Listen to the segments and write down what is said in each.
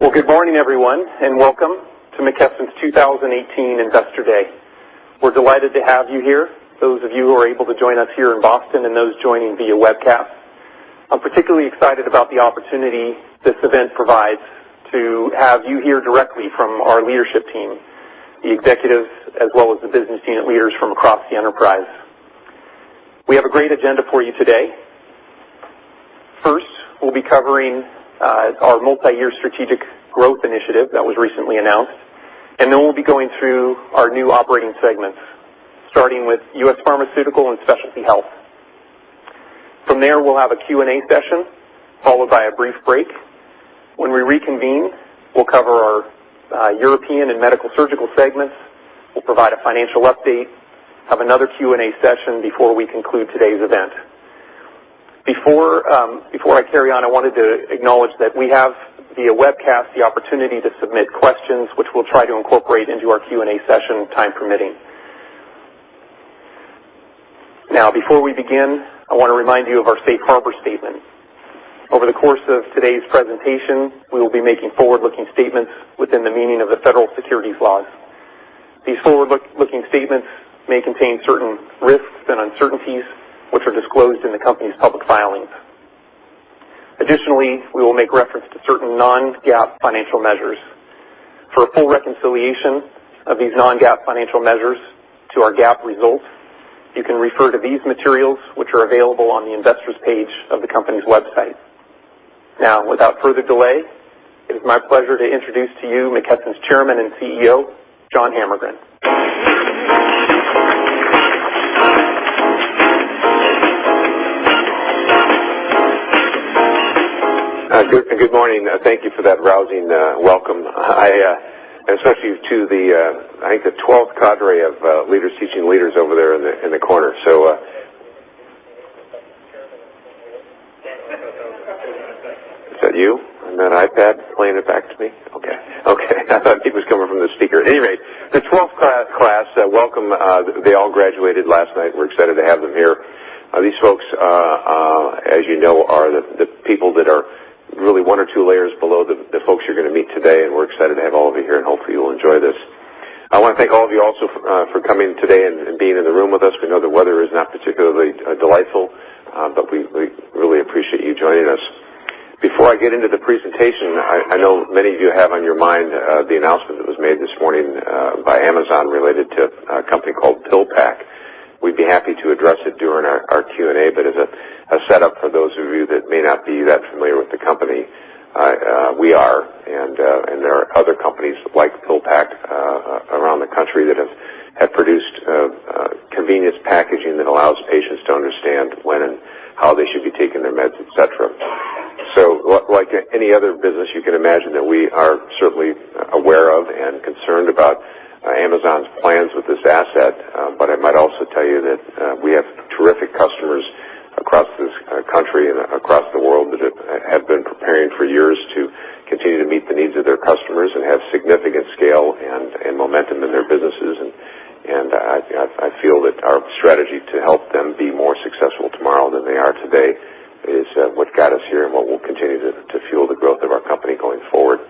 Good morning, everyone, and welcome to McKesson's 2018 Investor Day. We're delighted to have you here, those of you who are able to join us here in Boston and those joining via webcast. I'm particularly excited about the opportunity this event provides to have you hear directly from our leadership team, the executives, as well as the business unit leaders from across the enterprise. We have a great agenda for you today. First, we'll be covering our multi-year strategic growth initiative that was recently announced. Then we'll be going through our new operating segments, starting with U.S. Pharmaceutical and Specialty Health. From there, we'll have a Q&A session, followed by a brief break. When we reconvene, we'll cover our European and Medical-Surgical segments. We'll provide a financial update, have another Q&A session before we conclude today's event. Before I carry on, I wanted to acknowledge that we have, via webcast, the opportunity to submit questions, which we'll try to incorporate into our Q&A session, time permitting. Before we begin, I want to remind you of our safe harbor statement. Over the course of today's presentation, we will be making forward-looking statements within the meaning of the federal securities laws. These forward-looking statements may contain certain risks and uncertainties, which are disclosed in the company's public filings. Additionally, we will make reference to certain non-GAAP financial measures. For a full reconciliation of these non-GAAP financial measures to our GAAP results, you can refer to these materials, which are available on the investors page of the company's website. Without further delay, it is my pleasure to introduce to you McKesson's Chairman and CEO, John Hammergren. Good morning. Thank you for that rousing welcome. Especially to the, I think, the 12th cadre of leaders teaching leaders over there in the corner. Is that you on that iPad playing it back to me? Okay. I thought it was coming from the speaker. Anyway, the 12th class, welcome. They all graduated last night. We're excited to have them here. These folks, as you know, are the people that are really one or two layers below the folks you're going to meet today. Hopefully, you'll enjoy this. I want to thank all of you also for coming today and being in the room with us. We know the weather is not particularly delightful, but we really appreciate you joining us. Before I get into the presentation, I know many of you have on your mind the announcement that was made this morning by Amazon related to a company called PillPack. We'd be happy to address it during our Q&A. As a setup for those of you that may not be that familiar with the company, we are. There are other companies like PillPack around the country that have produced convenience packaging that allows patients to understand when and how they should be taking their meds, et cetera. Like any other business, you can imagine that we are certainly aware of and concerned about Amazon's plans with this asset. I might also tell you that we have terrific customers across this country and across the world that have been preparing for years to continue to meet the needs of their customers and have significant scale and momentum in their businesses. I feel that our strategy to help them be more successful tomorrow than they are today is what got us here and what will continue to fuel the growth of our company going forward.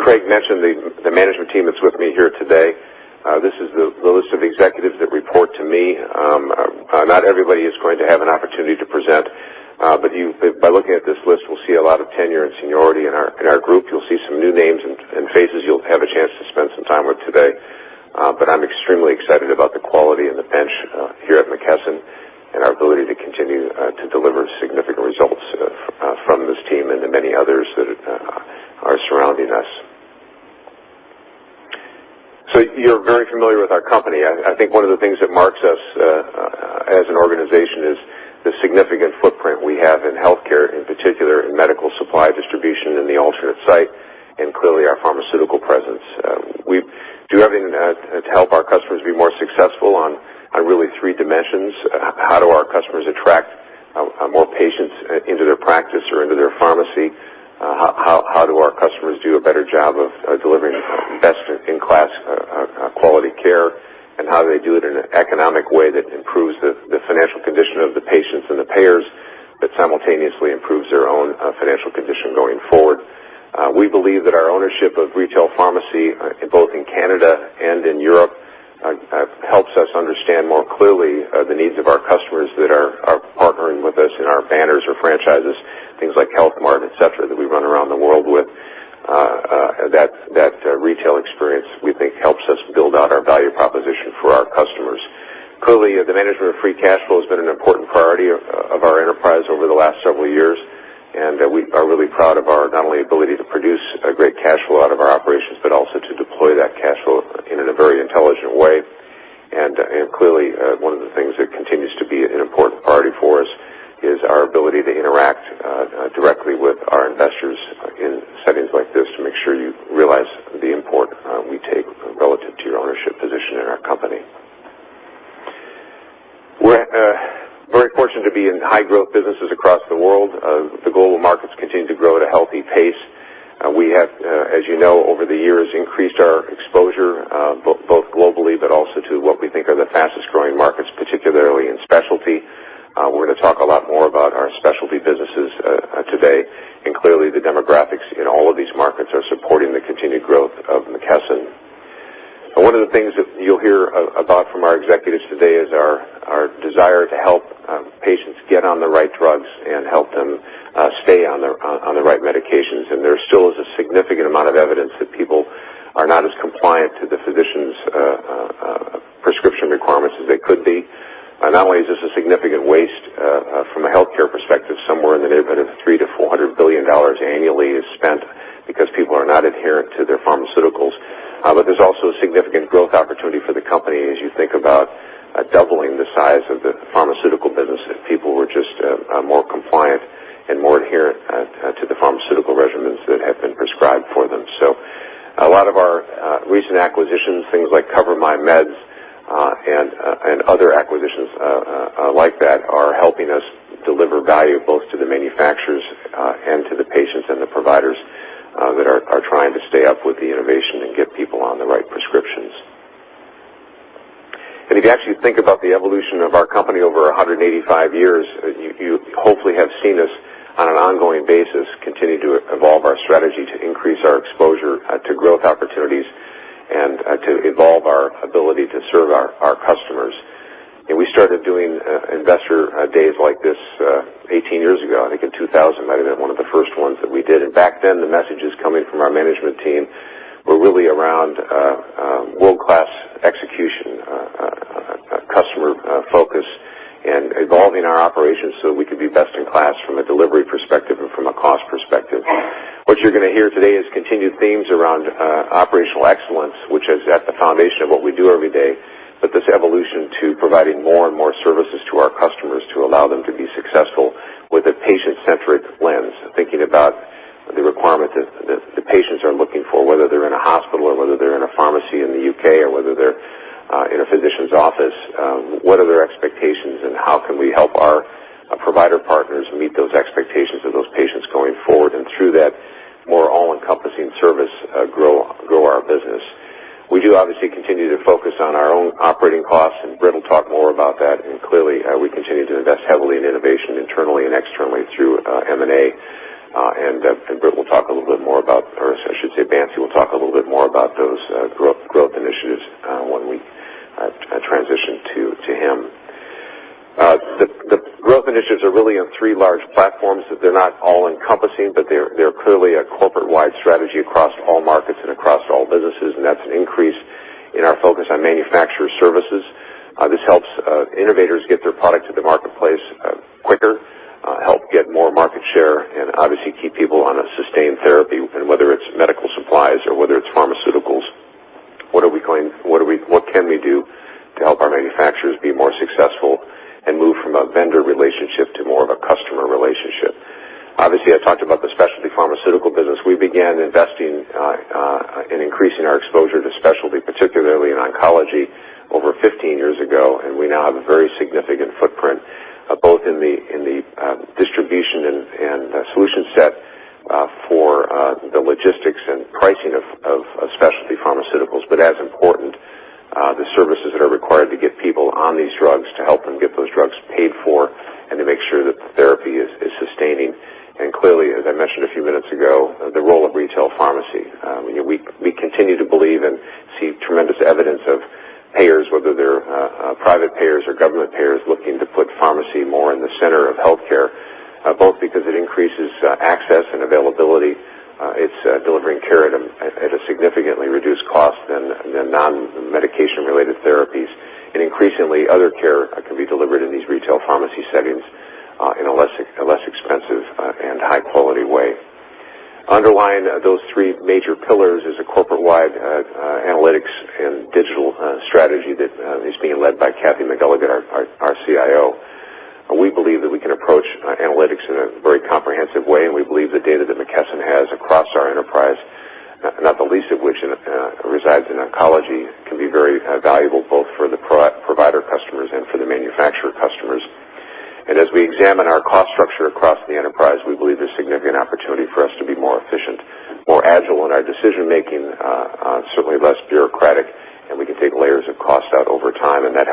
Craig mentioned the management team that's with me here today. This is the list of executives that report to me. Not everybody is going to have an opportunity to present. By looking at this list, we'll see a lot of tenure and seniority in our group. You'll see some new names and faces you'll have a chance to spend some time with today. I'm extremely excited about the quality and the bench here at McKesson and our ability to continue to deliver significant results from this team and the many others that are surrounding us. You're very familiar with our company. I think one of the things that marks us as an organization is the significant footprint we have in healthcare, in particular in medical supply distribution in the alternate site, and clearly our pharmaceutical presence. We do everything to help our customers be more successful on really three dimensions. How do our customers attract more patients into their practice or into their pharmacy? How do our customers do a better job of delivering best-in-class quality care, and how do they do it in an economic way that improves the financial condition of the patients and the payers that simultaneously improves their own financial condition going forward? We believe that our ownership of retail pharmacy, both in Canada and in Europe, helps us understand more clearly the needs of our customers that are partnering with us in our banners or franchises, things like Health Mart, et cetera, that we run around the world with. That retail experience, we think, helps us build out our value proposition for our customers. Clearly, the management of free cash flow has been an important priority of our enterprise over the last several years. We are really proud of our not only ability to produce a great cash flow out of our operations, but also to deploy that cash flow in a very intelligent way. Clearly, one of the things that continues to be an important priority for us is our ability to interact directly with our investors in settings like this to make sure you realize the import we take relative to your ownership position in our company. We're very fortunate to be in high-growth businesses across the world. The global markets continue to grow at a healthy pace. We have, as you know, over the years, increased our exposure, both globally, but also to what we think are the fastest-growing markets, particularly in specialty. We're going to talk a lot more about our specialty businesses today. Clearly, the demographics in all of these markets are supporting the continued growth of McKesson. One of the things that you'll hear about from our executives today is our desire to help patients get on the right drugs and help them stay on the right medications. There still is a significant amount of evidence that people are not as compliant to the physician's prescription requirements as they could be. Not only is this a significant waste from a healthcare perspective, somewhere in the neighborhood of $300 billion-$400 billion annually is spent because people are not adherent to their pharmaceuticals. There's also a significant growth opportunity for the company as you think about doubling the size of the pharmaceutical business if people were just more compliant and more adherent to the pharmaceutical regimens that have been prescribed for them. A lot of our recent acquisitions, things like CoverMyMeds, and other acquisitions like that are helping us deliver value both to the manufacturers and to the patients and the providers that are trying to stay up with the innovation and get people on the right prescriptions. If you actually think about the evolution of our company over 185 years, you hopefully have seen us on an ongoing basis, continue to evolve our strategy to increase our exposure to growth opportunities and to evolve our ability to serve our customers. We started doing investor days like this 18 years ago. I think in 2000, might have been one of the first ones that we did. Back then, the messages coming from our management team were really around world-class execution, customer focus, and evolving our operations so that we could be best in class from a delivery perspective and from a cost perspective. What you're going to hear today is continued themes around operational excellence, which is at the foundation of what we do every day, but this evolution to providing more and more services to our customers to allow them to be successful with a patient-centric lens, thinking about the requirements that the patients are looking for, whether they're in a hospital or whether they're in a pharmacy in the U.K. or whether they're in a physician's office. What are their expectations, and how can we help our provider partners meet those expectations of those patients going forward and through that, more all-encompassing service grow our business. We do obviously continue to focus on our own operating costs, and Britt will talk more about that. Clearly, we continue to invest heavily in innovation internally and externally through M&A. Britt will talk a little bit more about, or I should say, Bansi will talk a little bit more about those growth initiatives when we transition to him. The growth initiatives are really on three large platforms. They're not all-encompassing, they're clearly a corporate-wide strategy across all markets and across all businesses, and that's an increase in our focus on manufacturer services. This helps innovators get their product to the marketplace quicker, help get more market share, and obviously keep people on a sustained therapy, and whether it's medical supplies or whether it's pharmaceuticals, what can we do to help our manufacturers be more successful and move from a vendor relationship to more of a customer relationship. Obviously, I talked about the specialty pharmaceutical business. We began investing and increasing our exposure to specialty, particularly in oncology, over 15 years ago, and we now have a very significant footprint, both in the distribution and solution set for the logistics and pricing of specialty pharmaceuticals. As important, the services that are required to get people on these drugs, to help them get those drugs paid for, and to make sure that the therapy is sustaining. Clearly, as I mentioned a few minutes ago, the role of retail pharmacy. We continue to believe and see tremendous evidence of payers, whether they're private payers or government payers, looking to put pharmacy more in the center of healthcare, both because it increases access and availability. It's delivering care at a significantly reduced cost than non-medication related therapies. Increasingly, other care can be delivered in these retail pharmacy settings in a less expensive and high-quality way. Underlying those three major pillars is a corporate-wide analytics and digital strategy that is being led by Kathy McElligott, our Chief Information Officer. We believe that we can approach analytics in a very comprehensive way, and we believe the data that McKesson has across our enterprise, not the least of which resides in oncology, can be very valuable both for the provider customers and for the manufacturer customers. As we examine our cost structure across the enterprise, we believe there's significant opportunity for us to be more efficient, more agile in our decision-making, certainly less bureaucratic, and we can take layers of cost out over time, and that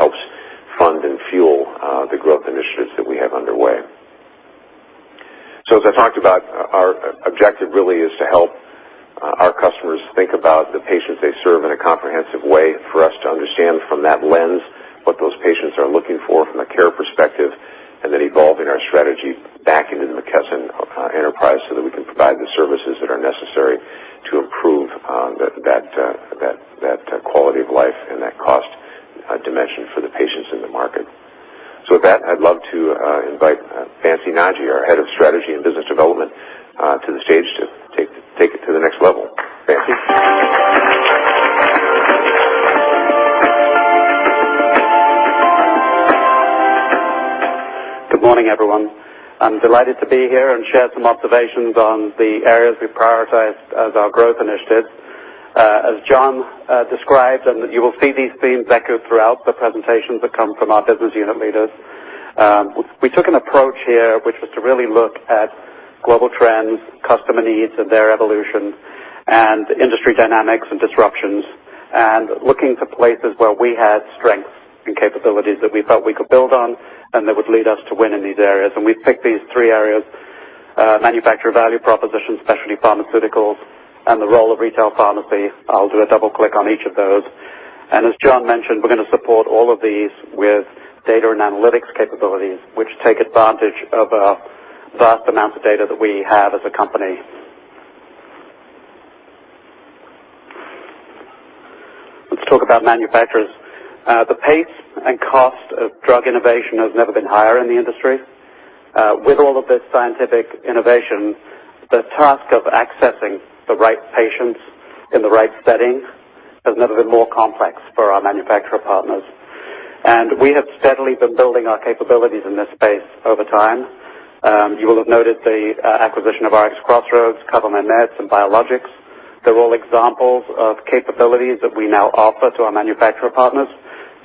helps fund and fuel the growth initiatives that we have underway. As I talked about, our objective really is to help our customers think about the patients they serve in a comprehensive way for us to understand from that lens what those patients are looking for from a care perspective, and then evolving our strategy back into the McKesson enterprise so that we can provide the services that are necessary to improve that quality of life and that cost dimension for the patients in the market. With that, I'd love to invite Vance Nagji, our Head of Strategy and Business Development, to the stage to take it to the next level. Vance? Good morning, everyone. I'm delighted to be here and share some observations on the areas we've prioritized as our growth initiatives. As John described, you will see these themes echoed throughout the presentations that come from our business unit leaders. We took an approach here, which was to really look at global trends, customer needs and their evolution, industry dynamics and disruptions, looking for places where we had strengths and capabilities that we felt we could build on and that would lead us to win in these areas. We've picked these three areas, manufacturer value propositions, specialty pharmaceuticals, and the role of retail pharmacy. I'll do a double-click on each of those. As John mentioned, we're going to support all of these with data and analytics capabilities, which take advantage of our vast amounts of data that we have as a company. Let's talk about manufacturers. The pace and cost of drug innovation has never been higher in the industry. With all of this scientific innovation, the task of accessing the right patients in the right settings has never been more complex for our manufacturer partners. We have steadily been building our capabilities in this space over time. You will have noted the acquisition of RxCrossroads, CoverMyMeds, and Biologics. They're all examples of capabilities that we now offer to our manufacturer partners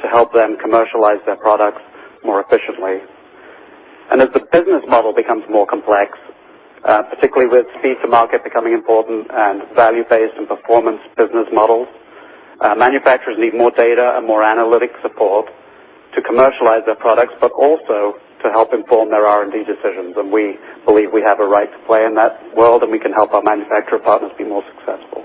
to help them commercialize their products more efficiently. As the business model becomes more complex, particularly with speed to market becoming important and value-based and performance business models, manufacturers need more data and more analytic support to commercialize their products, but also to help inform their R&D decisions. We believe we have a right to play in that world, and we can help our manufacturer partners be more successful.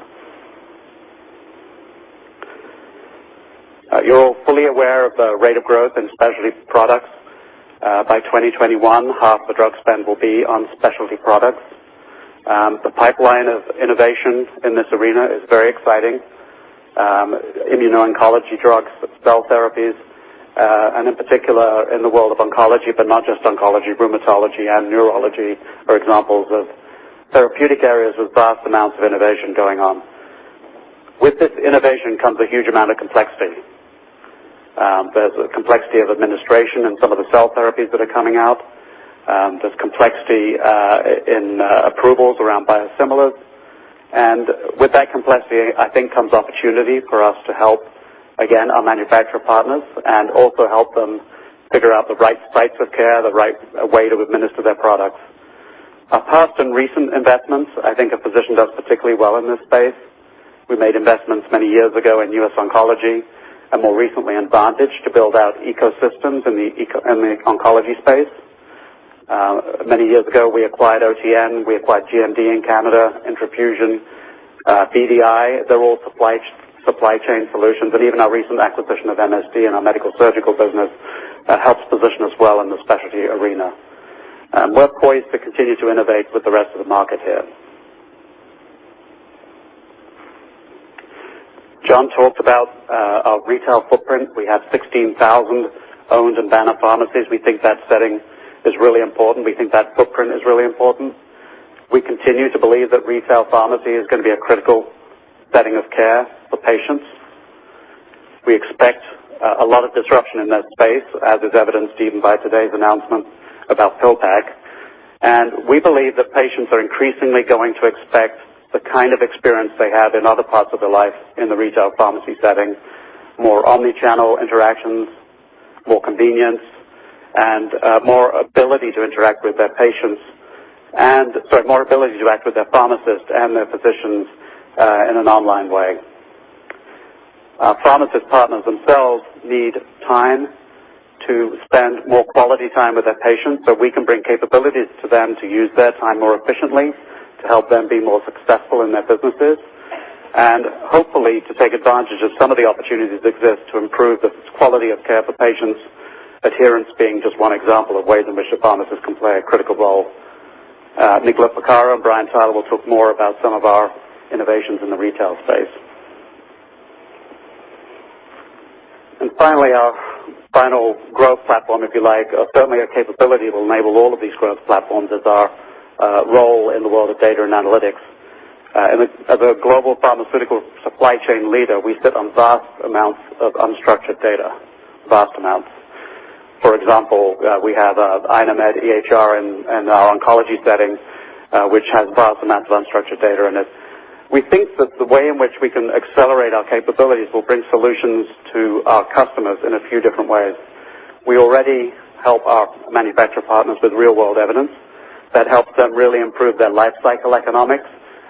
You're fully aware of the rate of growth in specialty products. By 2021, half the drug spend will be on specialty products. The pipeline of innovation in this arena is very exciting. Immuno-oncology drugs, cell therapies, in particular, in the world of oncology, but not just oncology, rheumatology and neurology are examples of therapeutic areas with vast amounts of innovation going on. With this innovation comes a huge amount of complexity. There's a complexity of administration in some of the cell therapies that are coming out. There's complexity in approvals around biosimilars. With that complexity, I think, comes opportunity for us to help, again, our manufacturer partners and also help them figure out the right sites of care, the right way to administer their products. Our past and recent investments, I think, have positioned us particularly well in this space. We made investments many years ago in US Oncology and more recently in Vantage to build out ecosystems in the oncology space. Many years ago, we acquired OTN. We acquired GMD in Canada, intraFUSION, BDI. They're all supply chain solutions, and even our recent acquisition of MSD and our medical surgical business helps position us well in the specialty arena. We're poised to continue to innovate with the rest of the market here. John talked about our retail footprint. We have 16,000 owned and banner pharmacies. We think that setting is really important. We think that footprint is really important. We continue to believe that retail pharmacy is going to be a critical setting of care for patients. We expect a lot of disruption in that space, as is evidenced even by today's announcement about PillPack. We believe that patients are increasingly going to expect the kind of experience they have in other parts of their life in the retail pharmacy setting, more omni-channel interactions, more convenience, and more ability to interact with their patients and, sorry, more ability to interact with their pharmacist and their physicians in an online way. Our pharmacist partners themselves need time to spend more quality time with their patients. We can bring capabilities to them to use their time more efficiently, to help them be more successful in their businesses, and hopefully to take advantage of some of the opportunities that exist to improve the quality of care for patients, adherence being just one example of ways in which the pharmacist can play a critical role. Nick Loporcaro and Brian Tyler will talk more about some of our innovations in the retail space. Finally, our final growth platform, if you like, certainly a capability that will enable all of these growth platforms is our role in the world of data and analytics. As a global pharmaceutical supply chain leader, we sit on vast amounts of unstructured data. Vast amounts. For example, we have iKnowMed EHR in our oncology setting, which has vast amounts of unstructured data in it. We think that the way in which we can accelerate our capabilities will bring solutions to our customers in a few different ways. We already help our manufacturer partners with real-world evidence that helps them really improve their life cycle economics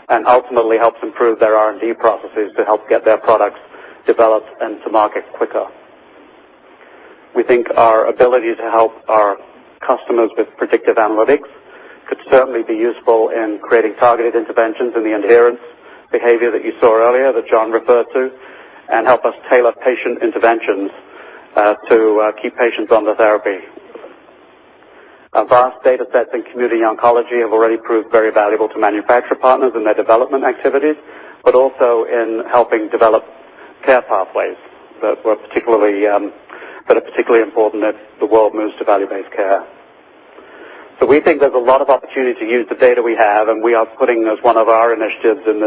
and ultimately helps improve their R&D processes to help get their products developed and to market quicker. We think our ability to help our customers with predictive analytics could certainly be useful in creating targeted interventions in the adherence behavior that you saw earlier, that John referred to, and help us tailor patient interventions to keep patients on the therapy. Our vast data sets in community oncology have already proved very valuable to manufacturer partners in their development activities, but also in helping develop care pathways that are particularly important as the world moves to value-based care. We think there's a lot of opportunity to use the data we have, and we are putting as one of our initiatives in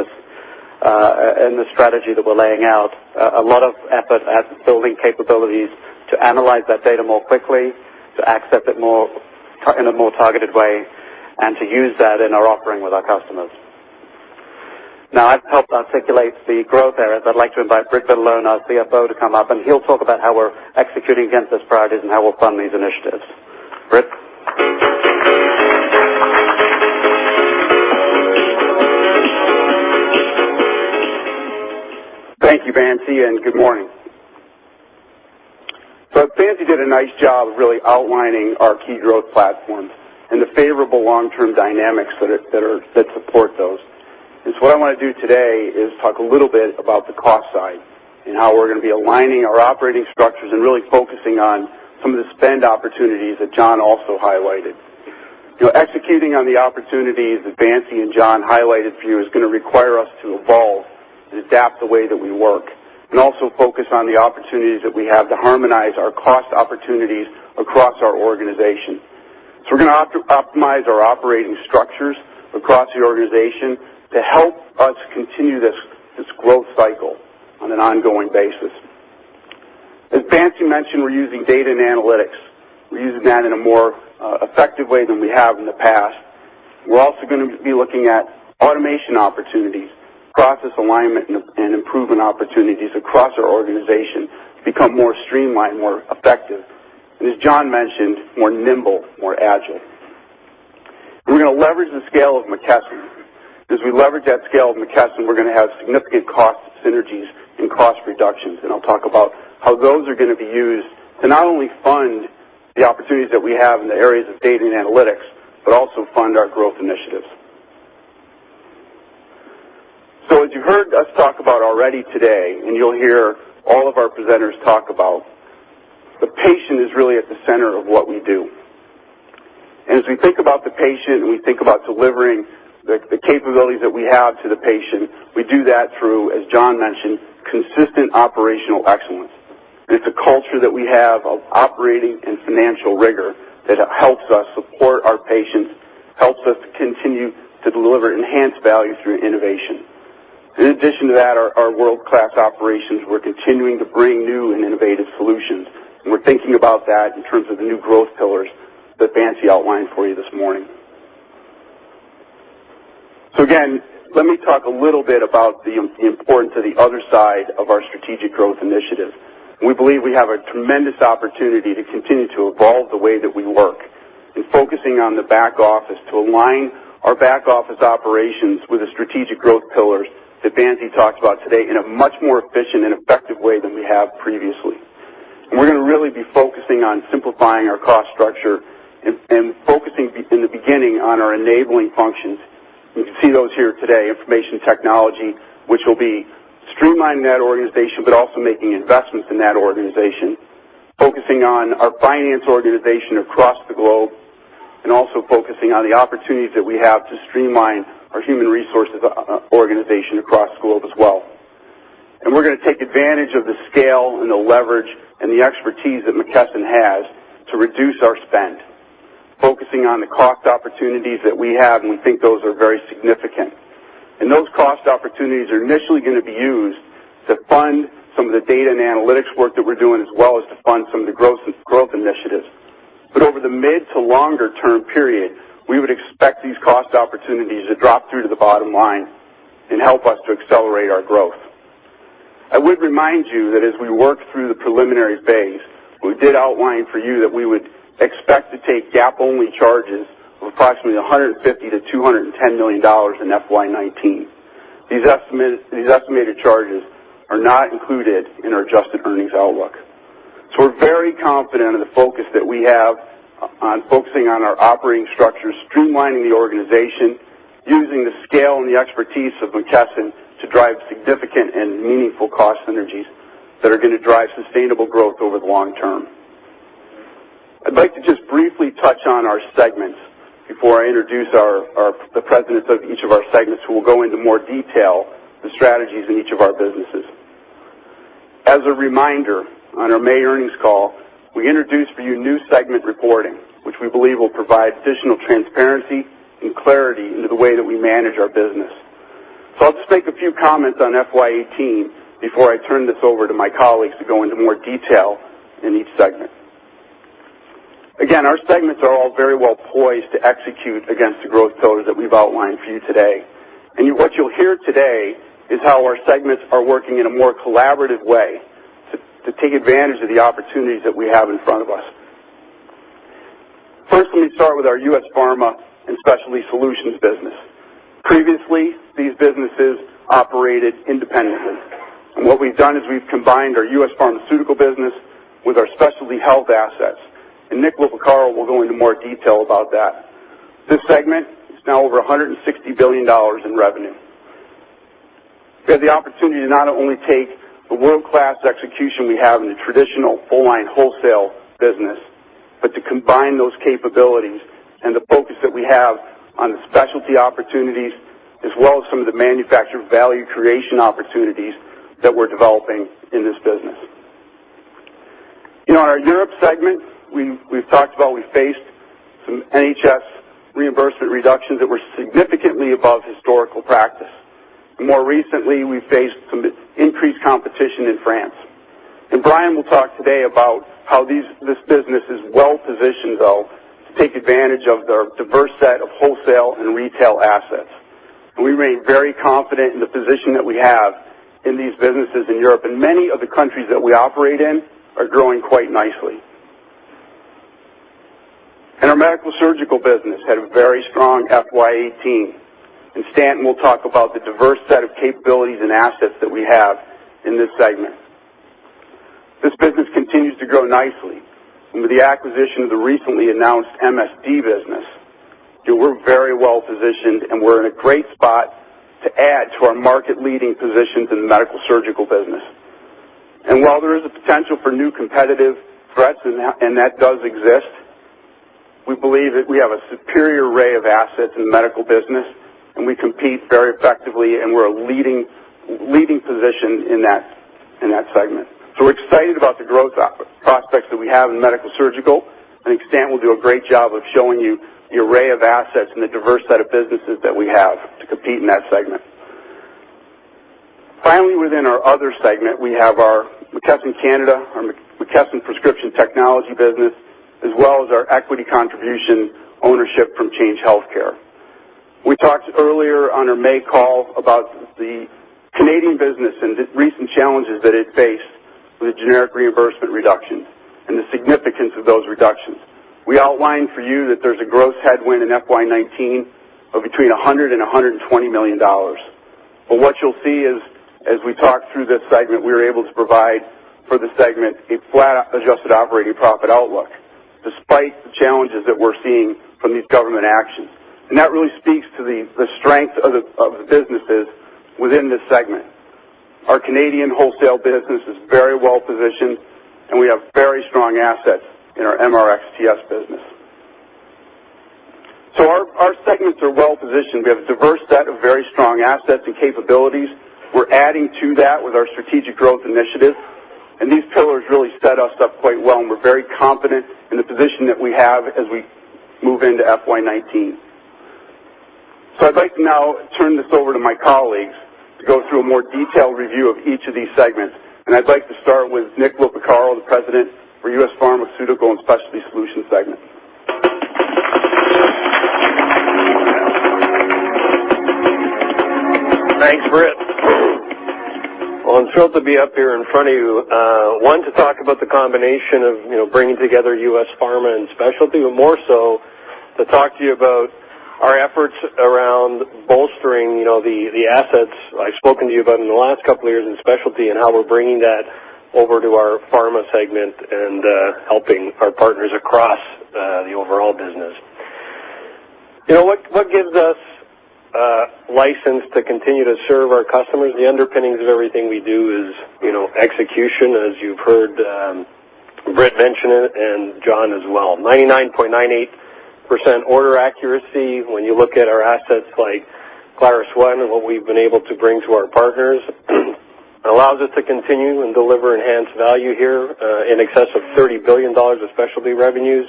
the strategy that we're laying out, a lot of effort at building capabilities to analyze that data more quickly, to access it in a more targeted way. To use that in our offering with our customers. Now I've helped articulate the growth areas. I'd like to invite Britt Vitalone, our CFO, to come up, and he'll talk about how we're executing against those priorities and how we'll fund these initiatives. Britt? Thank you, Vance, and good morning. Vance did a nice job of really outlining our key growth platforms and the favorable long-term dynamics that support those. What I want to do today is talk a little bit about the cost side and how we're going to be aligning our operating structures and really focusing on some of the spend opportunities that John also highlighted. Executing on the opportunities that Vance and John highlighted for you is going to require us to evolve and adapt the way that we work, also focus on the opportunities that we have to harmonize our cost opportunities across our organization. We're going to optimize our operating structures across the organization to help us continue this growth cycle on an ongoing basis. As Vance mentioned, we're using data and analytics. We're using that in a more effective way than we have in the past. We're also going to be looking at automation opportunities, process alignment, and improvement opportunities across our organization to become more streamlined, more effective, and as John mentioned, more nimble, more agile. We're going to leverage the scale of McKesson. As we leverage that scale of McKesson, we're going to have significant cost synergies and cost reductions. I'll talk about how those are going to be used to not only fund the opportunities that we have in the areas of data and analytics, but also fund our growth initiatives. As you heard us talk about already today, and you'll hear all of our presenters talk about, the patient is really at the center of what we do. As we think about the patient, and we think about delivering the capabilities that we have to the patient, we do that through, as John mentioned, consistent operational excellence. It's a culture that we have of operating and financial rigor that helps us support our patients, helps us continue to deliver enhanced value through innovation. In addition to that, our world-class operations, we're continuing to bring new and innovative solutions, we're thinking about that in terms of the new growth pillars that Vance outlined for you this morning. Again, let me talk a little bit about the importance of the other side of our strategic growth initiative. We believe we have a tremendous opportunity to continue to evolve the way that we work in focusing on the back office to align our back-office operations with the strategic growth pillars that Vance talked about today in a much more efficient and effective way than we have previously. We're going to really be focusing on simplifying our cost structure and focusing in the beginning on our enabling functions. You can see those here today, information technology, which will be streamlining that organization but also making investments in that organization, focusing on our finance organization across the globe, also focusing on the opportunities that we have to streamline our human resources organization across the globe as well. We're going to take advantage of the scale and the leverage and the expertise that McKesson has to reduce our spend. Focusing on the cost opportunities that we have, we think those are very significant. Those cost opportunities are initially going to be used to fund some of the data and analytics work that we're doing, as well as to fund some of the growth initiatives. Over the mid to longer-term period, we would expect these cost opportunities to drop through to the bottom line and help us to accelerate our growth. I would remind you that as we worked through the preliminary phase, we did outline for you that we would expect to take GAAP-only charges of approximately $150 million-$210 million in FY 2019. These estimated charges are not included in our adjusted earnings outlook. We're very confident in the focus that we have on focusing on our operating structure, streamlining the organization, using the scale and the expertise of McKesson to drive significant and meaningful cost synergies that are going to drive sustainable growth over the long term. I'd like to just briefly touch on our segments before I introduce the presidents of each of our segments, who will go into more detail, the strategies in each of our businesses. As a reminder, on our May earnings call, we introduced for you new segment reporting, which we believe will provide additional transparency and clarity into the way that we manage our business. I'll just make a few comments on FY 2018 before I turn this over to my colleagues to go into more detail in each segment. Our segments are all very well poised to execute against the growth pillars that we've outlined for you today. What you'll hear today is how our segments are working in a more collaborative way to take advantage of the opportunities that we have in front of us. First, let me start with our U.S. Pharma and Specialty Solutions business. Previously, these businesses operated independently. What we've done is we've combined our U.S. Pharmaceutical business with our Specialty Health assets. Nick Loporcaro will go into more detail about that. This segment is now over $160 billion in revenue. We have the opportunity to not only take the world-class execution we have in the traditional full-line wholesale business, but to combine those capabilities and the focus that we have on the specialty opportunities, as well as some of the manufacturer value creation opportunities that we're developing in this business. In our Europe segment, we've talked about we faced some NHS reimbursement reductions that were significantly above historical practice. More recently, we faced some increased competition in France. Brian will talk today about how this business is well-positioned, though, to take advantage of the diverse set of wholesale and retail assets. We remain very confident in the position that we have in these businesses in Europe, and many of the countries that we operate in are growing quite nicely. Our medical surgical business had a very strong FY 2018, and Stanton will talk about the diverse set of capabilities and assets that we have in this segment. This business continues to grow nicely. With the acquisition of the recently announced MSD business, we're very well-positioned, and we're in a great spot to add to our market-leading positions in the medical surgical business. While there is a potential for new competitive threats, and that does exist, we believe that we have a superior array of assets in the medical business, and we compete very effectively, and we're a leading position in that segment. We're excited about the growth prospects that we have in medical surgical. I think Stanton will do a great job of showing you the array of assets and the diverse set of businesses that we have to compete in that segment. Within our other segment, we have our McKesson Canada, our McKesson Prescription Technology business, as well as our equity contribution ownership from Change Healthcare. We talked earlier on our May call about the Canadian business and the recent challenges that it faced with generic reimbursement reductions and the significance of those reductions. We outlined for you that there's a gross headwind in FY 2019 of between $100 million-$120 million. What you'll see is, as we talk through this segment, we were able to provide for the segment a flat adjusted operating profit outlook, despite the challenges that we're seeing from these government actions. That really speaks to the strength of the businesses within this segment. Our Canadian wholesale business is very well-positioned, and we have very strong assets in our MRxTS business. Our segments are well-positioned. We have a diverse set of very strong assets and capabilities. We're adding to that with our strategic growth initiatives, and these pillars really set us up quite well, and we're very confident in the position that we have as we move into FY 2019. I'd like to now turn this over to my colleagues to go through a more detailed review of each of these segments. I'd like to start with Nick Loporcaro, the President for U.S. Pharmaceutical and Specialty Solutions segment. Thanks, Britt. Well, I'm thrilled to be up here in front of you. to talk about the combination of bringing together U.S. Pharma and Specialty, but more so to talk to you about our efforts around bolstering the assets I've spoken to you about in the last couple of years in Specialty and how we're bringing that over to our Pharma segment and helping our partners across the overall business. What gives us license to continue to serve our customers? The underpinnings of everything we do is execution, as you've heard Britt mention it, and John as well. 99.98% order accuracy. When you look at our assets like ClarusONE and what we've been able to bring to our partners, it allows us to continue and deliver enhanced value here in excess of $30 billion of specialty revenues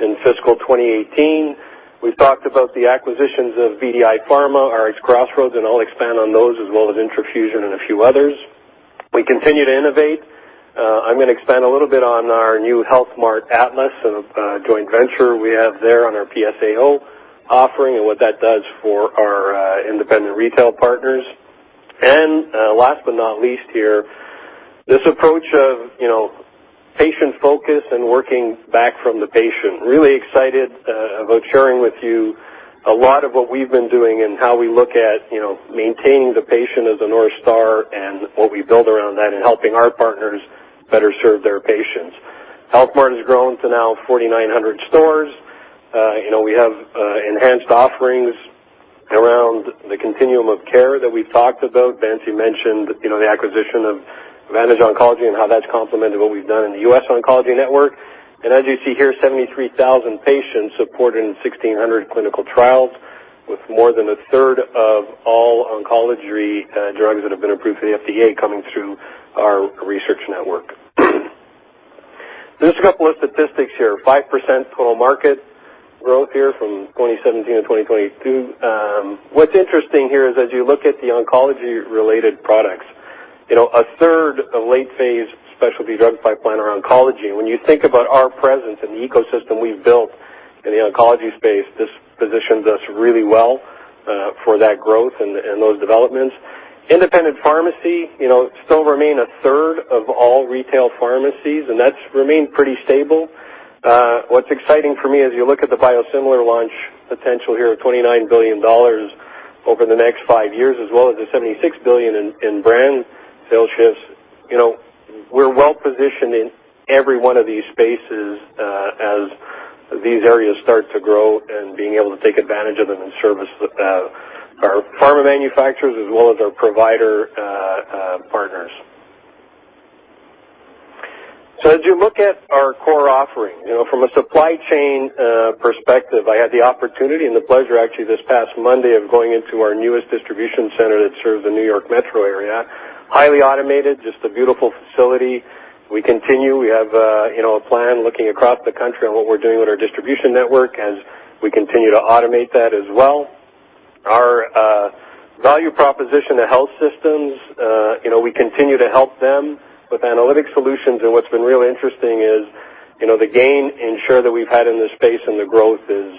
in fiscal 2018. We've talked about the acquisitions of BDI Pharma, RxCrossroads, and I'll expand on those, as well as intraFUSION and a few others. We continue to innovate. I'm going to expand a little bit on our new Health Mart Atlas, a joint venture we have there on our PSAO offering and what that does for our independent retail partners. Last but not least here, this approach of patient focus and working back from the patient. Really excited about sharing with you a lot of what we've been doing and how we look at maintaining the patient as the North Star and what we build around that and helping our partners better serve their patients. Health Mart has grown to now 4,900 stores. We have enhanced offerings around the continuum of care that we've talked about. Bansi mentioned the acquisition of Vantage Oncology and how that's complemented what we've done in the U.S. Oncology Network. As you see here, 73,000 patients supported in 1,600 clinical trials with more than a third of all oncology drugs that have been approved for the FDA coming through our research network. Just a couple of statistics here. 5% total market growth here from 2017 to 2022. What's interesting here is as you look at the oncology-related products, a third of late-phase specialty drugs pipeline are oncology. When you think about our presence and the ecosystem we've built in the oncology space, this positions us really well for that growth and those developments. Independent pharmacy still remain a third of all retail pharmacies, and that's remained pretty stable. What's exciting for me, as you look at the biosimilar launch potential here of $29 billion over the next five years, as well as the $76 billion in brand sales shifts. We're well-positioned in every one of these spaces as these areas start to grow and being able to take advantage of them and service our pharma manufacturers as well as our provider partners. As you look at our core offering, from a supply chain perspective, I had the opportunity and the pleasure, actually, this past Monday of going into our newest distribution center that serves the New York Metro area. Highly automated, just a beautiful facility. We continue. We have a plan looking across the country on what we're doing with our distribution network as we continue to automate that as well. Our value proposition to health systems, we continue to help them with analytic solutions. What's been really interesting is, the gain in share that we've had in this space and the growth is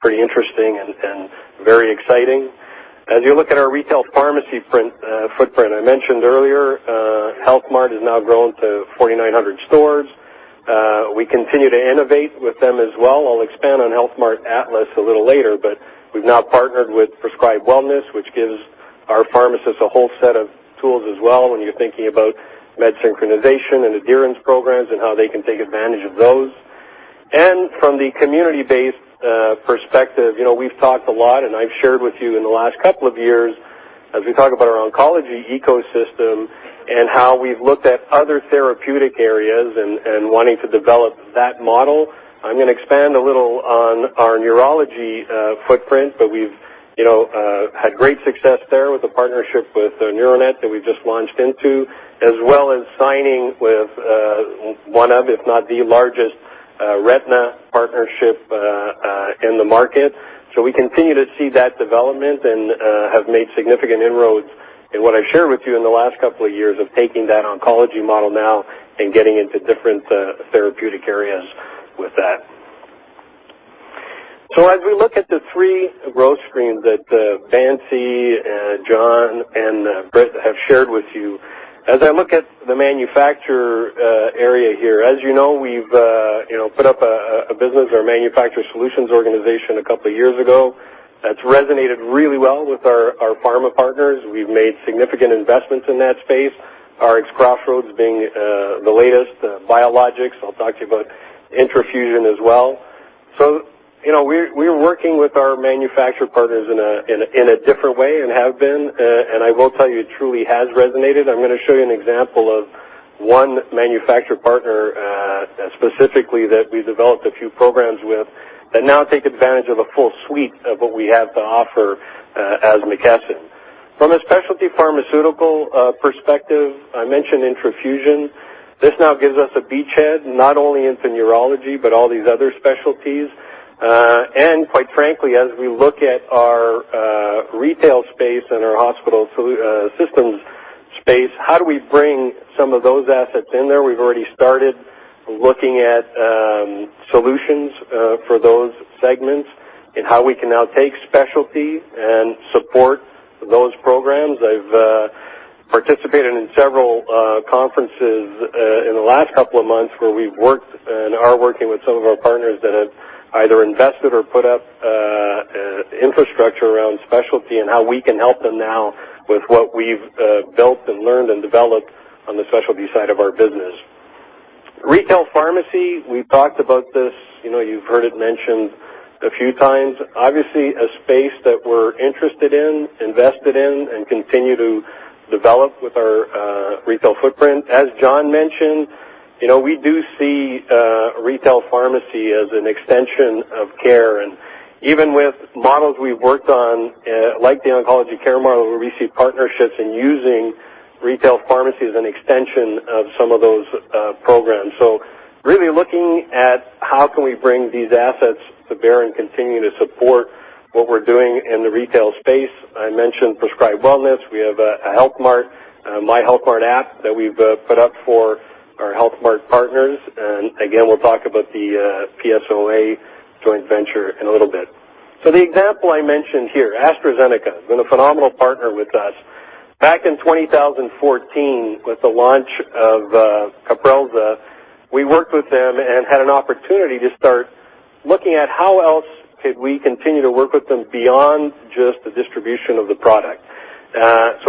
pretty interesting and very exciting. As you look at our retail pharmacy footprint, I mentioned earlier, Health Mart has now grown to 4,900 stores. We continue to innovate with them as well. I'll expand on Health Mart Atlas a little later, but we've now partnered with Prescribe Wellness, which gives our pharmacists a whole set of tools as well when you're thinking about med synchronization and adherence programs and how they can take advantage of those. From the community-based perspective, we've talked a lot and I've shared with you in the last couple of years as we talk about our oncology ecosystem and how we've looked at other therapeutic areas and wanting to develop that model. I'm going to expand a little on our neurology footprint. We've had great success there with the partnership with NeuroNet that we've just launched into, as well as signing with one of, if not the largest retina partnership in the market. We continue to see that development and have made significant inroads in what I've shared with you in the last 2 years of taking that oncology model now and getting into different therapeutic areas with that. As we look at the 3 growth screens that Vance, John, and Britt have shared with you, as I look at the manufacturer area here, as you know, we've put up a business or manufacturer solutions organization a 2 years ago. That's resonated really well with our pharma partners. We've made significant investments in that space, RxCrossroads being the latest. Biologics, I'll talk to you about intraFUSION as well. We're working with our manufacturer partners in a different way and have been, and I will tell you, it truly has resonated. I'm going to show you an example of 1 manufacturer partner, specifically, that we developed a few programs with that now take advantage of a full suite of what we have to offer as McKesson. From a specialty pharmaceutical perspective, I mentioned intraFUSION. This now gives us a beachhead not only into neurology, but all these other specialties. Quite frankly, as we look at our retail space and our hospital systems space, how do we bring some of those assets in there? We've already started looking at solutions for those segments and how we can now take specialty and support those programs. I've participated in several conferences in the last 2 months where we've worked, and are working, with some of our partners that have either invested or put up infrastructure around specialty and how we can help them now with what we've built and learned and developed on the specialty side of our business. Retail pharmacy, we've talked about this, you've heard it mentioned a few times. Obviously, a space that we're interested in, invested in, and continue to develop with our retail footprint. As John mentioned, we do see retail pharmacy as an extension of care. Even with models we've worked on, like the oncology care model, where we see partnerships in using retail pharmacy as an extension of some of those programs. Really looking at how can we bring these assets to bear and continue to support what we're doing in the retail space. I mentioned Prescribe Wellness. We have a Health Mart, myHealthMart app that we've put up for our Health Mart partners. Again, we'll talk about the PSAO joint venture in a little bit. The example I mentioned here, AstraZeneca, been a phenomenal partner with us. Back in 2014 with the launch of CAPRELSA, we worked with them and had an opportunity to start looking at how else could we continue to work with them beyond just the distribution of the product.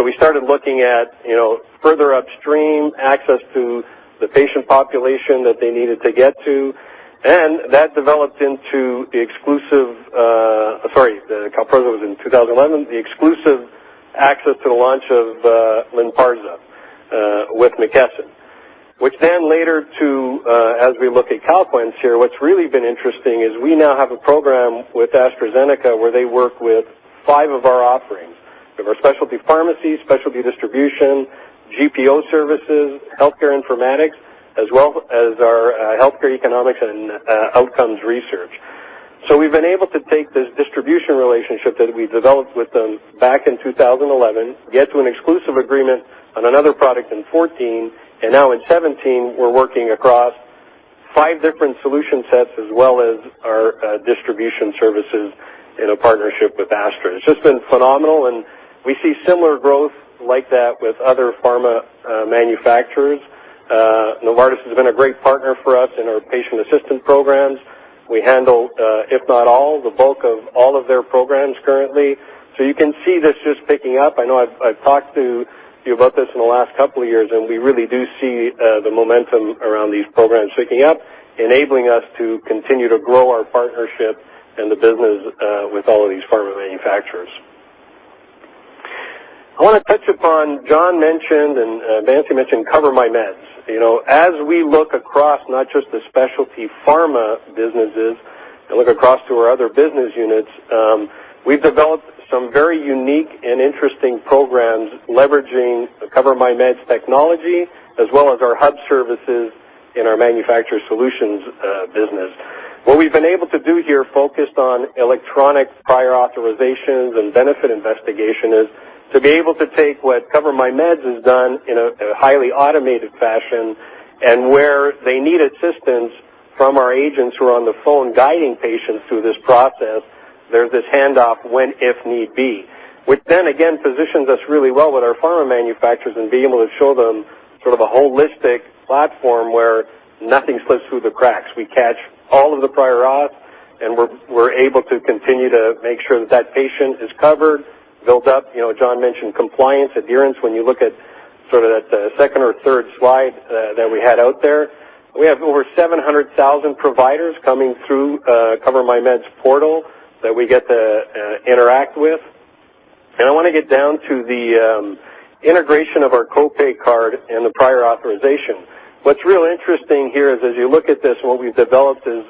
We started looking at further upstream access to the patient population that they needed to get to, and that developed into the exclusive, sorry, the CAPRELSA was in 2011, the exclusive access to the launch of Lynparza with McKesson. As we look at CALQUENCE here, what's really been interesting is we now have a program with AstraZeneca where they work with five of our offerings. We have our specialty pharmacy, specialty distribution, GPO services, healthcare informatics, as well as our healthcare economics and outcomes research. We've been able to take this distribution relationship that we developed with them back in 2011, get to an exclusive agreement on another product in 2014, and now in 2017, we're working across five different solution sets as well as our distribution services in a partnership with Astra. It's just been phenomenal, and we see similar growth like that with other pharma manufacturers. Novartis has been a great partner for us in our patient assistance programs. We handle, if not all, the bulk of all of their programs currently. You can see this just picking up. I know I've talked to you about this in the last couple of years, we really do see the momentum around these programs picking up, enabling us to continue to grow our partnership and the business with all of these pharma manufacturers. I want to touch upon, John mentioned and Vance mentioned, CoverMyMeds. As we look across not just the specialty pharma businesses and look across to our other business units, we've developed some very unique and interesting programs leveraging the CoverMyMeds technology, as well as our hub services in our manufacturer solutions business. What we've been able to do here, focused on electronic prior authorizations and benefit investigation, is to be able to take what CoverMyMeds has done in a highly automated fashion, where they need assistance from our agents who are on the phone guiding patients through this process, there's this handoff when, if need be. Then, again, positions us really well with our pharma manufacturers and be able to show them sort of a holistic platform where nothing slips through the cracks. We catch all of the prior auth, and we're able to continue to make sure that that patient is covered, built up. John mentioned compliance, adherence. When you look at sort of that second or third slide that we had out there, we have over 700,000 providers coming through CoverMyMeds' portal that we get to interact with. I want to get down to the integration of our co-pay card and the prior authorization. What's real interesting here is as you look at this, what we've developed is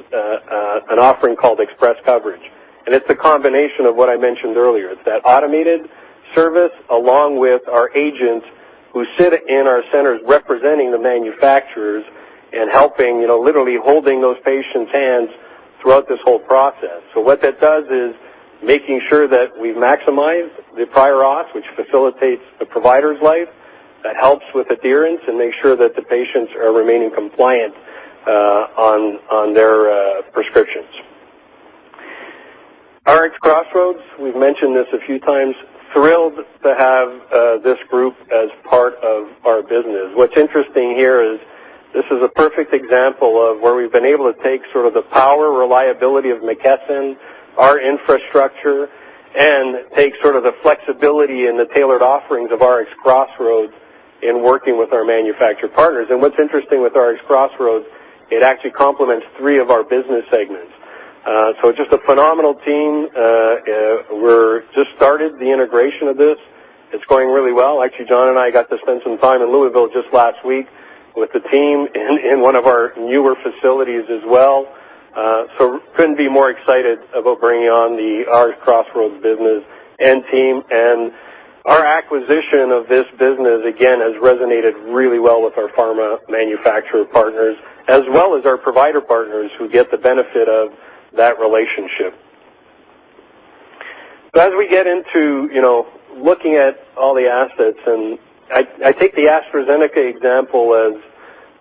an offering called ExpressCoverage, and it's a combination of what I mentioned earlier. It's that automated service, along with our agents who sit in our centers representing the manufacturers and helping, literally holding those patients' hands throughout this whole process. What that does is making sure that we maximize the prior auth, which facilitates the provider's life. That helps with adherence and makes sure that the patients are remaining compliant on their prescriptions. RxCrossroads, we've mentioned this a few times. Thrilled to have this group as part of our business. What's interesting here is this is a perfect example of where we've been able to take sort of the power, reliability of McKesson, our infrastructure, and take sort of the flexibility and the tailored offerings of RxCrossroads in working with our manufacturer partners. What's interesting with RxCrossroads, it actually complements three of our business segments. Just a phenomenal team. We're just started the integration of this. It's going really well. John and I got to spend some time in Louisville just last week with the team in one of our newer facilities as well. Couldn't be more excited about bringing on the RxCrossroads business and team. Our acquisition of this business, again, has resonated really well with our pharma manufacturer partners, as well as our provider partners, who get the benefit of that relationship. As we get into looking at all the assets, and I take the AstraZeneca example as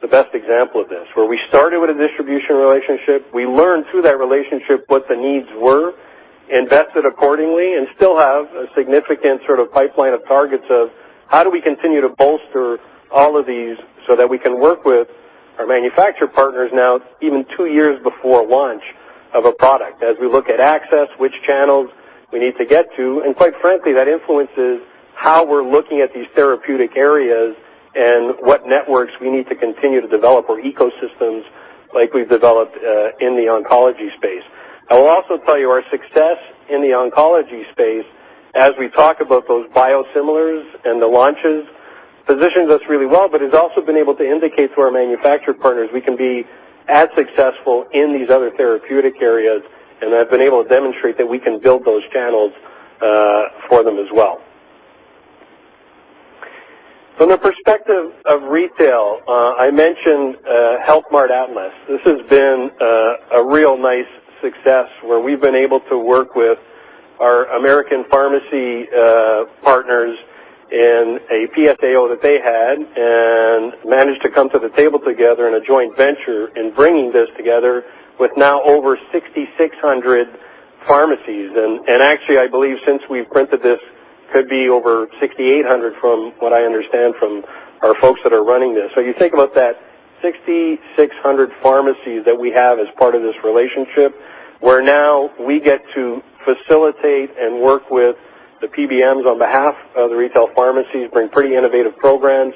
the best example of this, where we started with a distribution relationship. We learned through that relationship what the needs were, invested accordingly, and still have a significant sort of pipeline of targets of how do we continue to bolster all of these so that we can work with our manufacturer partners now even two years before launch of a product. As we look at access, which channels we need to get to, and quite frankly, that influences how we're looking at these therapeutic areas and what networks we need to continue to develop our ecosystems like we've developed in the oncology space. I will also tell you our success in the oncology space, as we talk about those biosimilars and the launches, positions us really well, but has also been able to indicate to our manufacturer partners we can be as successful in these other therapeutic areas, and have been able to demonstrate that we can build those channels for them as well. From the perspective of retail, I mentioned Health Mart Atlas. This has been a real nice success where we've been able to work with our American Pharmacies partners in a PSAO that they had and managed to come to the table together in a joint venture in bringing this together with now over 6,600 pharmacies. Actually, I believe since we've printed this, could be over 6,800 from what I understand from our folks that are running this. You think about that 6,600 pharmacies that we have as part of this relationship, where now we get to facilitate and work with the PBMs on behalf of the retail pharmacies, bring pretty innovative programs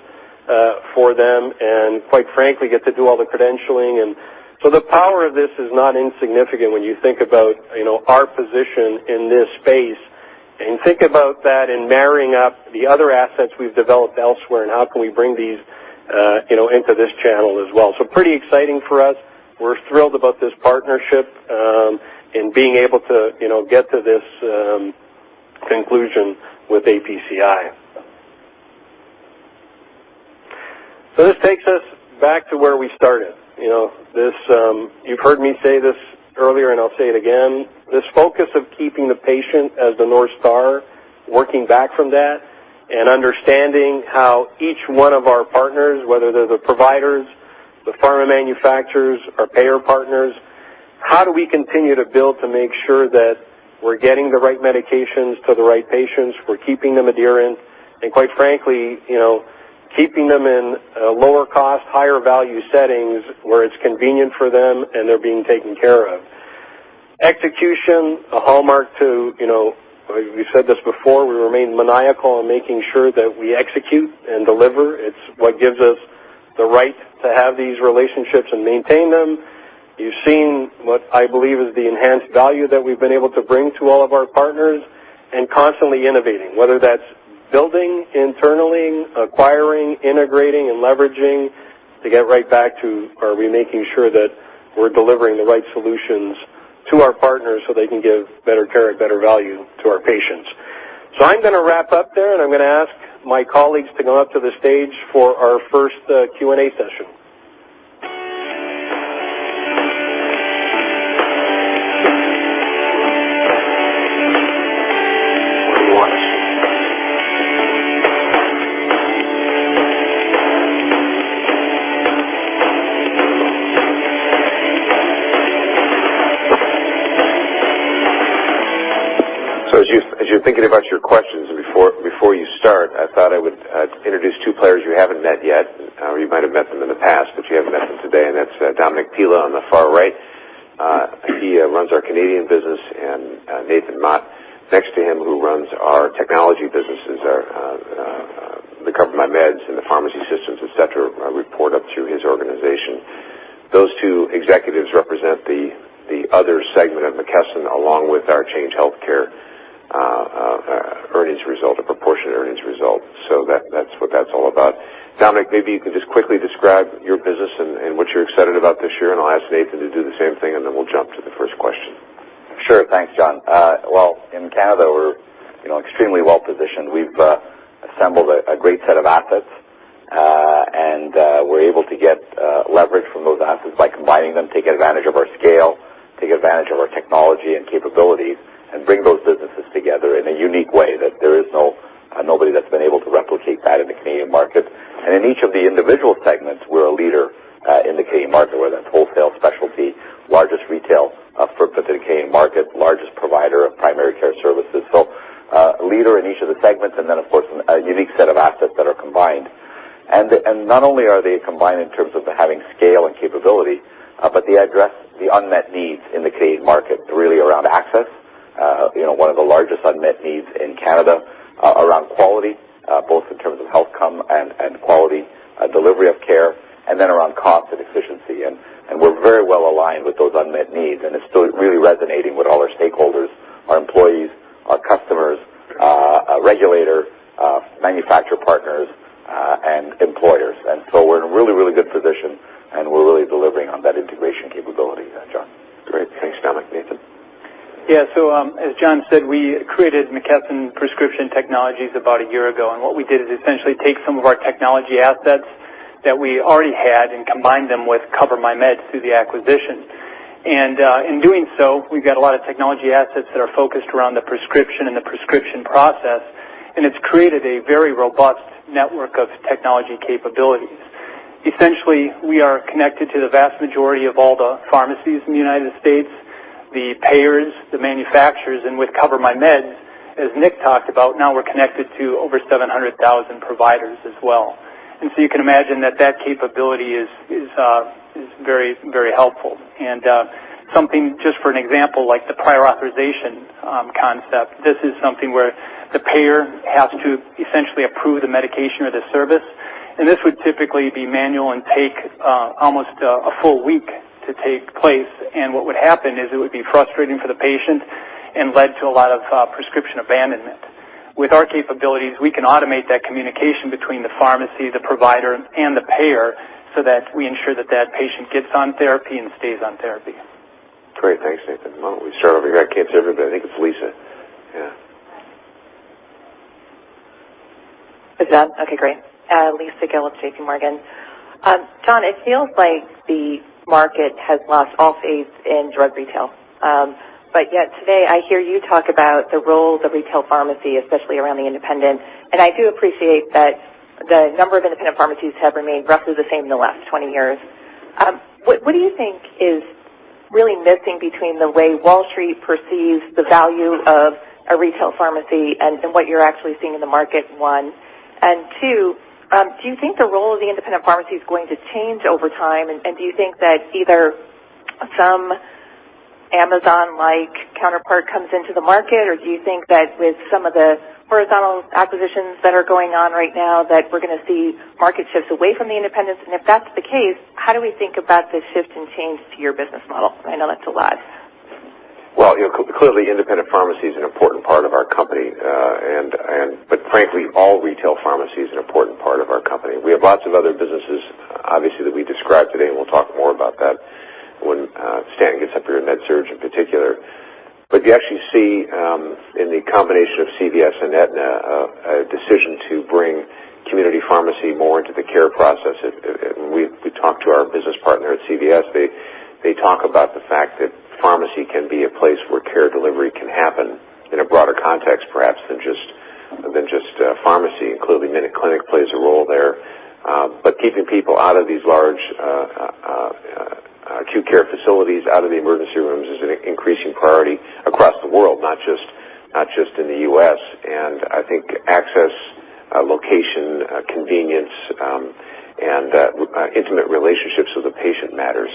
for them, and quite frankly, get to do all the credentialing. The power of this is not insignificant when you think about our position in this space and think about that and marrying up the other assets we've developed elsewhere and how can we bring these into this channel as well. Pretty exciting for us. We're thrilled about this partnership, and being able to get to this conclusion with APCI. This takes us back to where we started. You've heard me say this earlier, and I'll say it again. This focus of keeping the patient as the North Star, working back from that, and understanding how each one of our partners, whether they're the providers, the pharma manufacturers, our payer partners, how do we continue to build to make sure that we're getting the right medications to the right patients, we're keeping them adherent, and quite frankly, keeping them in lower cost, higher value settings where it's convenient for them and they're being taken care of. Execution, a hallmark, we've said this before, we remain maniacal in making sure that we execute and deliver. It's what gives us the right to have these relationships and maintain them. You've seen what I believe is the enhanced value that we've been able to bring to all of our partners, constantly innovating, whether that's building internally, acquiring, integrating, and leveraging to get right back to, are we making sure that we're delivering the right solutions to our partners so they can give better care and better value to our patients. I'm going to wrap up there, I'm going to ask my colleagues to go up to the stage for our first Q&A session. As you're thinking about your questions before you start, I thought I would introduce two players you haven't met yet, or you might have met them in the past, but you haven't met them today, and that's Domenic Pilla on the far right. He runs our Canadian business, Nathan Mott next to him, who runs our technology businesses, the CoverMyMeds and the pharmacy systems, et cetera, report up to his organization. Those two executives represent the other segment of McKesson, along with our Change Healthcare earnings result or proportion earnings result. That's what that's all about. Domenic, maybe you can just quickly describe your business and what you're excited about this year, I'll ask Nathan to do the same thing, then we'll jump to the first question. Sure. Thanks, John. In Canada, we're extremely well-positioned. We've assembled a great set of assets, we're able to get leverage from those assets by combining them, taking advantage of our scale, take advantage of our technology and capabilities, bring those businesses together in a unique way that there is nobody that's been able to replicate that in the Canadian market. In each of the individual segments, we're a leader in the Canadian market, whether that's wholesale specialty, largest retail for the Canadian market, largest provider of primary care services. Leader in each of the segments, of course, a unique set of assets that are combined. Not only are they combined in terms of having scale and capability, but they address the unmet needs in the Canadian market, really around access, one of the largest unmet needs in Canada, around quality, both in terms of health outcome and quality delivery of care, then around cost and efficiency. We're very well-aligned with those unmet needs, and it's really resonating with all our stakeholders, our employees, our customers, our regulator, manufacturer partners, and employers. We're in a really good position, and we're really delivering on that integration capability, John. Great. Thanks, Domenic. Nathan. Yeah. As John said, we created Prescription Technology Solutions about a year ago, and what we did is essentially take some of our technology assets that we already had and combined them with CoverMyMeds through the acquisition. In doing so, we've got a lot of technology assets that are focused around the prescription and the prescription process, and it's created a very robust network of technology capabilities. Essentially, we are connected to the vast majority of all the pharmacies in the U.S., the payers, the manufacturers, and with CoverMyMeds, as Nick talked about, now we're connected to over 700,000 providers as well. You can imagine that that capability is very helpful. Something, just for an example, like the prior authorization concept, this is something where the payer has to essentially approve the medication or the service, and this would typically be manual and take almost a full week to take place. What would happen is it would be frustrating for the patient and led to a lot of prescription abandonment. With our capabilities, we can automate that communication between the pharmacy, the provider, and the payer so that we ensure that that patient gets on therapy and stays on therapy. Great. Thanks, Nathan. Why don't we start over here? I can't see everybody. I think it's Lisa. Yeah. Is it on? Okay, great. Lisa Gill with JPMorgan. John, it feels like the market has lost all faith in drug retail. Yet today, I hear you talk about the role of the retail pharmacy, especially around the independent, and I do appreciate that the number of independent pharmacies have remained roughly the same in the last 20 years. What do you think is really missing between the way Wall Street perceives the value of a retail pharmacy and what you're actually seeing in the market, one? Two, do you think the role of the independent pharmacy is going to change over time, and do you think that either some Amazon-like counterpart comes into the market, or do you think that with some of the horizontal acquisitions that are going on right now that we're going to see market shifts away from the independents, and if that's the case, how do we think about the shift and change to your business model? I know that's a lot. Well, clearly, independent pharmacy is an important part of our company, but frankly, all retail pharmacy is an important part of our company. We have lots of other businesses, obviously, that we described today, and we'll talk more about that when Stan gets up here in med surg in particular. You actually see, in the combination of CVS and Aetna, a decision to bring community pharmacy more into the care process. We talk to our business partner at CVS. They talk about the fact that pharmacy can be a place where care delivery can happen in a broader context, perhaps than just pharmacy, including MinuteClinic plays a role there. Keeping people out of these large acute care facilities, out of the emergency rooms is an increasing priority across the world, not just in the U.S., and I think access, location, convenience, and intimate relationships with the patient matters.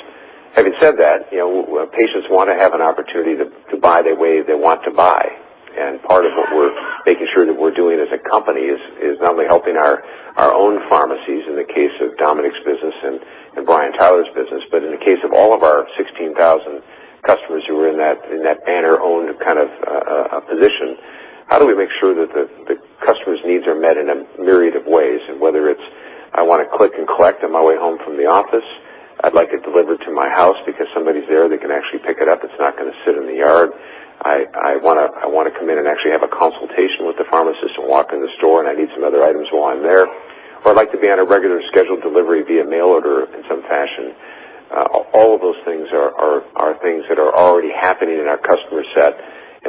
Having said that, patients want to have an opportunity to buy the way they want to buy, and part of what we're making sure that we're doing as a company is not only helping our own pharmacies in the case of Domenic's business and Brian Tyler's business, but in the case of all of our 16,000 customers who are in that banner-owned position. How do we make sure that of ways, and whether it's I want to click and collect on my way home from the office, I'd like it delivered to my house because somebody's there, they can actually pick it up, it's not going to sit in the yard. I want to come in and actually have a consultation with the pharmacist and walk in the store, and I need some other items while I'm there. I'd like to be on a regular scheduled delivery via mail order in some fashion. All of those things are things that are already happening in our customer set.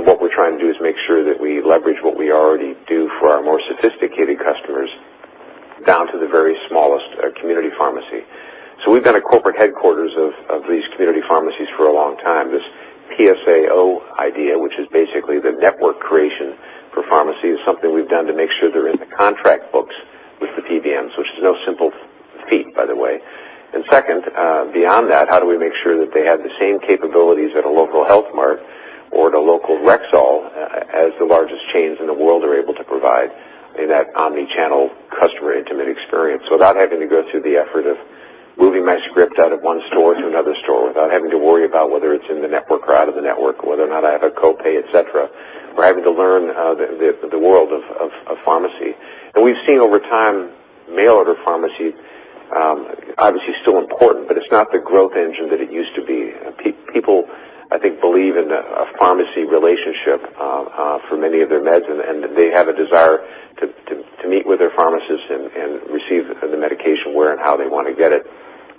What we're trying to do is make sure that we leverage what we already do for our more sophisticated customers down to the very smallest community pharmacy. We've been a corporate headquarters of these community pharmacies for a long time. This PSAO idea, which is basically the network creation for pharmacy, is something we've done to make sure they're in the contract books with the PBMs, which is no simple feat, by the way. Second, beyond that, how do we make sure that they have the same capabilities at a local Health Mart or at a local Rexall, as the largest chains in the world are able to provide in that omni-channel, customer intimate experience without having to go through the effort of moving my script out of one store to another store without having to worry about whether it's in the network or out of the network, whether or not I have a copay, et cetera. We're having to learn the world of pharmacy. We've seen over time, mail order pharmacy, obviously still important, but it's not the growth engine that it used to be. People, I think, believe in a pharmacy relationship, for many of their meds, and they have a desire to meet with their pharmacist and receive the medication where and how they want to get it.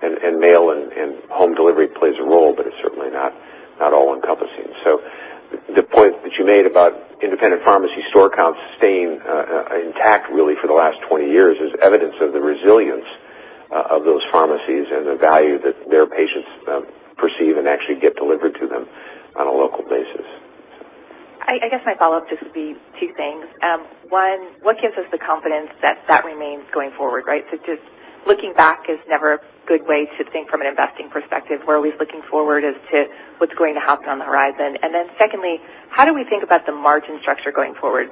Mail and home delivery plays a role, but it's certainly not all-encompassing. The point that you made about independent pharmacy store counts staying intact really for the last 20 years is evidence of the resilience of those pharmacies and the value that their patients perceive and actually get delivered to them on a local basis. My follow-up just would be two things. One, what gives us the confidence that remains going forward, right? Just looking back is never a good way to think from an investing perspective. We're always looking forward as to what's going to happen on the horizon. Secondly, how do we think about the margin structure going forward?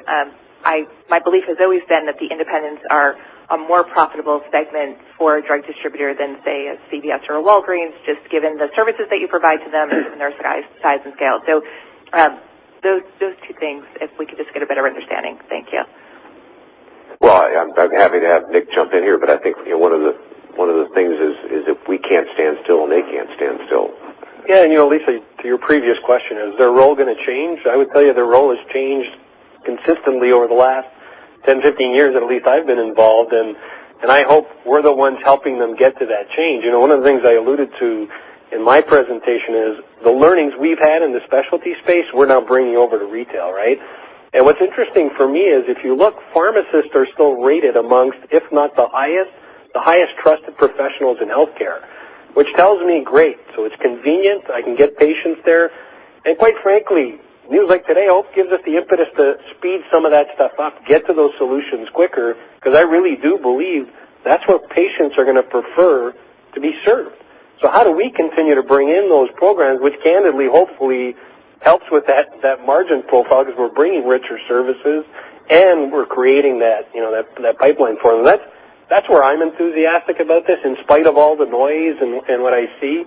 My belief has always been that the independents are a more profitable segment for a drug distributor than, say, a CVS or a Walgreens, just given the services that you provide to them and their size and scale. Those two things, if we could just get a better understanding. Thank you. Well, I'm happy to have Nick jump in here, but I think one of the things is that we can't stand still, and they can't stand still. Lisa, to your previous question, is their role going to change? I would tell you their role has changed consistently over the last 10, 15 years that at least I've been involved, and I hope we're the ones helping them get to that change. One of the things I alluded to in my presentation is the learnings we've had in the specialty space, we're now bringing over to retail, right? What's interesting for me is, if you look, pharmacists are still rated amongst, if not the highest, the highest trusted professionals in healthcare, which tells me, great, so it's convenient. I can get patients there. Quite frankly, news like today hope gives us the impetus to speed some of that stuff up, get to those solutions quicker, because I really do believe that's what patients are going to prefer to be served. How do we continue to bring in those programs, which candidly, hopefully helps with that margin profile, because we're bringing richer services and we're creating that pipeline for them. That's where I'm enthusiastic about this in spite of all the noise and what I see.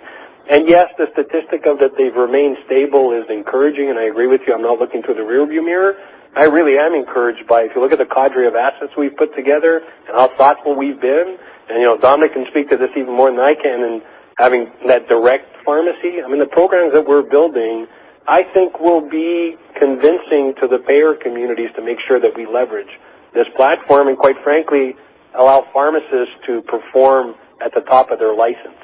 Yes, the statistic of that they've remained stable is encouraging, and I agree with you, I'm not looking through the rearview mirror. I really am encouraged by, if you look at the cadre of assets we've put together and how thoughtful we've been, and Domenic can speak to this even more than I can in having that direct pharmacy. I mean, the programs that we're building, I think will be convincing to the payer communities to make sure that we leverage this platform, and quite frankly, allow pharmacists to perform at the top of their license.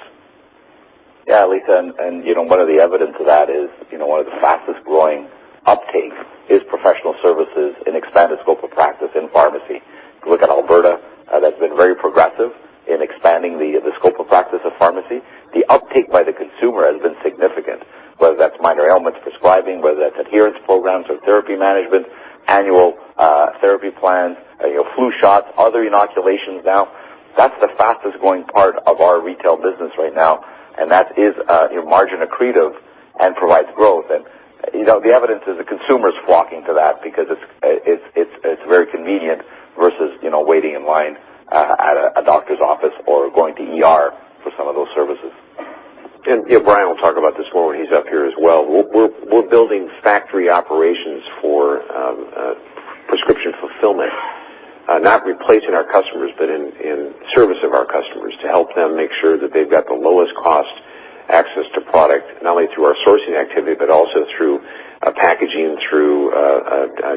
Yeah, Lisa, one of the evidence of that is, one of the fastest-growing uptake is professional services in expanded scope of practice in pharmacy. If you look at Alberta, that's been very progressive in expanding the scope of practice of pharmacy. The uptake by the consumer has been significant, whether that's minor ailments prescribing, whether that's adherence programs or therapy management, annual therapy plans, flu shots, other inoculations now. That's the fastest-growing part of our retail business right now, and that is margin accretive and provides growth. The evidence is the consumer's walking to that because it's very convenient versus waiting in line at a doctor's office or going to ER for some of those services. Brian will talk about this more when he's up here as well. We're building factory operations for prescription fulfillment. Not replacing our customers, but in service of our customers to help them make sure that they've got the lowest cost access to product, not only through our sourcing activity, but also through packaging, through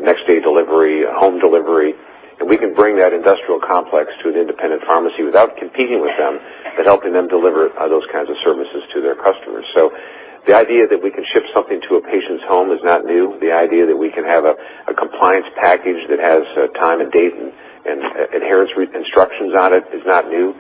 next day delivery, home delivery. We can bring that industrial complex to an independent pharmacy without competing with them, but helping them deliver those kinds of services to their customers. The idea that we can ship something to a patient's home is not new. The idea that we can have a compliance package that has time and date and adherence reconstructions on it is not new.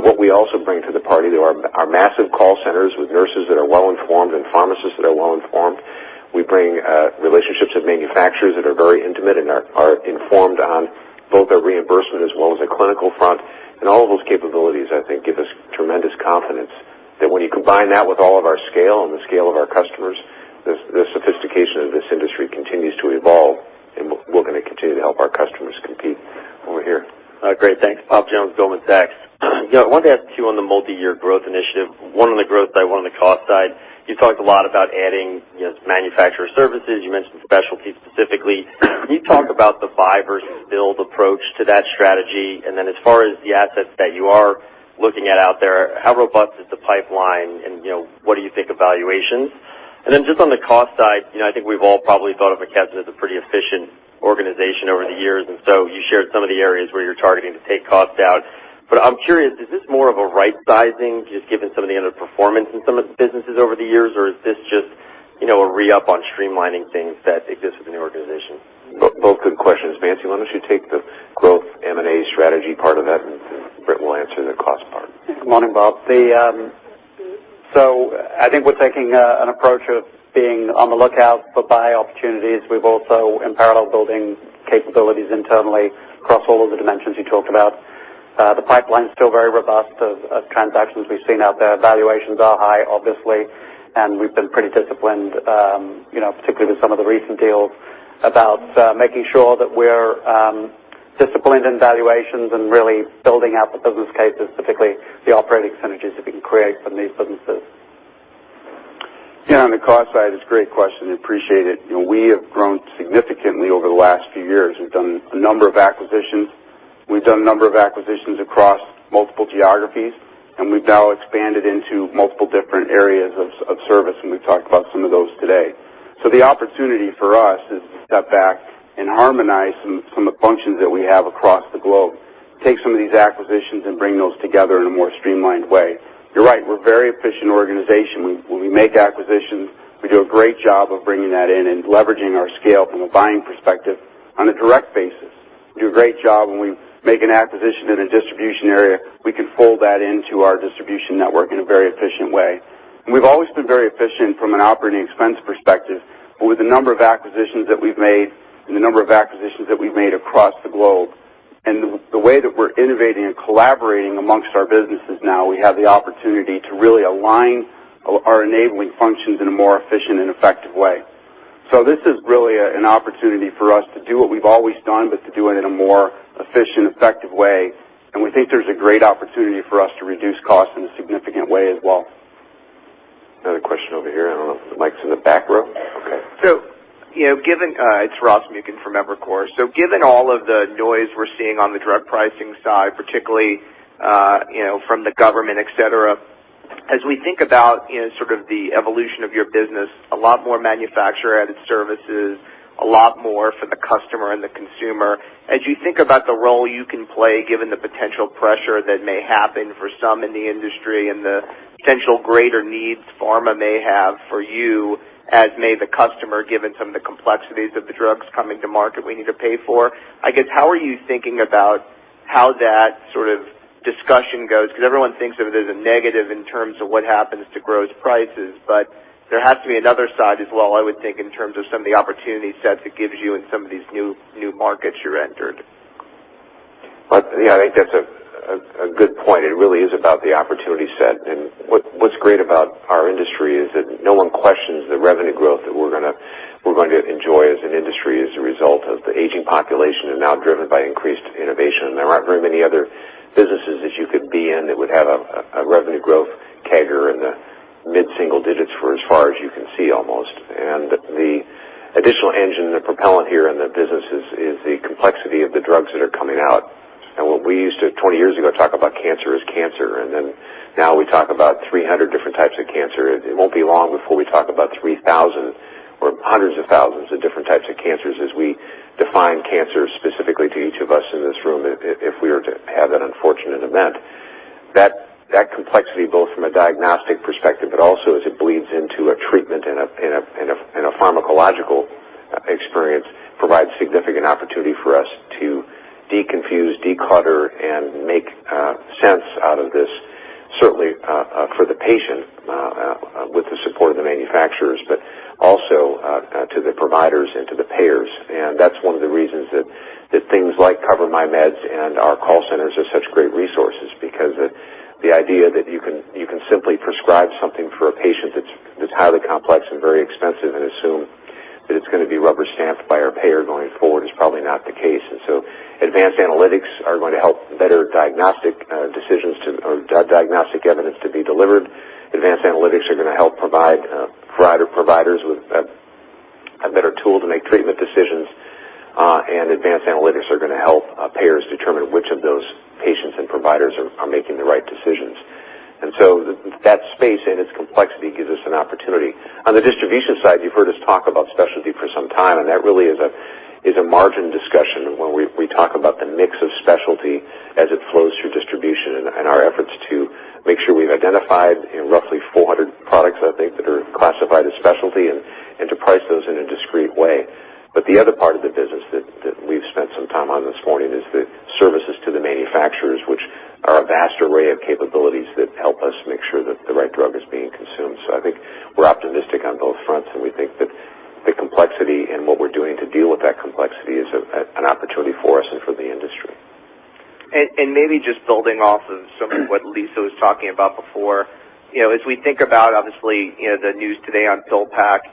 What we also bring to the party, though, are massive call centers with nurses that are well-informed and pharmacists that are well-informed. We bring relationships with manufacturers that are very intimate and are informed on both the reimbursement as well as the clinical front. All of those capabilities, I think, give us tremendous confidence that when you combine that with all of our scale and the scale of our customers, the sophistication of this industry continues to evolve, and we're going to continue to help our customers compete over here. Great. Thanks. Robert Jones, Goldman Sachs. I wanted to ask you on the Multi-Year Growth Initiative, one on the growth side, one on the cost side. You talked a lot about adding manufacturer services. You mentioned specialty specifically. Can you talk about the buy versus build approach to that strategy? As far as the assets that you are looking at out there, how robust is the pipeline and what do you think of valuations? Just on the cost side, I think we've all probably thought of McKesson as a pretty efficient organization over the years, you shared some of the areas where you're targeting to take costs down. I'm curious, is this more of a right-sizing, just given some of the underperformance in some of the businesses over the years? Or is this just a re-up on streamlining things that exist within the organization? Both good questions. Bansi, why don't you take the growth M&A strategy part of that, and Britt will answer the cost part. Good morning, Bob. I think we're taking an approach of being on the lookout for buy opportunities. We've also, in parallel, building capabilities internally across all of the dimensions you talked about. The pipeline's still very robust of transactions we've seen out there. Valuations are high, obviously, we've been pretty disciplined, particularly with some of the recent deals, about making sure that we're disciplined in valuations and really building out the business cases, particularly the operating synergies that we can create from these businesses. On the cost side, it's a great question. Appreciate it. We have grown significantly over the last few years. We've done a number of acquisitions. We've done a number of acquisitions across multiple geographies, we've now expanded into multiple different areas of service, we've talked about some of those today. The opportunity for us is to step back and harmonize some of the functions that we have across the globe, take some of these acquisitions, bring those together in a more streamlined way. You're right. We're a very efficient organization. When we make acquisitions, we do a great job of bringing that in and leveraging our scale from a buying perspective on a direct basis. We do a great job when we make an acquisition in a distribution area. We can fold that into our distribution network in a very efficient way. We've always been very efficient from an operating expense perspective. With the number of acquisitions that we've made, and the number of acquisitions that we've made across the globe, and the way that we're innovating and collaborating amongst our businesses now, we have the opportunity to really align our enabling functions in a more efficient and effective way. This is really an opportunity for us to do what we've always done, but to do it in a more efficient, effective way. We think there's a great opportunity for us to reduce costs in a significant way as well. Another question over here. I don't know if the mic's in the back row. Okay. It's Ross Muken from Evercore. Given all of the noise we're seeing on the drug pricing side, particularly from the government, et cetera, as we think about sort of the evolution of your business, a lot more manufacturer-added services, a lot more for the customer and the consumer. As you think about the role you can play, given the potential pressure that may happen for some in the industry and the potential greater needs pharma may have for you, as may the customer, given some of the complexities of the drugs coming to market we need to pay for, I guess, how are you thinking about how that sort of discussion goes? Because everyone thinks of it as a negative in terms of what happens to gross prices. There has to be another side as well, I would think, in terms of some of the opportunity sets it gives you in some of these new markets you're entered. Yeah, I think that's a good point. It really is about the opportunity set, and what's great about our industry is that no one questions the revenue growth that we're going to enjoy as an industry as a result of the aging population and now driven by increased innovation. There aren't very many other businesses that you could be in that would have a revenue growth CAGR in the mid-single digits for as far as you can see, almost. The additional engine, the propellant here in the business is the complexity of the drugs that are coming out. What we used to, 20 years ago, talk about cancer as cancer, and then now we talk about 300 different types of cancer. It won't be long before we talk about 3,000 or hundreds of thousands of different types of cancers as we define cancer specifically to each of us in this room, if we were to have that unfortunate event. That complexity, both from a diagnostic perspective, but also as it bleeds into a treatment and a pharmacological experience, provides significant opportunity for us to deconfuse, declutter, and make sense out of this, certainly for the patient, with the support of the manufacturers, but also to the providers and to the payers. That's one of the reasons that things like CoverMyMeds and our call centers are such great resources. The idea that you can simply prescribe something for a patient that's highly complex and very expensive and assume that it's going to be rubber-stamped by our payer going forward is probably not the case. Advanced analytics are going to help better diagnostic decisions or diagnostic evidence to be delivered. Advanced analytics are going to help provide providers with a better tool to make treatment decisions, advanced analytics are going to help payers determine which of those patients and providers are making the right decisions. That space and its complexity gives us an opportunity. On the distribution side, you've heard us talk about specialty for some time, and that really is a margin discussion when we talk about the mix of specialty as it flows through distribution and our efforts to make sure we've identified roughly 400 products, I think, that are classified as specialty, and to price those in a discrete way. The other part of the business that we've spent some time on this morning is the services to the manufacturers, which are a vast array of capabilities that help us make sure that the right drug is being consumed. I think we're optimistic on both fronts, we think that the complexity and what we're doing to deal with that complexity is an opportunity for us and for the industry. Maybe just building off of some of what Lisa was talking about before. As we think about, obviously, the news today on PillPack.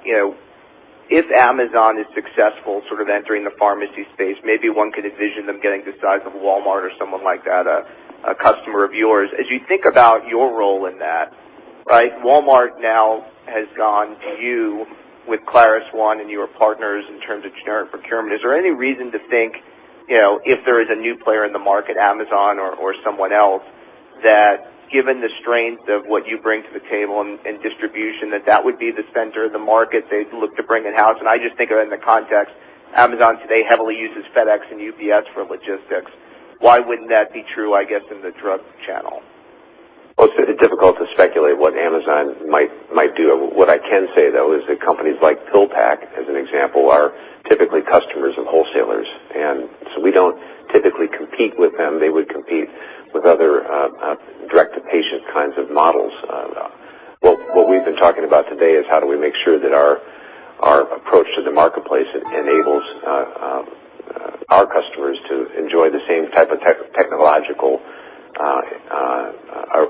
If Amazon is successful sort of entering the pharmacy space, maybe one could envision them getting the size of Walmart or someone like that, a customer of yours. As you think about your role in that, Walmart now has gone to you with ClarusONE and your partners in terms of generic procurement. Is there any reason to think, if there is a new player in the market, Amazon or someone else, that given the strength of what you bring to the table in distribution, that that would be the spender of the market they'd look to bring in-house? I just think of it in the context, Amazon today heavily uses FedEx and UPS for logistics. Why wouldn't that be true, I guess, in the drug channel? It's very difficult to speculate what Amazon might do. What I can say, though, is that companies like PillPack, as an example, are typically customers of wholesalers, and so we don't typically compete with them. They would compete with other direct-to-patient kinds of models. What we've been talking about today is how do we make sure that our approach to the marketplace enables our customers to enjoy the same type of technological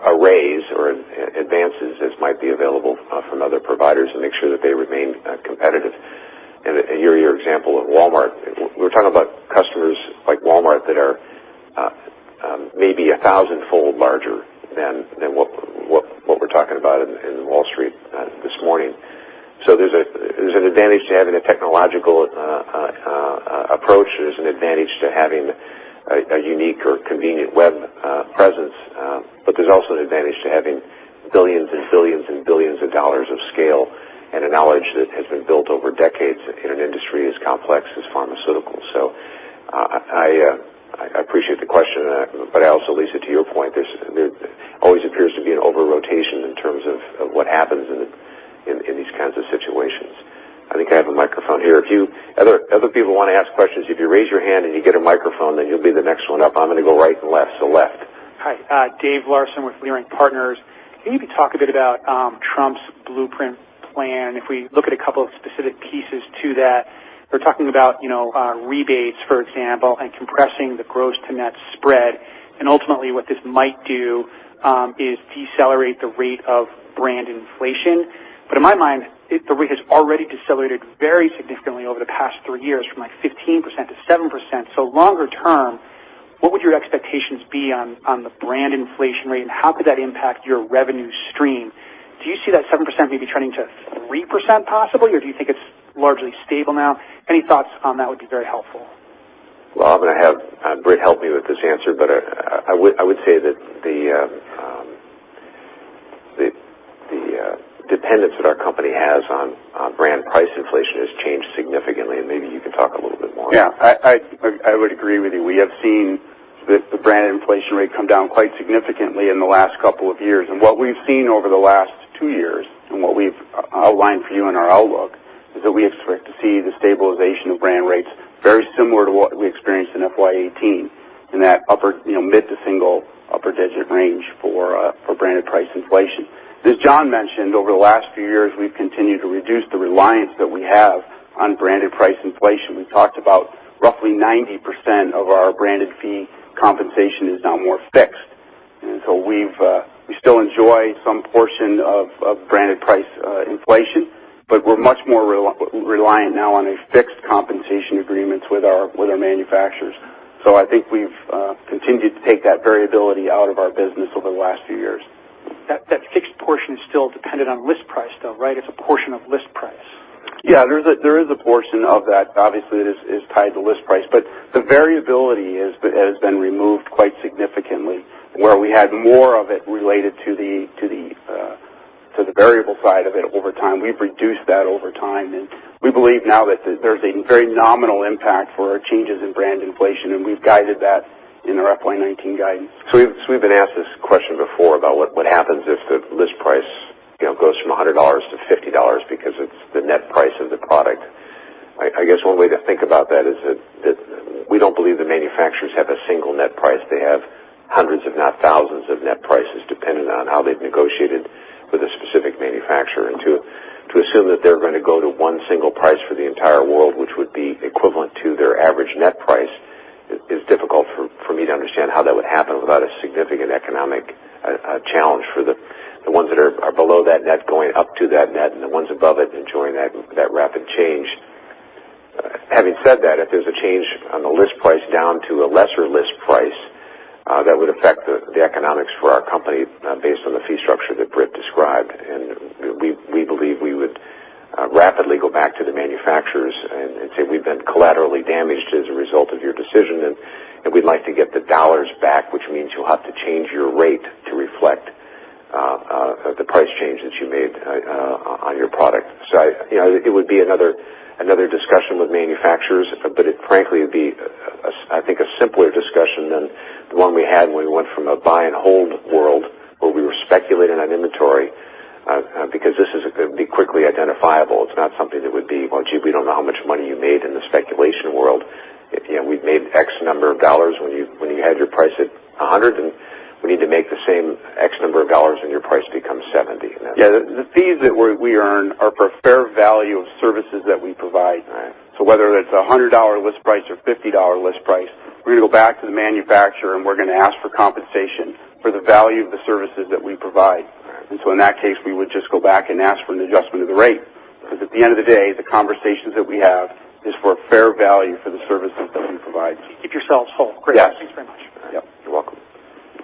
arrays or advances as might be available from other providers and make sure that they remain competitive. Your example of Walmart, we're talking about customers like Walmart that are maybe a thousandfold larger than what we're talking about in Wall Street this morning. There's an advantage to having a technological approach. There's an advantage to having a unique or convenient web presence. There's also an advantage to having billions of dollars of scale and a knowledge that has been built over decades in an industry as complex as pharmaceuticals. I appreciate the question. Also, Lisa, to your point, there always appears to be an over-rotation in terms of what happens in these kinds of situations. I think I have a microphone here. Other people want to ask questions. If you raise your hand and you get a microphone, then you'll be the next one up. I'm going to go right and left, so left. Hi. David Larsen with Leerink Partners. Can you talk a bit about Trump's blueprint plan? If we look at a couple of specific pieces to that, we're talking about rebates, for example, and compressing the gross-to-net spread. Ultimately, what this might do is decelerate the rate of brand inflation. In my mind, the rate has already decelerated very significantly over the past 3 years, from 15%-7%. Longer term, what would your expectations be on the brand inflation rate, and how could that impact your revenue stream? Do you see that 7% maybe turning to 3% possible, or do you think it's largely stable now? Any thoughts on that would be very helpful. I'm going to have Britt help me with this answer, but I would say that the dependence that our company has on brand price inflation has changed significantly. Maybe you can talk a little bit more. Yeah, I would agree with you. We have seen the brand inflation rate come down quite significantly in the last couple of years. What we've seen over the last two years, and what we've outlined for you in our outlook, is that we expect to see the stabilization of brand rates very similar to what we experienced in FY 2018, in that mid to single upper digit range for branded price inflation. As John mentioned, over the last few years, we've continued to reduce the reliance that we have on branded price inflation. We talked about roughly 90% of our branded fee compensation is now more fixed. We still enjoy some portion of branded price inflation, but we're much more reliant now on a fixed compensation agreement with our manufacturers. I think we've continued to take that variability out of our business over the last few years. That fixed portion is still dependent on list price, though, right? It's a portion of list price. There is a portion of that, obviously, that is tied to list price. The variability has been removed quite significantly. Where we had more of it related to the variable side of it over time, we've reduced that over time, and we believe now that there's a very nominal impact for our changes in brand inflation, and we've guided that in our FY 2019 guidance. We've been asked this question before about what happens if the list price goes from $100 to $50 because it's the net price of the product. I guess one way to think about that is that we don't believe the manufacturers have a single net price. They have hundreds, if not thousands, of net prices, depending on how they've negotiated with a specific manufacturer. To assume that they're going to go to one single price for the entire world, which would be equivalent to their average net price, is difficult for me to understand how that would happen without a significant economic challenge for the ones that are below that net going up to that net and the ones above it enjoying that rapid change. Having said that, if there's a change on the list price down to a lesser list price, that would affect the economics for our company based on the fee structure that Britt described. We believe we would rapidly go back to the manufacturers and say, "We've been collaterally damaged as a result of your decision, and we'd like to get the dollars back, which means you'll have to change your rate to reflect the price change that you made on your product." It would be another discussion with manufacturers, but it frankly would be, I think, a simpler discussion than the one we had when we went from a buy and hold world where we were speculating on inventory, because this is going to be quickly identifiable. It's not something that would be, "Well, gee, we don't know how much money you made in the speculation world. We've made X number of dollars when you had your price at 100, and we need to make the same X number of dollars when your price becomes 70. Yeah, the fees that we earn are for fair value of services that we provide. Right. Whether it's a $100 list price or $50 list price, we're going to go back to the manufacturer, and we're going to ask for compensation for the value of the services that we provide. Right. In that case, we would just go back and ask for an adjustment of the rate. Because at the end of the day, the conversations that we have is for fair value for the services that we provide. Keep yourselves whole. Yes. Great. Thanks very much. Yep,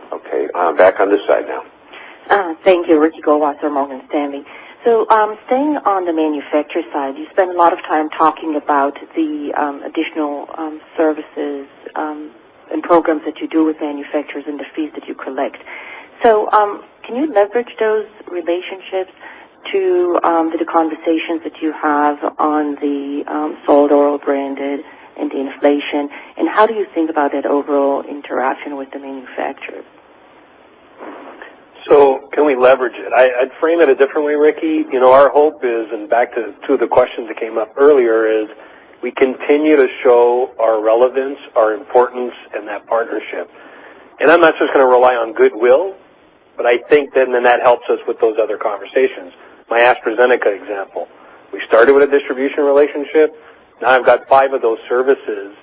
you're welcome. Okay, back on this side now. Thank you. Ricky Goldwasser from Morgan Stanley. Staying on the manufacturer side, you spend a lot of time talking about the additional services and programs that you do with manufacturers and the fees that you collect. Can you leverage those relationships to the conversations that you have on the solid oral branded and the inflation? How do you think about that overall interaction with the manufacturer? Can we leverage it? I'd frame it differently, Ricky. Our hope is, back to two of the questions that came up earlier, we continue to show our relevance, our importance in that partnership. I'm not just going to rely on goodwill, but I think then that helps us with those other conversations. My AstraZeneca example, we started with a distribution relationship. Now I've got five of those services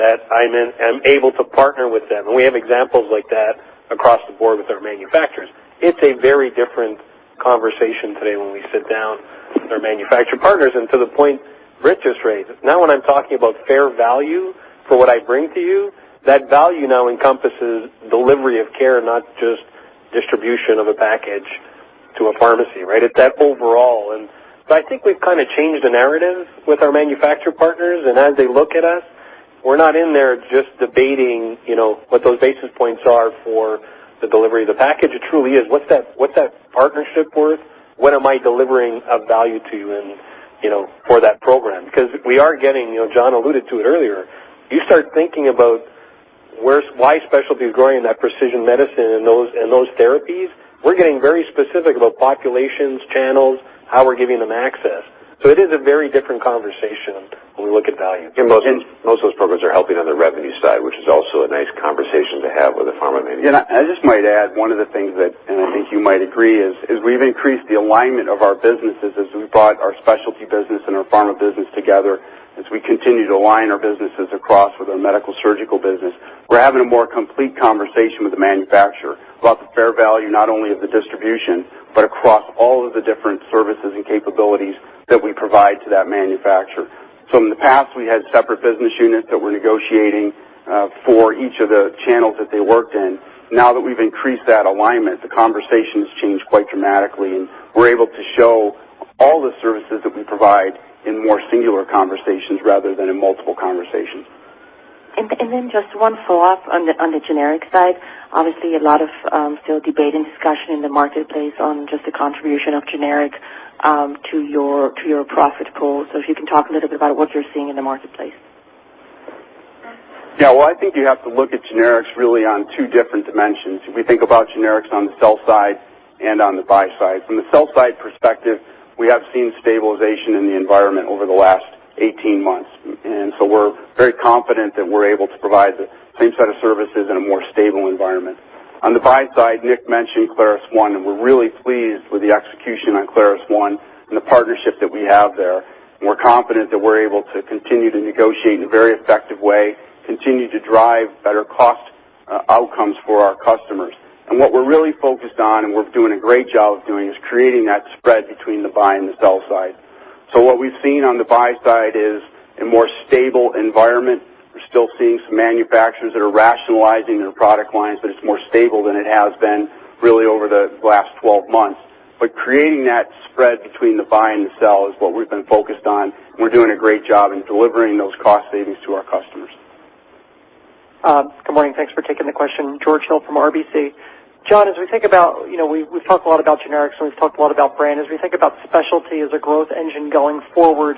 that I'm able to partner with them. We have examples like that across the board with our manufacturers. It's a very different conversation today when we sit down with our manufacturer partners. To the point Britt just raised, now when I'm talking about fair value for what I bring to you, that value now encompasses delivery of care, not just distribution of a package to a pharmacy, right? It's that overall. I think we've kind of changed the narrative with our manufacturer partners. As they look at us, we're not in there just debating what those basis points are for the delivery of the package. It truly is, what's that partnership worth? What am I delivering of value to you for that program? Because we are getting, John alluded to it earlier, you start thinking about why specialty is growing in that precision medicine and those therapies. We're getting very specific about populations, channels, how we're giving them access. It is a very different conversation when we look at value. Most of those programs are helping on the revenue side, which is also a nice conversation to have with a pharma manufacturer. I just might add, one of the things that, and I think you might agree, is we've increased the alignment of our businesses as we brought our specialty business and our pharma business together. As we continue to align our businesses across with our Medical-Surgical business, we're having a more complete conversation with the manufacturer about the fair value, not only of the distribution, but across all of the different services and capabilities that we provide to that manufacturer. In the past, we had separate business units that were negotiating for each of the channels that they worked in. Now that we've increased that alignment, the conversation's changed quite dramatically, and we're able to show all the services that we provide in more singular conversations rather than in multiple conversations. Just one follow-up on the generics side. Obviously, a lot of still debate and discussion in the marketplace on just the contribution of generics to your profit pools. If you can talk a little bit about what you're seeing in the marketplace. Well, I think you have to look at generics really on two different dimensions. We think about generics on the sell side and on the buy side. From the sell side perspective, we have seen stabilization in the environment over the last 18 months, we're very confident that we're able to provide the same set of services in a more stable environment. On the buy side, Nick mentioned ClarusONE, we're really pleased with the execution on ClarusONE and the partnership that we have there. We're confident that we're able to continue to negotiate in a very effective way, continue to drive better cost outcomes for our customers. What we're really focused on, and we're doing a great job of doing, is creating that spread between the buy and the sell side. What we've seen on the buy side is a more stable environment. We're still seeing some manufacturers that are rationalizing their product lines, it's more stable than it has been really over the last 12 months. Creating that spread between the buy and the sell is what we've been focused on, we're doing a great job in delivering those cost savings to our customers. Good morning. Thanks for taking the question. George Hill from RBC. John, as we think about, we've talked a lot about generics, and we've talked a lot about brand. As we think about specialty as a growth engine going forward,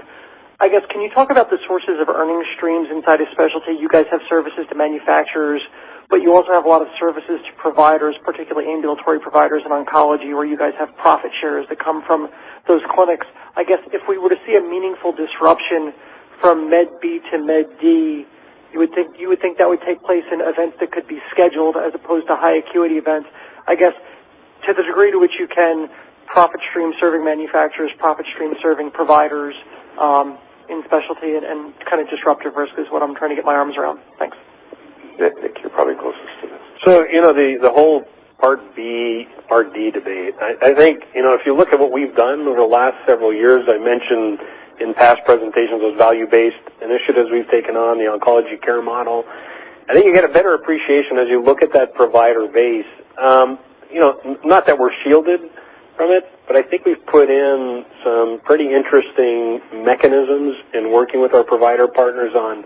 can you talk about the sources of earnings streams inside of specialty? You guys have services to manufacturers, but you also have a lot of services to providers, particularly ambulatory providers in oncology, where you guys have profit shares that come from those clinics. If we were to see a meaningful disruption from Med B to Med D, you would think that would take place in events that could be scheduled as opposed to high acuity events. To the degree to which you can profit stream serving manufacturers, profit stream serving providers, in specialty and disrupt your risk is what I'm trying to get my arms around. Thanks. Nick, you're probably closest to this. The whole Part B, Part D debate. If you look at what we've done over the last several years, I mentioned in past presentations those value-based initiatives we've taken on, the oncology care model. You get a better appreciation as you look at that provider base. Not that we're shielded from it, we've put in some pretty interesting mechanisms in working with our provider partners on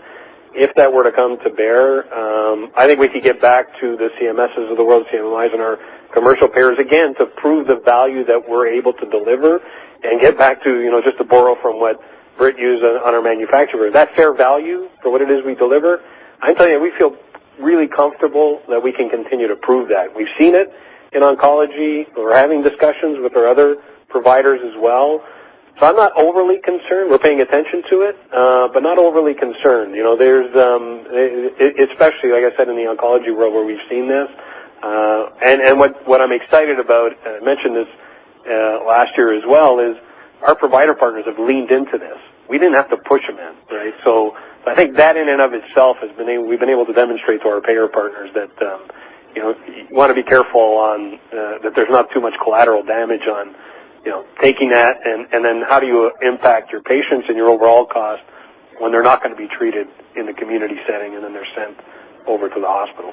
if that were to come to bear. We could get back to the CMSs of the world to analyze and our commercial payers, again, to prove the value that we're able to deliver and get back to, just to borrow from what Britt used on our manufacturer. Is that fair value for what it is we deliver? I can tell you, we feel really comfortable that we can continue to prove that. We've seen it in oncology. We're having discussions with our other providers as well. I'm not overly concerned. We're paying attention to it, but not overly concerned. Especially, like I said, in the oncology world where we've seen this. What I'm excited about, and I mentioned this last year as well, is our provider partners have leaned into this. We didn't have to push them in. I think that in and of itself, we've been able to demonstrate to our payer partners that you want to be careful that there's not too much collateral damage on taking that, and then how do you impact your patients and your overall cost when they're not going to be treated in the community setting, and then they're sent over to the hospital?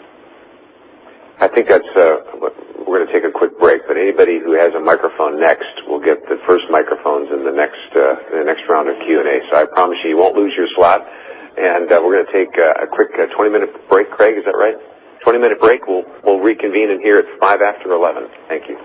We're going to take a quick break. Anybody who has a microphone next will get the first microphones in the next round of Q&A. I promise you won't lose your slot. We're going to take a quick 20-minute break. Craig, is that right? 20-minute break. We'll reconvene in here at five after 11. Thank you.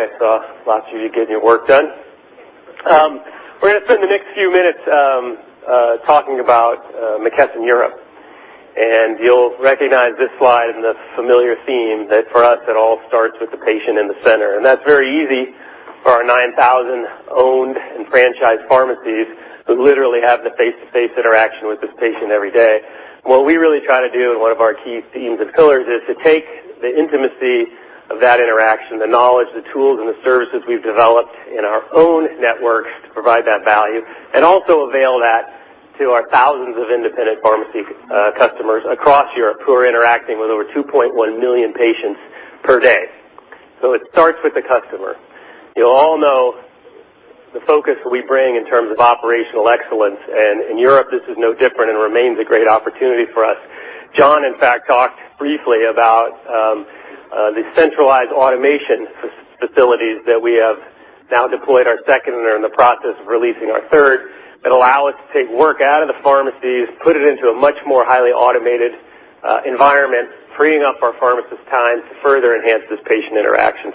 Now please welcome Chairman of the Management Board, McKesson Europe, Brian Tyler. Good afternoon. I hope everybody enjoyed their break. I saw lots of you getting your work done. We're going to spend the next few minutes talking about McKesson Europe. You'll recognize this slide and the familiar theme that for us, it all starts with the patient in the center. That's very easy for our 9,000 owned and franchised pharmacies who literally have the face-to-face interaction with this patient every day. What we really try to do, one of our key themes and pillars, is to take the intimacy of that interaction, the knowledge, the tools, and the services we've developed in our own networks to provide that value, and also avail that to our thousands of independent pharmacy customers across Europe who are interacting with over 2.1 million patients per day. It starts with the customer. You all know the focus we bring in terms of operational excellence. In Europe, this is no different and remains a great opportunity for us. John, in fact, talked briefly about the centralized automation facilities that we have now deployed our second and are in the process of releasing our third that allow us to take work out of the pharmacies, put it into a much more highly automated environment, freeing up our pharmacists' time to further enhance this patient interaction.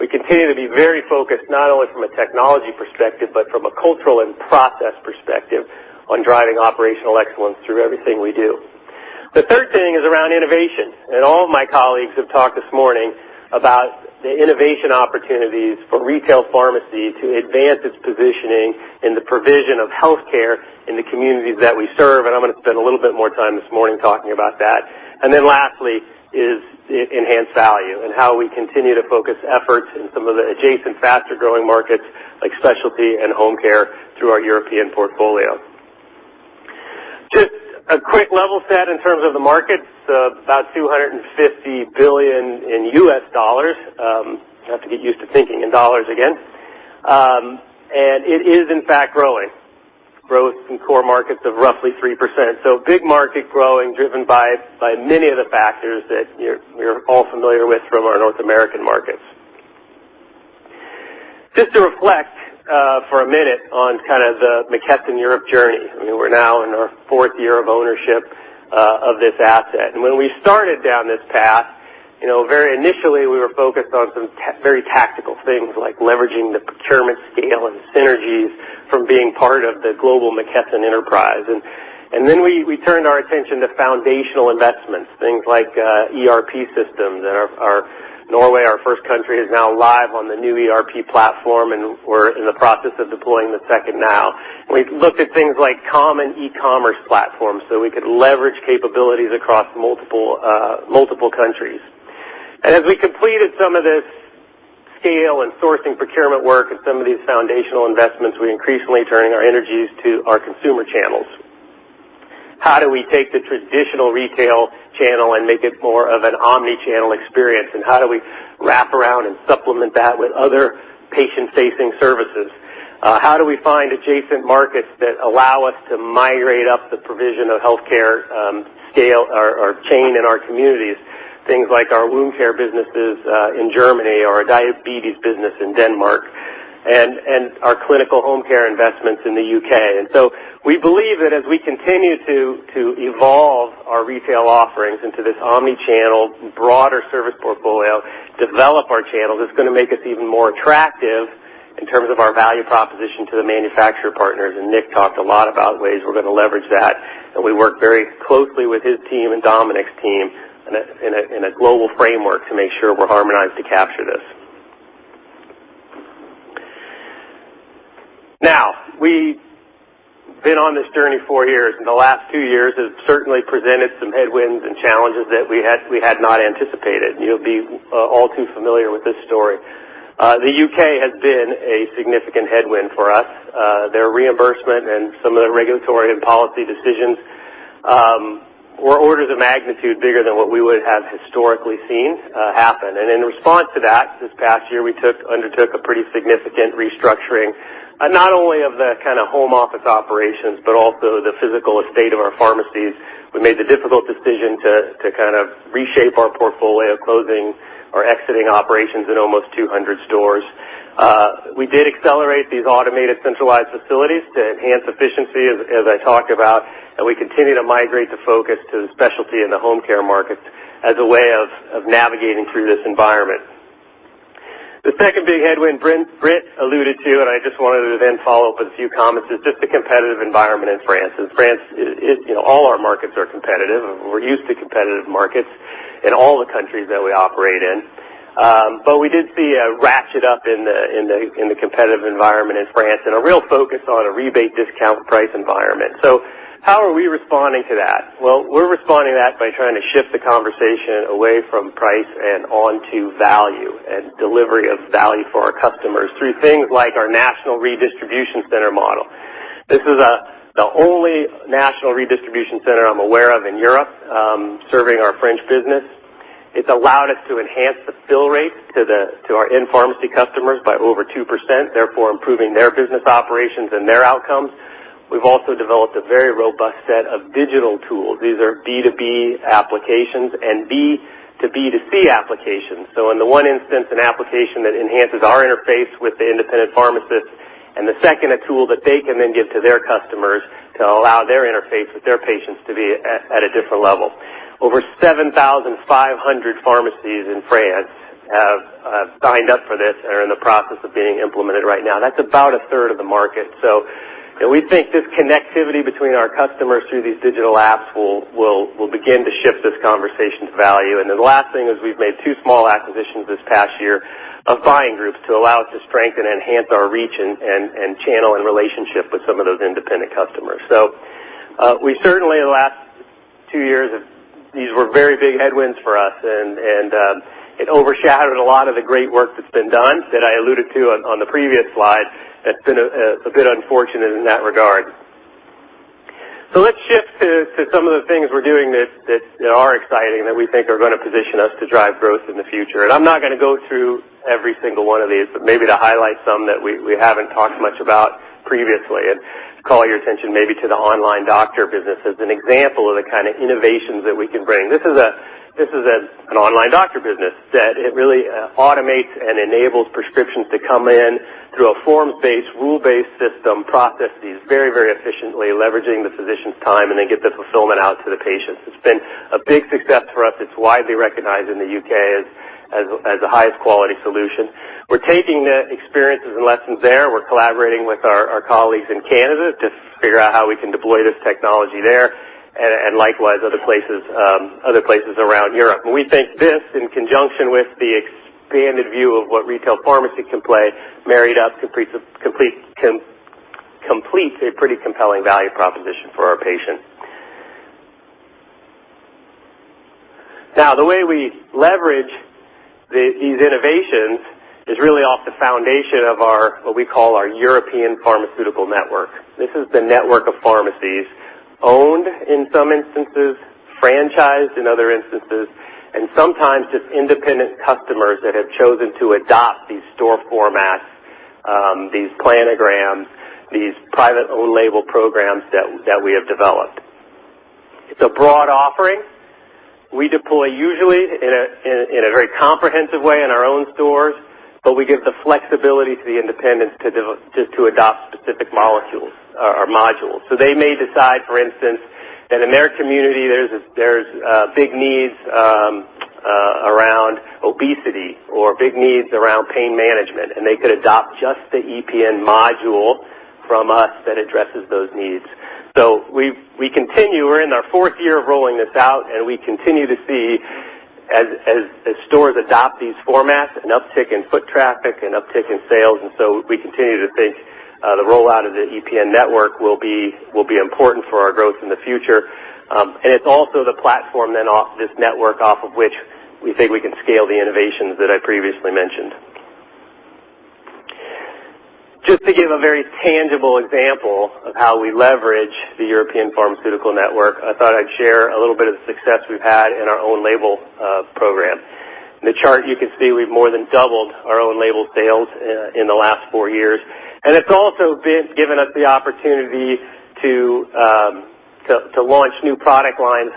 We continue to be very focused, not only from a technology perspective, but from a cultural and process perspective on driving operational excellence through everything we do. The third thing is around innovation. All of my colleagues have talked this morning about the innovation opportunities for retail pharmacy to advance its positioning in the provision of healthcare in the communities that we serve. I'm going to spend a little bit more time this morning talking about that. Lastly is the enhanced value and how we continue to focus efforts in some of the adjacent faster-growing markets, like specialty and home care, through our European portfolio. Just a quick level set in terms of the markets, about $250 billion. Have to get used to thinking in dollars again. It is in fact growing. Growth in core markets of roughly 3%. Big market growing, driven by many of the factors that we're all familiar with from our North American markets. Just to reflect for a minute on the McKesson Europe journey. We're now in our fourth year of ownership of this asset. When we started down this path, very initially we were focused on some very tactical things like leveraging the procurement scale and synergies from being part of the global McKesson enterprise. We turned our attention to foundational investments, things like ERP systems. Norway, our first country, is now live on the new ERP platform. We're in the process of deploying the second now. We've looked at things like common e-commerce platforms so we could leverage capabilities across multiple countries. As we completed some of this scale and sourcing procurement work and some of these foundational investments, we increasingly turning our energies to our consumer channels. How do we take the traditional retail channel and make it more of an omni-channel experience? How do we wrap around and supplement that with other patient-facing services? How do we find adjacent markets that allow us to migrate up the provision of healthcare scale or chain in our communities, things like our wound care businesses in Germany or our diabetes business in Denmark and our clinical home care investments in the U.K.? We believe that as we continue to evolve our retail offerings into this omni-channel, broader service portfolio, develop our channels, it's going to make us even more attractive in terms of our value proposition to the manufacturer partners. Nick talked a lot about ways we're going to leverage that. We work very closely with his team and Domenic's team in a global framework to make sure we're harmonized to capture this. We've been on this journey four years, and the last two years have certainly presented some headwinds and challenges that we had not anticipated. You'll be all too familiar with this story. The U.K. has been a significant headwind for us. Their reimbursement and some of the regulatory and policy decisions were orders of magnitude bigger than what we would have historically seen happen. In response to that, this past year, we undertook a pretty significant restructuring, not only of the home office operations, but also the physical estate of our pharmacies. We made the difficult decision to reshape our portfolio, closing or exiting operations in almost 200 stores. We did accelerate these automated centralized facilities to enhance efficiency, as I talked about, and we continue to migrate the focus to the specialty and the home care markets as a way of navigating through this environment. The second big headwind Britt alluded to, and I just wanted to then follow up with a few comments, is just the competitive environment in France. All our markets are competitive. We're used to competitive markets in all the countries that we operate in. We did see a ratchet up in the competitive environment in France and a real focus on a rebate discount price environment. How are we responding to that? Well, we're responding to that by trying to shift the conversation away from price and onto value and delivery of value for our customers through things like our national redistribution center model. This is the only national redistribution center I'm aware of in Europe, serving our French business. It's allowed us to enhance the fill rates to our in-pharmacy customers by over 2%, therefore improving their business operations and their outcomes. We've also developed a very robust set of digital tools. These are B2B applications and B2B2C applications. In the one instance, an application that enhances our interface with the independent pharmacists, and the second, a tool that they can then give to their customers to allow their interface with their patients to be at a different level. Over 7,500 pharmacies in France have signed up for this and are in the process of being implemented right now. That's about a third of the market. We think this connectivity between our customers through these digital apps will begin to shift this conversation to value. The last thing is we've made two small acquisitions this past year of buying groups to allow us to strengthen and enhance our reach and channel and relationship with some of those independent customers. We certainly, in the last two years, these were very big headwinds for us, and it overshadowed a lot of the great work that's been done that I alluded to on the previous slide. That's been a bit unfortunate in that regard. Let's shift to some of the things we're doing that are exciting, that we think are going to position us to drive growth in the future. I'm not going to go through every single one of these, but maybe to highlight some that we haven't talked much about previously and call your attention maybe to the online doctor business as an example of the kind of innovations that we can bring. This is an online doctor business that really automates and enables prescriptions to come in through a forms-based, rule-based system, process these very, very efficiently, leveraging the physician's time, and then get the fulfillment out to the patients. It's been a big success for us. It's widely recognized in the U.K. as the highest quality solution. We're taking the experiences and lessons there. We're collaborating with our colleagues in Canada to figure out how we can deploy this technology there, and likewise, other places around Europe. We think this, in conjunction with the expanded view of what retail pharmacy can play, married up, completes a pretty compelling value proposition for our patients. The way we leverage these innovations is really off the foundation of our, what we call our European Pharmaceutical Network. This is the network of pharmacies owned in some instances, franchised in other instances, and sometimes just independent customers that have chosen to adopt these store formats, these planograms, these private own label programs that we have developed. It's a broad offering. We deploy usually in a very comprehensive way in our own stores, but we give the flexibility to the independents to adopt specific molecules or modules. They may decide, for instance, that in their community, there's big needs around obesity or big needs around pain management, and they could adopt just the EPN module from us that addresses those needs. We continue. We're in our fourth year of rolling this out, we continue to see, as stores adopt these formats, an uptick in foot traffic and uptick in sales, we continue to think the rollout of the EPN network will be important for our growth in the future. It's also the platform, then, this network off of which we think we can scale the innovations that I previously mentioned. Just to give a very tangible example of how we leverage the European Pharmaceutical Network, I thought I'd share a little bit of the success we've had in our own label program. In the chart, you can see we've more than doubled our own label sales in the last four years. It's also given us the opportunity to launch new product lines,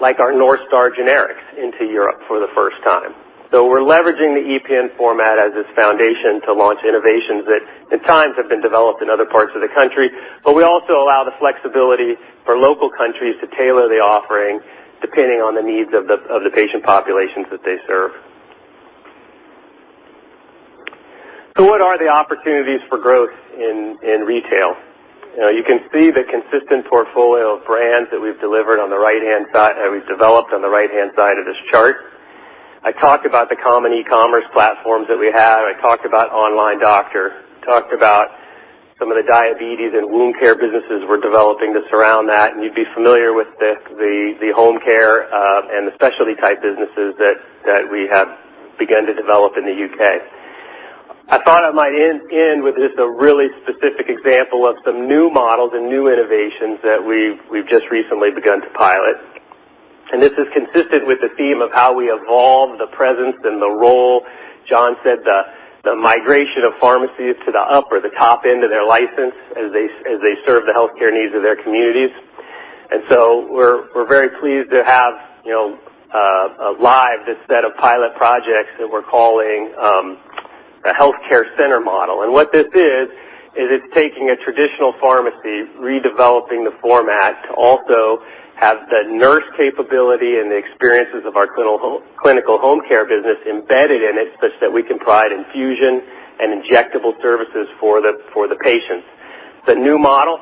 like our NorthStar generics into Europe for the first time. We're leveraging the EPN format as its foundation to launch innovations that, at times, have been developed in other parts of the country. We also allow the flexibility for local countries to tailor the offering depending on the needs of the patient populations that they serve. What are the opportunities for growth in retail? You can see the consistent portfolio of brands that we've developed on the right-hand side of this chart. I talked about the common e-commerce platforms that we have. I talked about online doctor, talked about some of the diabetes and wound care businesses we're developing to surround that. You'd be familiar with the home care, and the specialty type businesses that we have begun to develop in the U.K. I thought I might end with just a really specific example of some new models and new innovations that we've just recently begun to pilot. This is consistent with the theme of how we evolve the presence and the role. John said the migration of pharmacies to the upper, the top end of their license as they serve the healthcare needs of their communities. We're very pleased to have live this set of pilot projects that we're calling the healthcare center model. What this is it's taking a traditional pharmacy, redeveloping the format to also have the nurse capability and the experiences of our clinical home care business embedded in it, such that we can provide infusion and injectable services for the patients. It's a new model.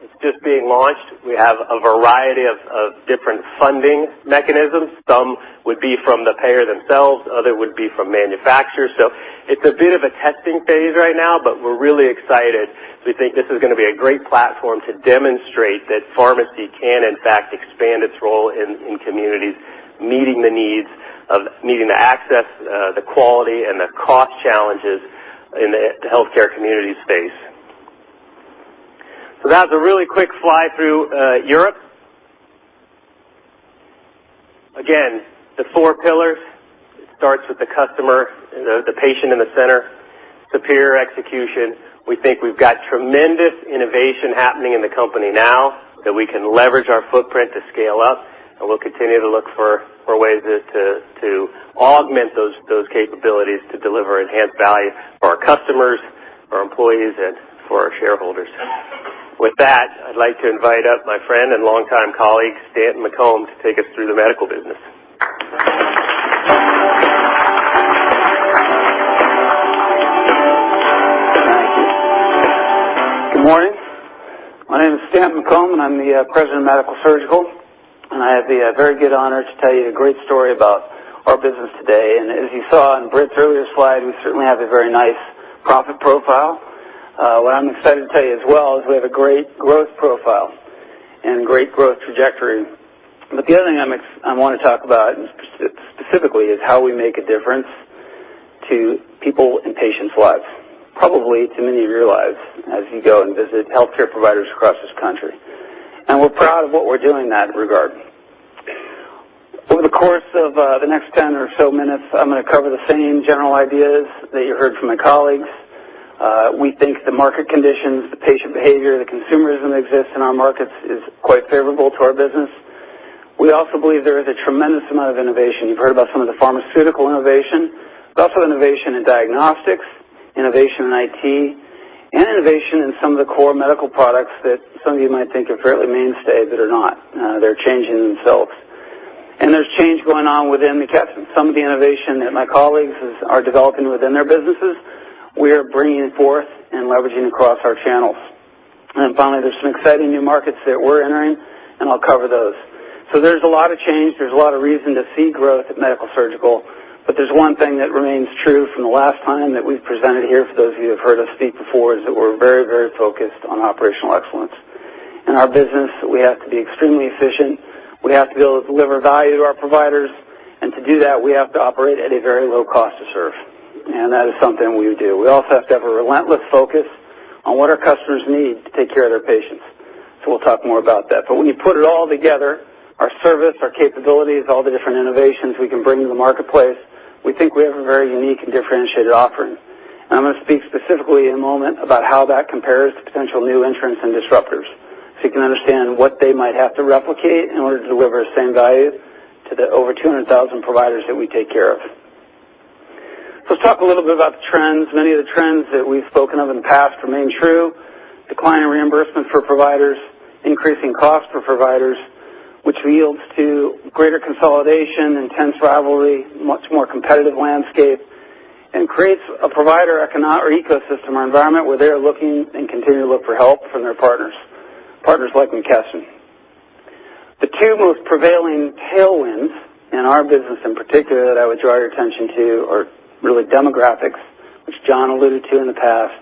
It's just being launched. We have a variety of different funding mechanisms. Some would be from the payer themselves, others would be from manufacturers. It's a bit of a testing phase right now, but we're really excited. We think this is going to be a great platform to demonstrate that pharmacy can, in fact, expand its role in communities, meeting the access, the quality, and the cost challenges in the healthcare community space. That was a really quick fly through Europe. Again, the four pillars. It starts with the customer, the patient in the center, superior execution. We think we've got tremendous innovation happening in the company now that we can leverage our footprint to scale up. We'll continue to look for more ways to augment those capabilities to deliver enhanced value for our customers, our employees, and for our shareholders. With that, I'd like to invite up my friend and longtime colleague, Stanton McComb, to take us through the medical business. Thank you. Good morning. My name is Stanton McComb. I'm the President of Medical-Surgical. I have the very good honor to tell you a great story about our business today. As you saw on Britt's earlier slide, we certainly have a very nice profit profile. What I'm excited to tell you as well is we have a great growth profile and great growth trajectory. The other thing I want to talk about specifically is how we make a difference to people and patients' lives, probably to many of your lives as you go and visit healthcare providers across this country. We're proud of what we're doing in that regard. Over the course of the next 10 or so minutes, I'm going to cover the same general ideas that you heard from my colleagues. We think the market conditions, the patient behavior, the consumerism that exists in our markets is quite favorable to our business. We also believe there is a tremendous amount of innovation. You've heard about some of the pharmaceutical innovation, but also innovation in diagnostics, innovation in IT, and innovation in some of the core medical products that some of you might think are fairly mainstay, but are not. They're changing themselves. There's change going on within McKesson. Some of the innovation that my colleagues are developing within their businesses, we are bringing forth and leveraging across our channels. Then finally, there's some exciting new markets that we're entering, and I'll cover those. There's a lot of change. There's a lot of reason to see growth at Medical/Surgical. There's one thing that remains true from the last time that we presented here, for those of you who have heard us speak before, is that we're very focused on operational excellence. In our business, we have to be extremely efficient. We have to be able to deliver value to our providers. To do that, we have to operate at a very low cost to serve. That is something we do. We also have to have a relentless focus on what our customers need to take care of their patients. We'll talk more about that. When you put it all together, our service, our capabilities, all the different innovations we can bring to the marketplace, we think we have a very unique and differentiated offering. I'm going to speak specifically in a moment about how that compares to potential new entrants and disruptors, you can understand what they might have to replicate in order to deliver the same value to the over 200,000 providers that we take care of. Let's talk a little bit about the trends. Many of the trends that we've spoken of in the past remain true. Declining reimbursement for providers, increasing cost for providers, which yields to greater consolidation, intense rivalry, much more competitive landscape, and creates a provider ecosystem or environment where they're looking and continue to look for help from their partners like McKesson. The two most prevailing tailwinds in our business in particular that I would draw your attention to are really demographics, which John alluded to in the past.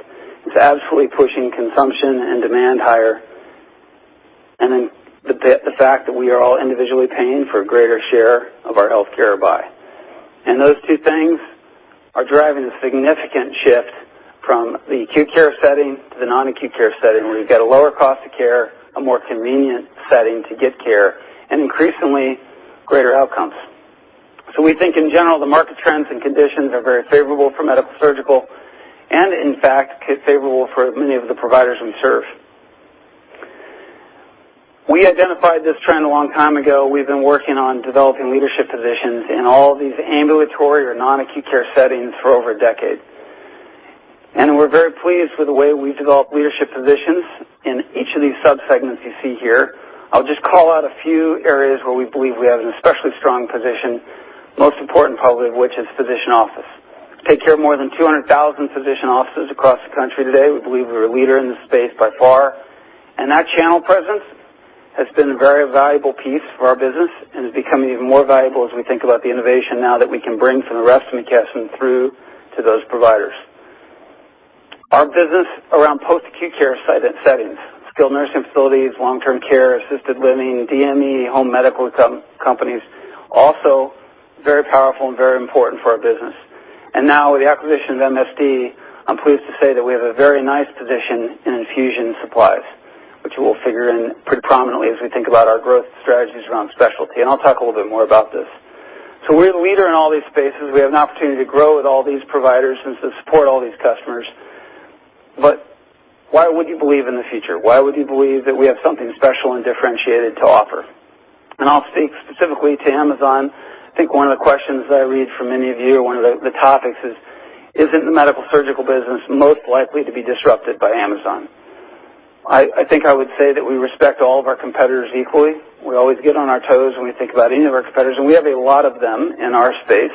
It's absolutely pushing consumption and demand higher. Then the fact that we are all individually paying for a greater share of our healthcare buy. Those two things are driving a significant shift from the acute care setting to the non-acute care setting, where you've got a lower cost of care, a more convenient setting to get care, and increasingly, greater outcomes. We think in general, the market trends and conditions are very favorable for Medical/Surgical, and in fact, favorable for many of the providers we serve. We identified this trend a long time ago. We've been working on developing leadership positions in all of these ambulatory or non-acute care settings for over a decade. We're very pleased with the way we've developed leadership positions in each of these sub-segments you see here. I'll just call out a few areas where we believe we have an especially strong position, most important probably of which is physician office. We take care of more than 200,000 physician offices across the country today. We believe we're a leader in this space by far, that channel presence has been a very valuable piece for our business and is becoming even more valuable as we think about the innovation now that we can bring from the rest of McKesson through to those providers. Our business around post-acute care site settings, skilled nursing facilities, long-term care, assisted living, DME, home medical companies, also very powerful and very important for our business. Now with the acquisition of MSD, I'm pleased to say that we have a very nice position in infusion supplies, which we'll figure in pretty prominently as we think about our growth strategies around specialty. I'll talk a little bit more about this. We're the leader in all these spaces. We have an opportunity to grow with all these providers and to support all these customers. Why would you believe in the future? Why would you believe that we have something special and differentiated to offer? I'll speak specifically to Amazon. I think one of the questions that I read from many of you, or one of the topics is: Isn't the medical surgical business most likely to be disrupted by Amazon? I think I would say that we respect all of our competitors equally. We always get on our toes when we think about any of our competitors, and we have a lot of them in our space,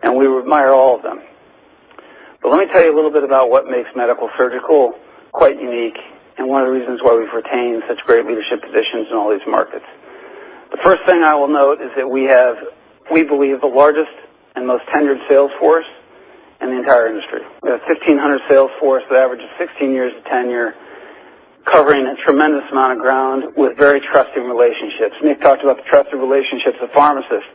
and we admire all of them. Let me tell you a little bit about what makes medical surgical quite unique and one of the reasons why we've retained such great leadership positions in all these markets. The first thing I will note is that we have, we believe, the largest and most tenured sales force in the entire industry. We have a 1,500 sales force with average of 16 years of tenure, covering a tremendous amount of ground with very trusting relationships. We have talked about the trusted relationships of pharmacists,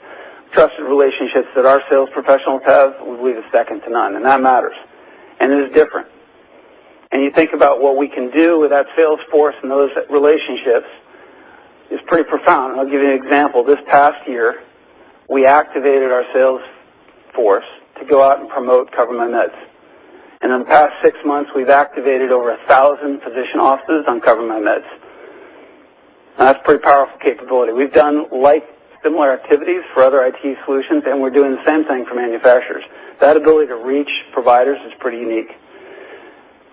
trusted relationships that our sales professionals have, we believe, are second to none, and that matters. It is different. You think about what we can do with that sales force and those relationships is pretty profound. I'll give you an example. This past year, we activated our sales force to go out and promote CoverMyMeds. In the past six months, we've activated over 1,000 physician offices on CoverMyMeds. That's pretty powerful capability. We've done like similar activities for other IT solutions, and we're doing the same thing for manufacturers. That ability to reach providers is pretty unique.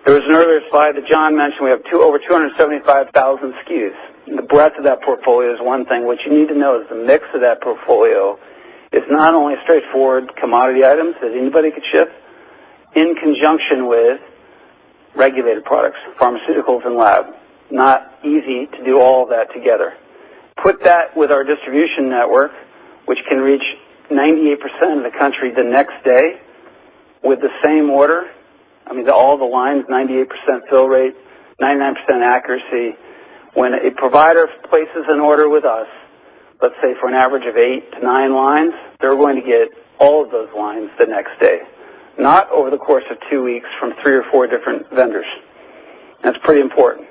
There was an earlier slide that John mentioned, we have over 275,000 SKUs. The breadth of that portfolio is one thing. What you need to know is the mix of that portfolio is not only straightforward commodity items that anybody could ship in conjunction with regulated products, pharmaceuticals, and lab. Not easy to do all of that together. Put that with our distribution network, which can reach 98% of the country the next day with the same order. I mean, to all the lines, 98% fill rate, 99% accuracy. When a provider places an order with us, let's say, for an average of eight to nine lines, they're going to get all of those lines the next day, not over the course of two weeks from three or four different vendors. That's pretty important.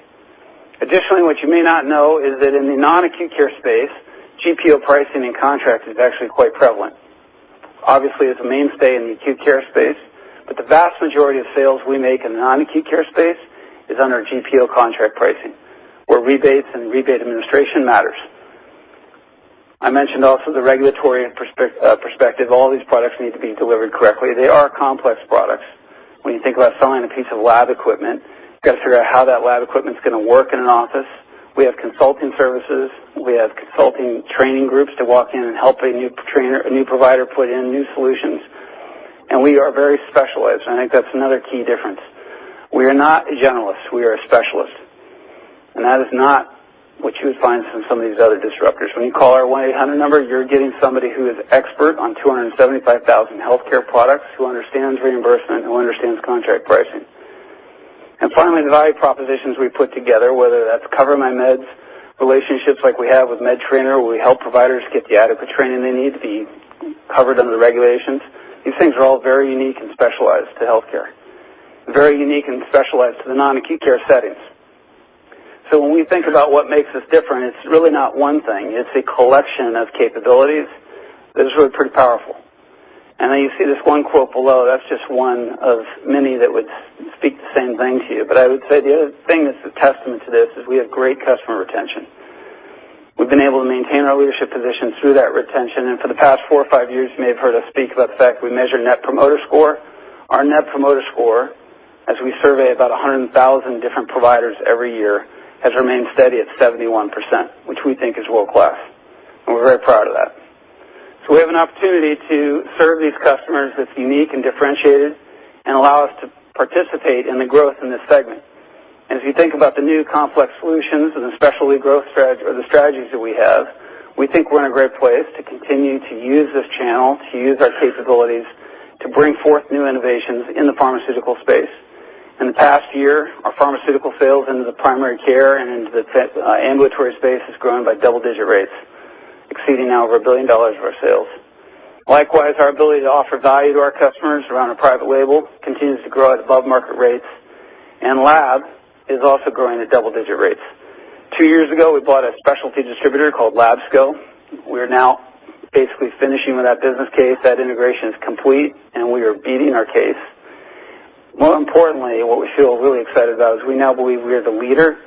Additionally, what you may not know is that in the non-acute care space, GPO pricing and contract is actually quite prevalent. Obviously, it's a mainstay in the acute care space, but the vast majority of sales we make in the non-acute care space is under GPO contract pricing, where rebates and rebate administration matters. I mentioned also the regulatory perspective. All these products need to be delivered correctly. They are complex products. When you think about selling a piece of lab equipment, you've got to figure out how that lab equipment's going to work in an office. We have consulting services. We have consulting training groups to walk in and help a new provider put in new solutions. We are very specialized, and I think that's another key difference. We are not generalists. We are specialists. That is not what you would find from some of these other disruptors. When you call our 1-800 number, you're getting somebody who is expert on 275,000 healthcare products, who understands reimbursement, who understands contract pricing. Finally, the value propositions we put together, whether that's CoverMyMeds, relationships like we have with MedTrainer, where we help providers get the adequate training they need to be covered under the regulations. These things are all very unique and specialized to healthcare, very unique and specialized to the non-acute care settings. When we think about what makes us different, it's really not one thing. It's a collection of capabilities that is really pretty powerful. You see this one quote below, that's just one of many that would speak the same thing to you. I would say the other thing that's a testament to this is we have great customer retention. We've been able to maintain our leadership position through that retention, for the past four or five years, you may have heard us speak about the fact we measure net promoter score. Our net promoter score, as we survey about 100,000 different providers every year, has remained steady at 71%, which we think is world-class, we're very proud of that. We have an opportunity to serve these customers that's unique and differentiated and allow us to participate in the growth in this segment. If you think about the new complex solutions and the specialty growth strategies or the strategies that we have, we think we're in a great place to continue to use this channel, to use our capabilities to bring forth new innovations in the pharmaceutical space. In the past year, our pharmaceutical sales into the primary care and into the ambulatory space has grown by double-digit rates. Exceeding now over $1 billion of our sales. Likewise, our ability to offer value to our customers around our private label continues to grow at above market rates, lab is also growing at double-digit rates. Two years ago, we bought a specialty distributor called LABSCO. We are now basically finishing with that business case. That integration is complete, we are beating our case. More importantly, what we feel really excited about is we now believe we are the leader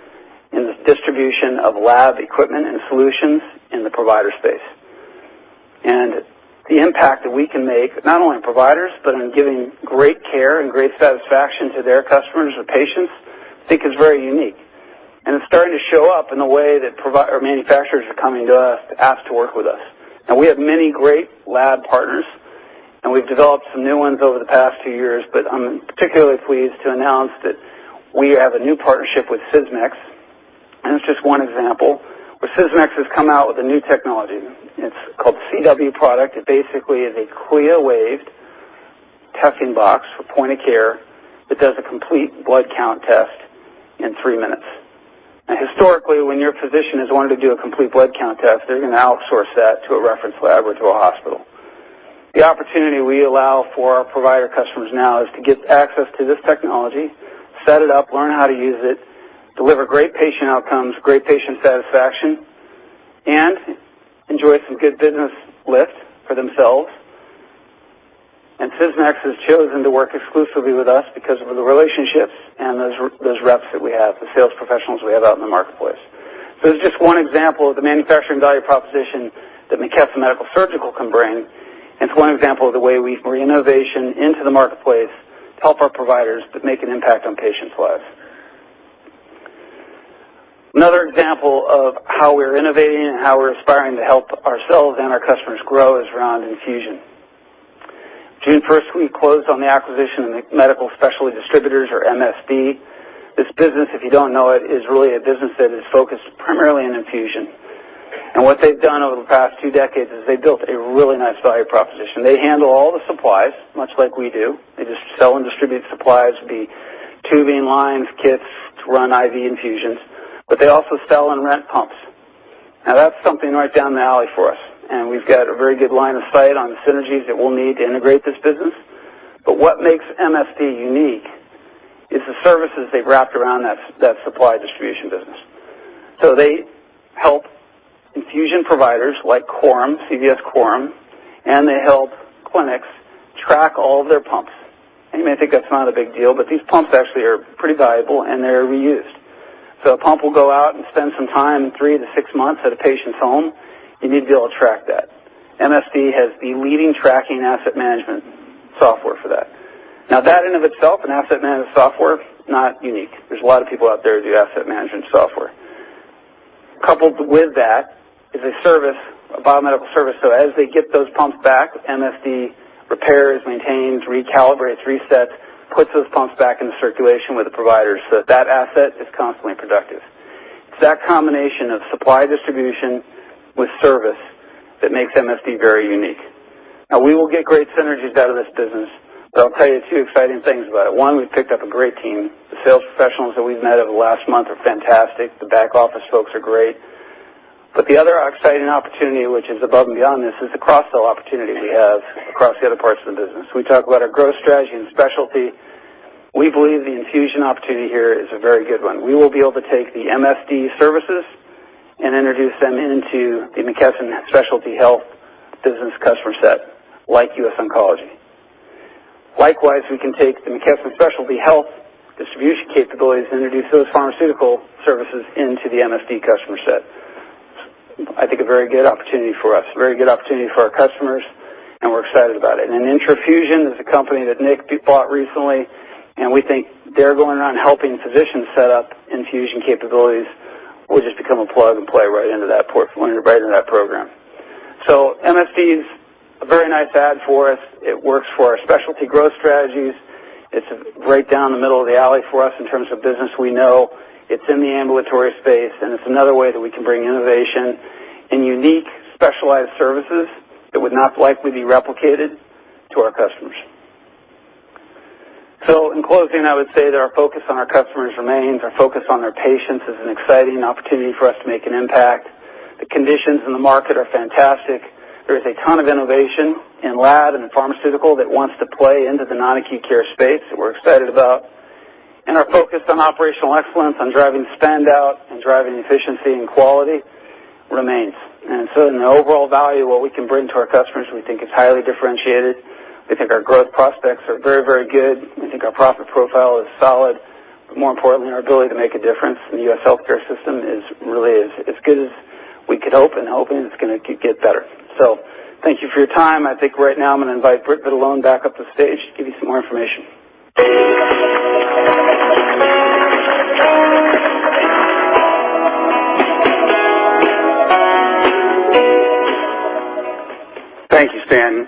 in the distribution of lab equipment and solutions in the provider space. The impact that we can make, not only on providers, but in giving great care and great satisfaction to their customers or patients, I think is very unique. It's starting to show up in the way that manufacturers are coming to us to ask to work with us. We have many great lab partners, and we've developed some new ones over the past two years, but I'm particularly pleased to announce that we have a new partnership with Sysmex, and it's just one example, where Sysmex has come out with a new technology. It's called the XW product. It basically is a CLIA-waived testing box for point of care that does a complete blood count test in three minutes. Historically, when your physician has wanted to do a complete blood count test, they're going to outsource that to a reference lab or to a hospital. The opportunity we allow for our provider customers now is to get access to this technology, set it up, learn how to use it, deliver great patient outcomes, great patient satisfaction, and enjoy some good business lift for themselves. Sysmex has chosen to work exclusively with us because of the relationships and those reps that we have, the sales professionals we have out in the marketplace. It's just one example of the manufacturing value proposition that McKesson Medical-Surgical can bring, and it's one example of the way we bring innovation into the marketplace to help our providers, but make an impact on patients' lives. Another example of how we're innovating and how we're aspiring to help ourselves and our customers grow is around infusion. June 1st, we closed on the acquisition of Medical Specialties Distributors or MSD. This business, if you don't know it, is really a business that is focused primarily on infusion. What they've done over the past two decades is they built a really nice value proposition. They handle all the supplies, much like we do. They just sell and distribute supplies, be tubing, lines, kits to run IV infusions, but they also sell and rent pumps. That's something right down the alley for us, and we've got a very good line of sight on the synergies that we'll need to integrate this business. What makes MSD unique is the services they've wrapped around that supply distribution business. They help infusion providers like Coram, CVS Coram, and they help clinics track all of their pumps. You may think that's not a big deal, but these pumps actually are pretty valuable, and they're reused. A pump will go out and spend some time, 3-6 months, at a patient's home. You need to be able to track that. MSD has the leading tracking asset management software for that. That in of itself, an asset management software, not unique. There's a lot of people out there who do asset management software. Coupled with that is a service, a biomedical service, as they get those pumps back, MSD repairs, maintains, recalibrates, resets, puts those pumps back into circulation with the providers so that that asset is constantly productive. It's that combination of supply distribution with service that makes MSD very unique. We will get great synergies out of this business, I'll tell you two exciting things about it. One, we've picked up a great team. The sales professionals that we've met over the last month are fantastic. The back office folks are great. The other exciting opportunity, which is above and beyond this, is the cross-sell opportunity we have across the other parts of the business. We talk about our growth strategy and specialty. We believe the infusion opportunity here is a very good one. We will be able to take the MSD services and introduce them into the McKesson Specialty Health business customer set, like US Oncology. Likewise, we can take the McKesson Specialty Health distribution capabilities and introduce those pharmaceutical services into the MSD customer set. I think a very good opportunity for us, a very good opportunity for our customers, we're excited about it. Infusion is a company that Nick bought recently, we think they're going around helping physicians set up infusion capabilities will just become a plug and play right into that portfolio, right into that program. MSD is a very nice add for us. It works for our specialty growth strategies. It's right down the middle of the alley for us in terms of business we know. It's in the ambulatory space, it's another way that we can bring innovation and unique specialized services that would not likely be replicated to our customers. In closing, I would say that our focus on our customers remains. Our focus on our patients is an exciting opportunity for us to make an impact. The conditions in the market are fantastic. There is a ton of innovation in lab and in pharmaceutical that wants to play into the non-acute care space that we're excited about. Our focus on operational excellence, on driving spend out and driving efficiency and quality remains. In the overall value of what we can bring to our customers, we think is highly differentiated. We think our growth prospects are very, very good. We think our profit profile is solid, but more importantly, our ability to make a difference in the U.S. healthcare system is really as good as we could hope and hoping it's going to get better. Thank you for your time. I think right now I'm going to invite Britt Vitalone back up to stage to give you some more information. Thank you, Stan.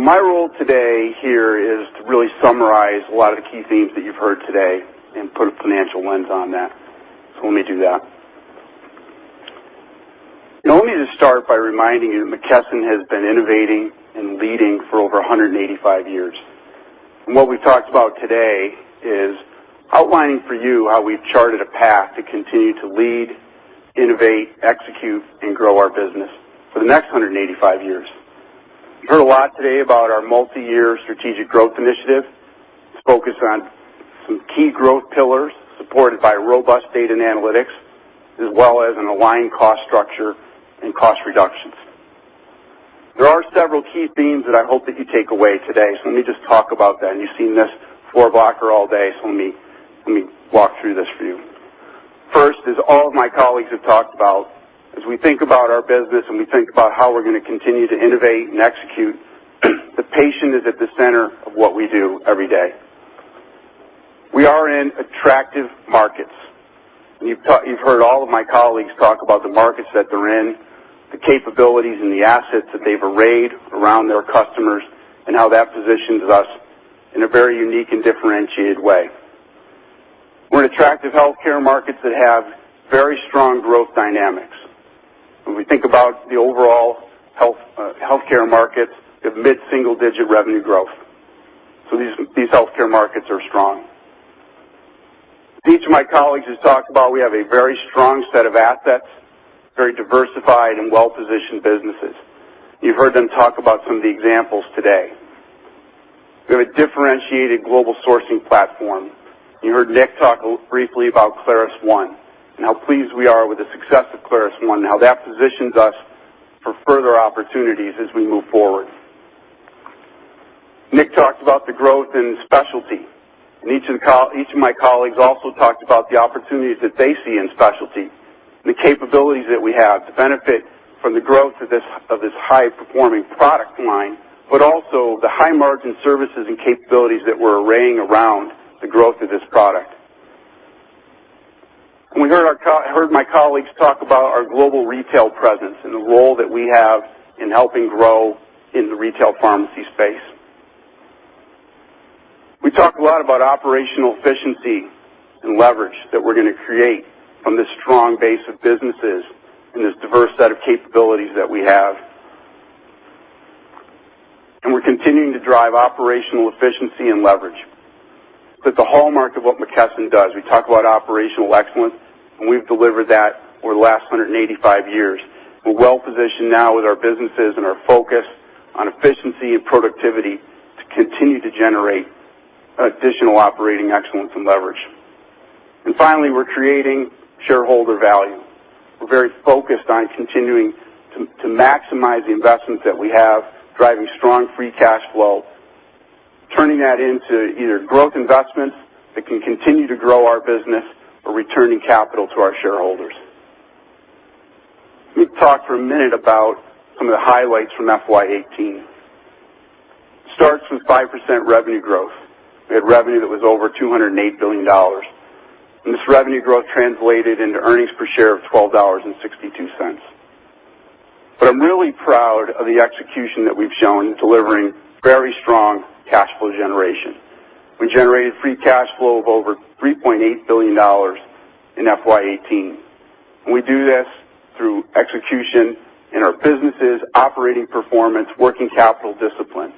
My role today here is to really summarize a lot of the key themes that you've heard today and put a financial lens on that. Let me do that. Let me just start by reminding you that McKesson has been innovating and leading for over 185 years. What we've talked about today is outlining for you how we've charted a path to continue to lead, innovate, execute, and grow our business for the next 185 years. You heard a lot today about our Multi-Year Strategic Growth Initiative. It's focused on some key growth pillars supported by robust data and analytics, as well as an aligned cost structure and cost reductions. There are several key themes that I hope that you take away today, let me just talk about that. You've seen this four-blocker all day, let me walk through this for you. First is all of my colleagues have talked about, as we think about our business, and we think about how we're going to continue to innovate and execute, the patient is at the center of what we do every day. We are in attractive markets. You've heard all of my colleagues talk about the markets that they're in, the capabilities and the assets that they've arrayed around their customers, and how that positions us in a very unique and differentiated way. We're in attractive healthcare markets that have very strong growth dynamics. When we think about the overall healthcare markets, they have mid-single-digit revenue growth. These healthcare markets are strong. Each of my colleagues has talked about we have a very strong set of assets, very diversified and well-positioned businesses. You've heard them talk about some of the examples today. We have a differentiated global sourcing platform. You heard Nick talk briefly about ClarusONE and how pleased we are with the success of ClarusONE, and how that positions us for further opportunities as we move forward. Nick talked about the growth in specialty, and each of my colleagues also talked about the opportunities that they see in specialty and the capabilities that we have to benefit from the growth of this high-performing product line, but also the high-margin services and capabilities that we're arraying around the growth of this product. We heard my colleagues talk about our global retail presence and the role that we have in helping grow in the retail pharmacy space. We talked a lot about operational efficiency and leverage that we're going to create from the strong base of businesses and this diverse set of capabilities that we have. We're continuing to drive operational efficiency and leverage. That's a hallmark of what McKesson does. We talk about operational excellence, and we've delivered that for the last 185 years. We're well-positioned now with our businesses and our focus on efficiency and productivity to continue to generate additional operating excellence and leverage. Finally, we're creating shareholder value. We're very focused on continuing to maximize the investments that we have, driving strong free cash flow, turning that into either growth investments that can continue to grow our business or returning capital to our shareholders. Let me talk for a minute about some of the highlights from FY 2018. Starts with 5% revenue growth. We had revenue that was over $208 billion. This revenue growth translated into earnings per share of $12.62. I'm really proud of the execution that we've shown in delivering very strong cash flow generation. We generated free cash flow of over $3.8 billion in FY 2018. We do this through execution in our businesses, operating performance, working capital discipline.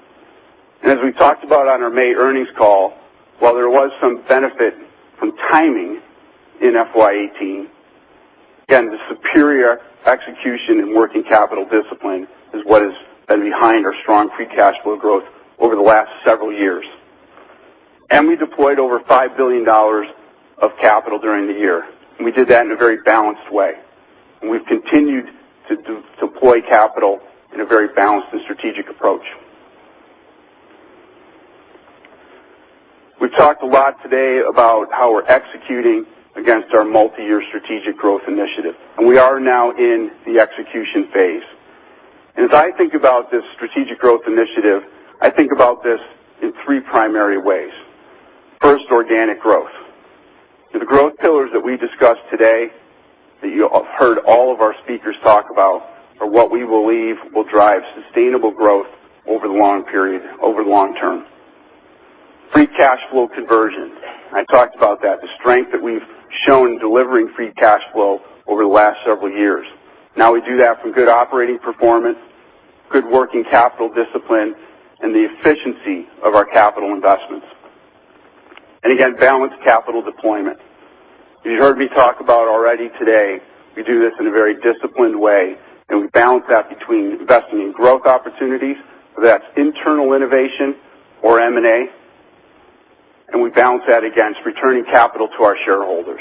As we talked about on our May earnings call, while there was some benefit from timing in FY 2018, again, the superior execution in working capital discipline is what has been behind our strong free cash flow growth over the last several years. We deployed over $5 billion of capital during the year, and we did that in a very balanced way, and we've continued to deploy capital in a very balanced and strategic approach. We talked a lot today about how we're executing against our multi-year Strategic Growth Initiative, and we are now in the execution phase. As I think about this Strategic Growth Initiative, I think about this in three primary ways. First, organic growth. The growth pillars that we discussed today, that you have heard all of our speakers talk about, are what we believe will drive sustainable growth over the long period, over the long term. Free cash flow conversion. I talked about that, the strength that we've shown in delivering free cash flow over the last several years. We do that from good operating performance, good working capital discipline, and the efficiency of our capital investments. Again, balanced capital deployment. As you heard me talk about already today, we do this in a very disciplined way. We balance that between investing in growth opportunities, whether that's internal innovation or M&A, and we balance that against returning capital to our shareholders.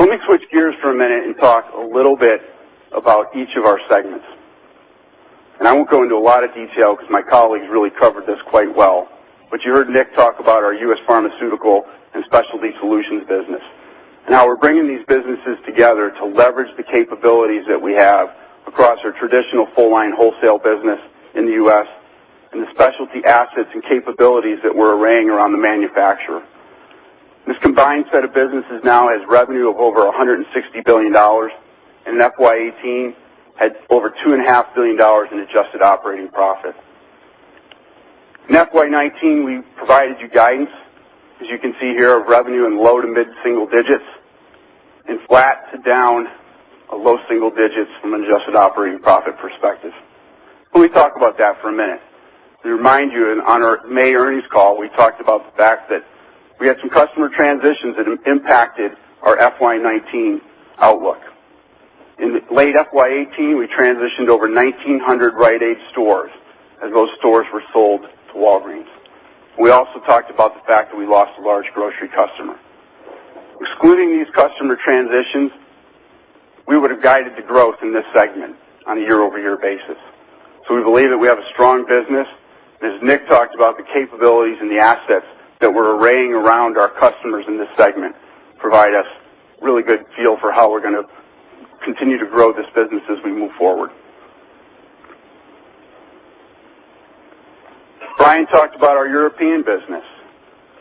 Let me switch gears for a minute and talk a little bit about each of our segments. I won't go into a lot of detail because my colleagues really covered this quite well, but you heard Nick talk about our U.S. Pharmaceutical and Specialty Solutions business and how we're bringing these businesses together to leverage the capabilities that we have across our traditional full-line wholesale business in the U.S. and the specialty assets and capabilities that we're arraying around the manufacturer. This combined set of businesses now has revenue of over $160 billion, and in FY 2018, had over $2.5 billion in adjusted operating profit. In FY 2019, we provided you guidance, as you can see here, of revenue in low to mid-single digits. Flat to down low single digits from an adjusted operating profit perspective. Let me talk about that for a minute. To remind you, on our May earnings call, we talked about the fact that we had some customer transitions that impacted our FY 2019 outlook. In the late FY 2018, we transitioned over 1,900 Rite Aid stores, as those stores were sold to Walgreens. We also talked about the fact that we lost a large grocery customer. Excluding these customer transitions, we would've guided the growth in this segment on a year-over-year basis. We believe that we have a strong business, and as Nick talked about, the capabilities and the assets that we're arraying around our customers in this segment provide us really good feel for how we're going to continue to grow this business as we move forward. Brian talked about our European business.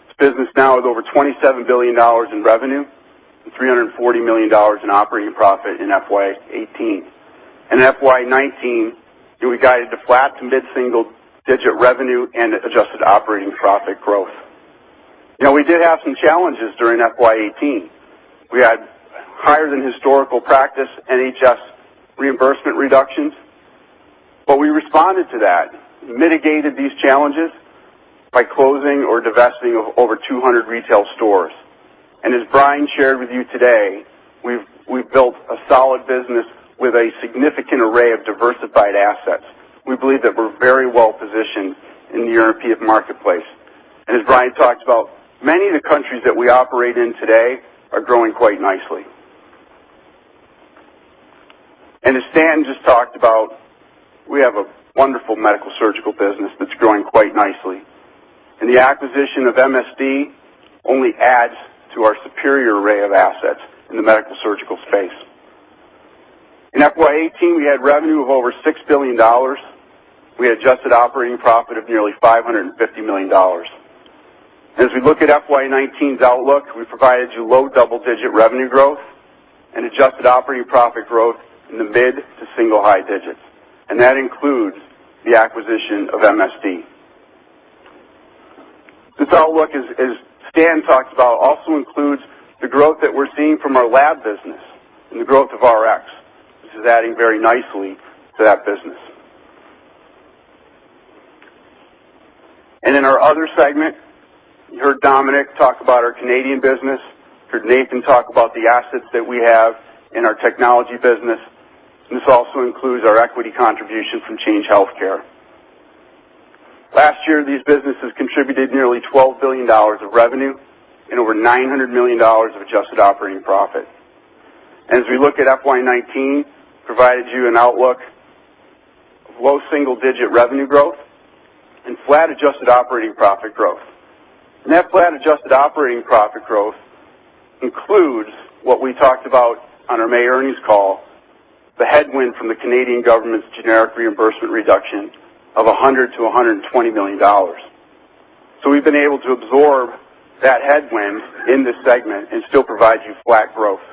It's a business now with over $27 billion in revenue and $340 million in operating profit in FY 2018. In FY 2019, we guided to flat to mid-single digit revenue and adjusted operating profit growth. We did have some challenges during FY 2018. We had higher than historical practice NHS reimbursement reductions. We responded to that and mitigated these challenges by closing or divesting of over 200 retail stores. As Brian shared with you today, we've built a solid business with a significant array of diversified assets. We believe that we're very well-positioned in the European marketplace. As Brian talked about, many of the countries that we operate in today are growing quite nicely. As Stan just talked about, we have a wonderful Medical-Surgical business that's growing quite nicely, and the acquisition of MSD only adds to our superior array of assets in the Medical-Surgical space. In FY 2018, we had revenue of over $6 billion. We had adjusted operating profit of nearly $550 million. As we look at FY 2019's outlook, we provided you low double-digit revenue growth and adjusted operating profit growth in the mid-to-single high digits, and that includes the acquisition of MSD. This outlook, as Stan talked about, also includes the growth that we're seeing from our lab business and the growth of Rx. This is adding very nicely to that business. In our other segment, you heard Domenic talk about our Canadian business, you heard Nathan talk about the assets that we have in our technology business, and this also includes our equity contribution from Change Healthcare. Last year, these businesses contributed nearly $12 billion of revenue and over $900 million of adjusted operating profit. As we look at FY 2019, provided you an outlook of low single-digit revenue growth and flat adjusted operating profit growth. That flat adjusted operating profit growth includes what we talked about on our May earnings call, the headwind from the Canadian government's generic reimbursement reduction of $100 million-$120 million. We've been able to absorb that headwind in this segment and still provide you flat growth,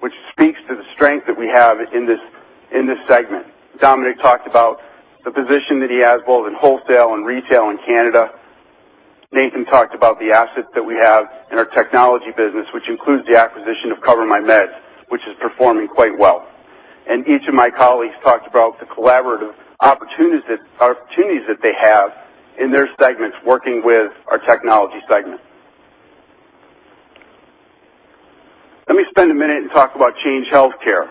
which speaks to the strength that we have in this segment. Domenic talked about the position that he has, both in wholesale and retail in Canada. Nathan talked about the assets that we have in our technology business, which includes the acquisition of CoverMyMeds, which is performing quite well. Each of my colleagues talked about the collaborative opportunities that they have in their segments, working with our technology segment. Let me spend a minute and talk about Change Healthcare.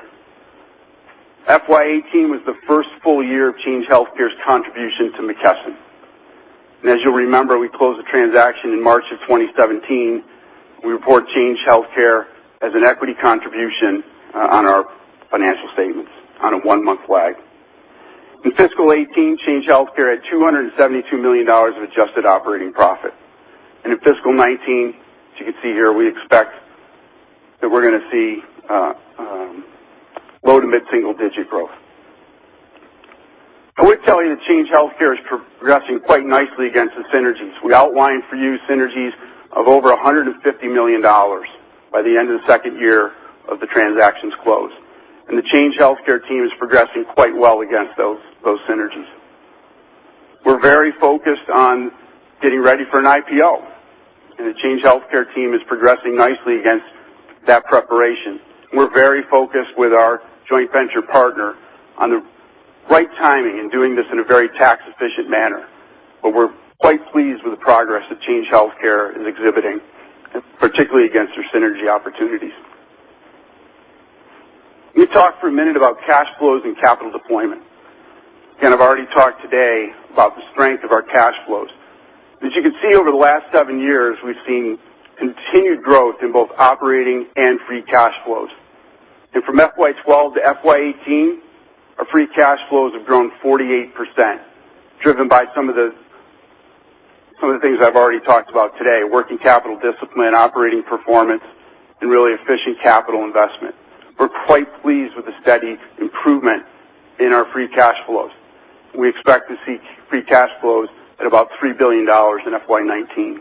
FY 2018 was the first full year of Change Healthcare's contribution to McKesson. As you'll remember, we closed the transaction in March of 2017. We report Change Healthcare as an equity contribution on our financial statements on a one-month lag. In fiscal 2018, Change Healthcare had $272 million of adjusted operating profit. In fiscal 2019, as you can see here, we expect that we're going to see low-to-mid-single digit growth. I would tell you that Change Healthcare is progressing quite nicely against the synergies. We outlined for you synergies of over $150 million by the end of the second year of the transaction's close. The Change Healthcare team is progressing quite well against those synergies. We're very focused on getting ready for an IPO, and the Change Healthcare team is progressing nicely against that preparation. We're very focused with our joint venture partner on the right timing in doing this in a very tax-efficient manner. We're quite pleased with the progress that Change Healthcare is exhibiting, and particularly against their synergy opportunities. Let me talk for a minute about cash flows and capital deployment. Again, I've already talked today about the strength of our cash flows. As you can see, over the last seven years, we've seen continued growth in both operating and free cash flows. From FY 2012 to FY 2018, our free cash flows have grown 48%, driven by some of the things I've already talked about today: working capital discipline, operating performance, and really efficient capital investment. We're quite pleased with the steady improvement in our free cash flows. We expect to see free cash flows at about $3 billion in FY 2019.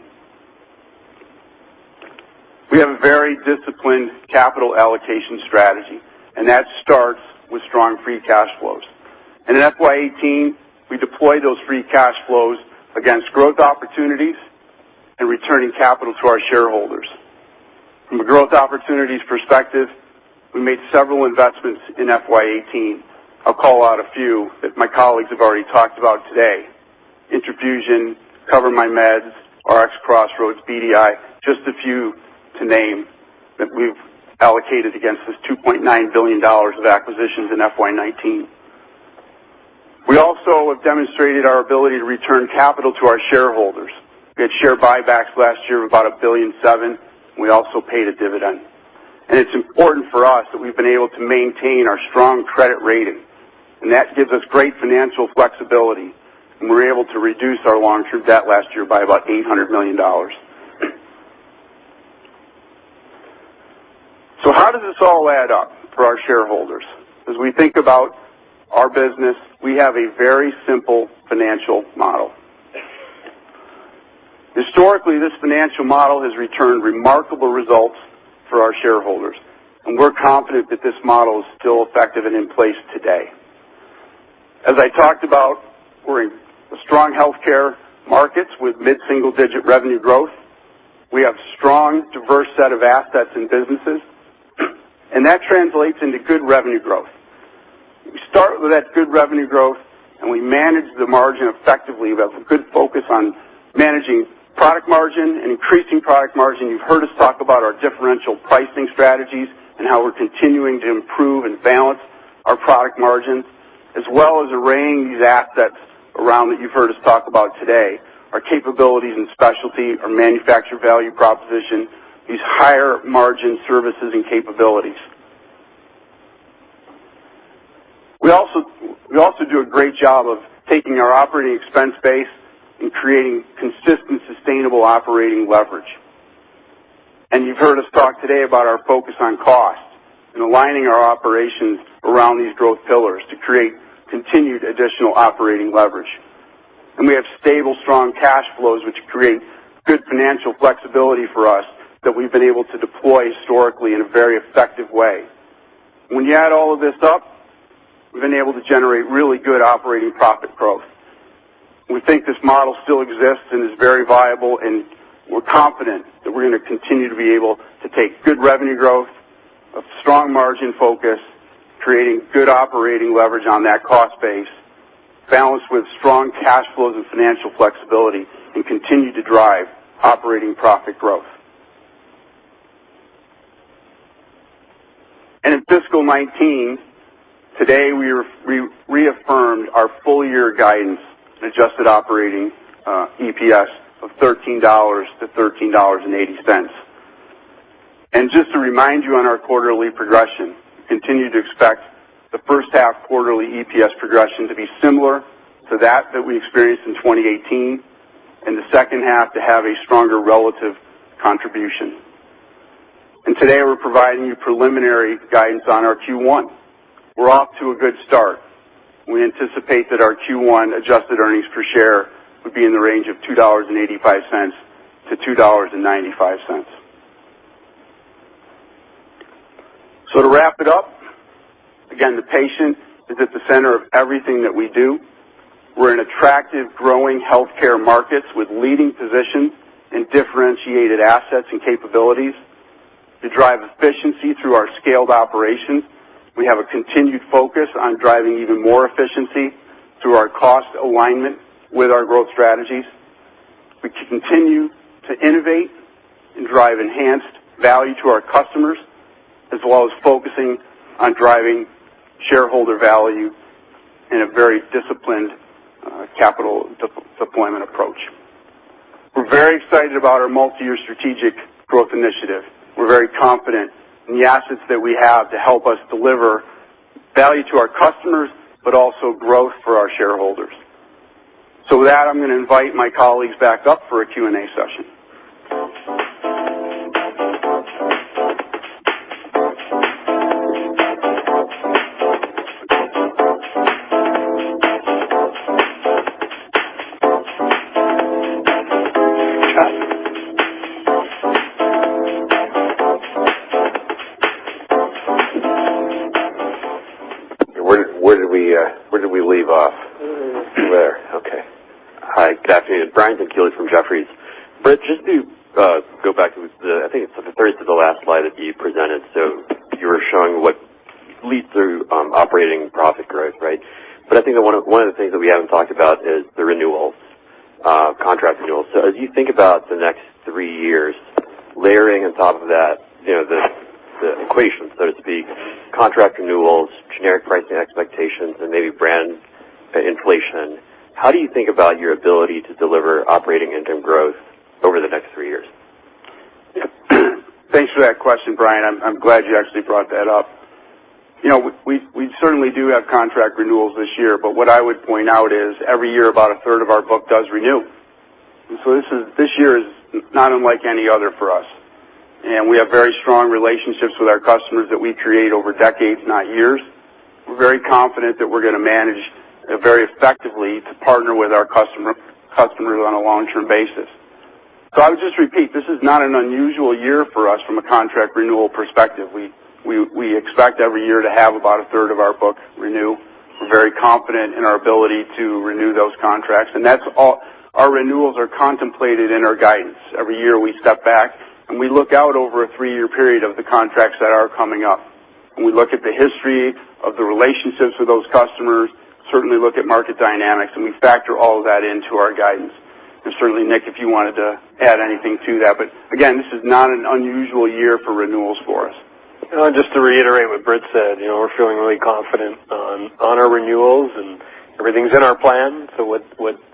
We have a very disciplined capital allocation strategy. That starts with strong free cash flows. In FY 2018, we deployed those free cash flows against growth opportunities and returning capital to our shareholders. From a growth opportunities perspective, we made several investments in FY 2018. I'll call out a few that my colleagues have already talked about today. Intrafusion, CoverMyMeds, RxCrossroads, BDI, just a few to name that we've allocated against this $2.9 billion of acquisitions in FY 2019. We also have demonstrated our ability to return capital to our shareholders. We had share buybacks last year of about $1.7 billion. We also paid a dividend. It's important for us that we've been able to maintain our strong credit rating. That gives us great financial flexibility. We were able to reduce our long-term debt last year by about $800 million. How does this all add up for our shareholders? As we think about our business, we have a very simple financial model. Historically, this financial model has returned remarkable results for our shareholders. We're confident that this model is still effective and in place today. As I talked about, we're in strong healthcare markets with mid-single-digit revenue growth. We have strong, diverse set of assets and businesses. That translates into good revenue growth. We start with that good revenue growth. We manage the margin effectively. We have a good focus on managing product margin and increasing product margin. You've heard us talk about our differential pricing strategies and how we're continuing to improve and balance our product margins, as well as arraying these assets around that you've heard us talk about today, our capabilities and specialty, our manufacturer value proposition, these higher margin services and capabilities. We also do a great job of taking our operating expense base and creating consistent, sustainable operating leverage. You've heard us talk today about our focus on cost and aligning our operations around these growth pillars to create continued additional operating leverage. We have stable, strong cash flows, which create good financial flexibility for us that we've been able to deploy historically in a very effective way. When you add all of this up, we've been able to generate really good operating profit growth. We think this model still exists, is very viable. We're confident that we're going to continue to be able to take good revenue growth, a strong margin focus, creating good operating leverage on that cost base, balanced with strong cash flows and financial flexibility, continue to drive operating profit growth. In fiscal 2019, today, we reaffirmed our full-year guidance and adjusted operating EPS of $13-$13.80. Just to remind you on our quarterly progression, we continue to expect the first half quarterly EPS progression to be similar to that that we experienced in 2018. The second half to have a stronger relative contribution. Today, we're providing you preliminary guidance on our Q1. We're off to a good start. We anticipate that our Q1-adjusted earnings per share would be in the range of $2.85 to $2.95. To wrap it up, again, the patient is at the center of everything that we do. We're in attractive, growing healthcare markets with leading positions and differentiated assets and capabilities. We drive efficiency through our scaled operations. We have a continued focus on driving even more efficiency through our cost alignment with our growth strategies. We continue to innovate and drive enhanced value to our customers, as well as focusing on driving shareholder value in a very disciplined capital deployment approach. We're very excited about our multi-year strategic growth initiative. We're very confident in the assets that we have to help us deliver value to our customers, but also growth for our shareholders. With that, I'm going to invite my colleagues back up for a Q&A session. Where did we leave off? There. There, okay. Hi, good afternoon. Brian Tanquilut from Jefferies. Britt, just to go back to, I think it's the third to the last slide that you presented. You were showing what leads to operating profit growth, right? I think that one of the things that we haven't talked about is the renewals, contract renewals. As you think about the next three years, layering on top of that the equation, so to speak, contract renewals, generic pricing expectations, and maybe brand inflation, how do you think about your ability to deliver operating income growth over the next three years? Yeah. Thanks for that question, Brian. I am glad you actually brought that up. We certainly do have contract renewals this year, but what I would point out is every year, about a third of our book does renew. This year is not unlike any other for us, we have very strong relationships with our customers that we create over decades, not years. We are very confident that we are going to manage very effectively to partner with our customers on a long-term basis. I would just repeat, this is not an unusual year for us from a contract renewal perspective. We expect every year to have about a third of our book renew. We are very confident in our ability to renew those contracts. Our renewals are contemplated in our guidance. Every year we step back and we look out over a three-year period of the contracts that are coming up, we look at the history of the relationships with those customers, certainly look at market dynamics, and we factor all of that into our guidance. Certainly, Nick, if you wanted to add anything to that. Again, this is not an unusual year for renewals for us. Just to reiterate what Britt said, we are feeling really confident on our renewals and everything is in our plan. What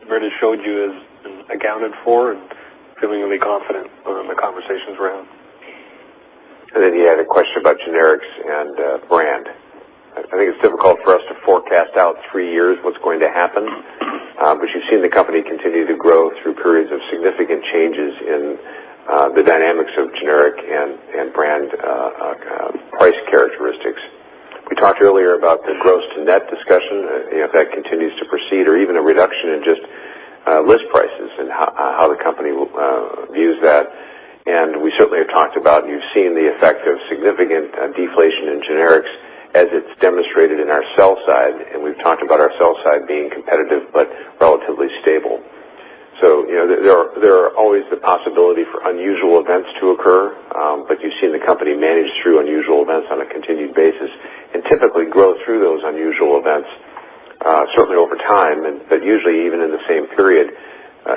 Britt has showed you is accounted for and feeling really confident on the conversations we are having. You had a question about generics and brand. I think it is difficult for us to forecast out three years what is going to happen, but you have seen the company continue to grow through periods of significant changes in the dynamics of generic and brand price characteristics. We talked earlier about the gross to net discussion, if that continues to proceed or even a reduction in just list prices and how the company views that. We certainly have talked about, you have seen the effect of significant deflation in generics as it is demonstrated in our sell side. We have talked about our sell side being competitive but relatively stable. There are always the possibility for unusual events to occur. You've seen the company manage through unusual events on a continued basis and typically grow through those unusual events, certainly over time, but usually even in the same period.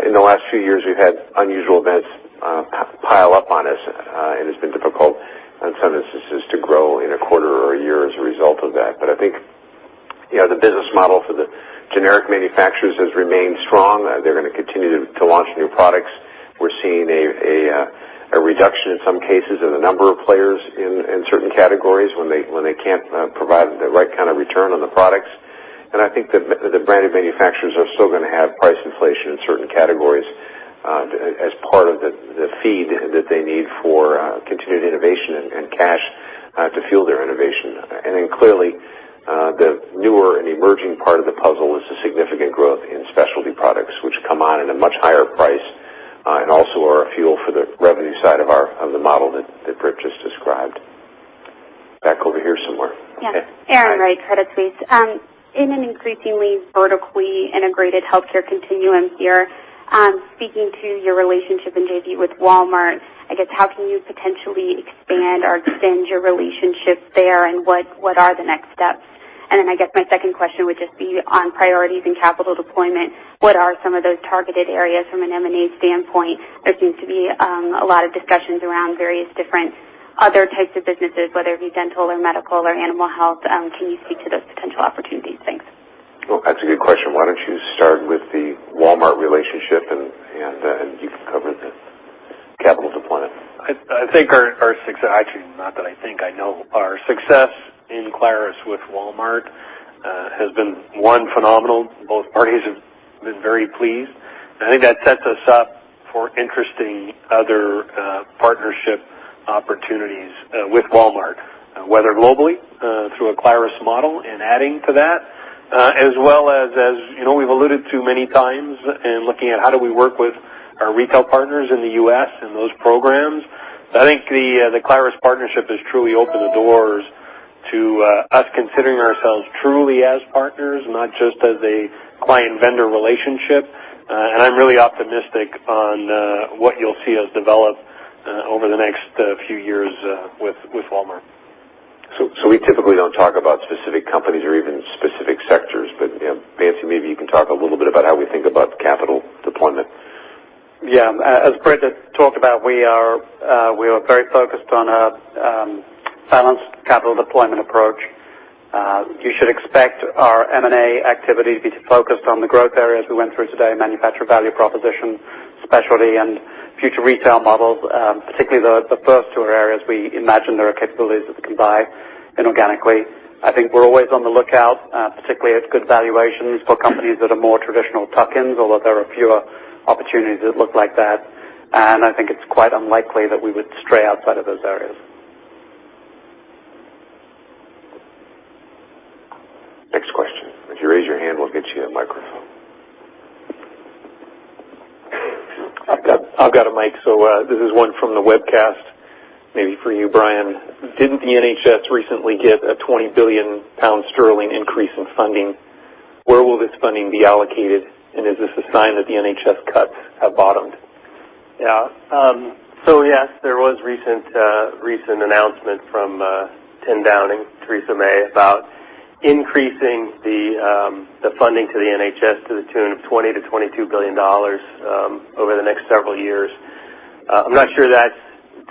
In the last few years, we've had unusual events pile up on us, and it's been difficult in some instances to grow in a quarter or a year as a result of that. I think the business model for the generic manufacturers has remained strong. They're going to continue to launch new products. We're seeing a reduction in some cases in the number of players in certain categories when they can't provide the right kind of return on the products. I think that the branded manufacturers are still going to have price inflation in certain categories as part of the feed that they need for continued innovation and cash to fuel their innovation. Clearly, the newer and emerging part of the puzzle is the significant growth in specialty products, which come on at a much higher price, and also are a fuel for the revenue side of the model that Britt just described. Back over here somewhere. Yeah. Erin Wright, Credit Suisse. In an increasingly vertically integrated healthcare continuum here, speaking to your relationship and JV with Walmart, I guess how can you potentially expand or extend your relationship there and what are the next steps? I guess my second question would just be on priorities and capital deployment. What are some of those targeted areas from an M&A standpoint? There seems to be a lot of discussions around various different other types of businesses, whether it be dental or medical or animal health. Can you speak to those potential opportunities? Thanks. Well, that's a good question. Why don't you start with the Walmart relationship, and you can cover the capital deployment. I think our success, actually, not that I think, I know our success in Clarus with Walmart has been, one, phenomenal. Both parties have been very pleased. I think that sets us up for interesting other partnership opportunities with Walmart, whether globally, through a Clarus model and adding to that, as well as, we've alluded to many times in looking at how do we work with our retail partners in the U.S. and those programs. I think the Clarus partnership has truly opened the doors to us considering ourselves truly as partners, not just as a client-vendor relationship. I'm really optimistic on what you'll see us develop over the next few years with Walmart. We typically don't talk about specific companies or even specific sectors. Nancy, maybe you can talk a little bit about how we think about capital deployment. Yeah. As Britt had talked about, we are very focused on a balanced capital deployment approach. You should expect our M&A activity to be focused on the growth areas we went through today, manufacturer value proposition, specialty, and future retail models. Particularly the first two are areas we imagine there are capabilities that we can buy inorganically. I think we're always on the lookout, particularly at good valuations for companies that are more traditional tuck-ins, although there are fewer opportunities that look like that. I think it's quite unlikely that we would stray outside of those areas. Next question. If you raise your hand, we'll get you a microphone. I've got a mic. This is one from the webcast, maybe for you, Brian. Didn't the NHS recently get a 20 billion sterling increase in funding? Where will this funding be allocated, and is this a sign that the NHS cuts have bottomed? Yeah. Yes, there was recent announcement from 10 Downing, Theresa May, about increasing the funding to the NHS to the tune of $20 billion to $22 billion over the next several years. I'm not sure that's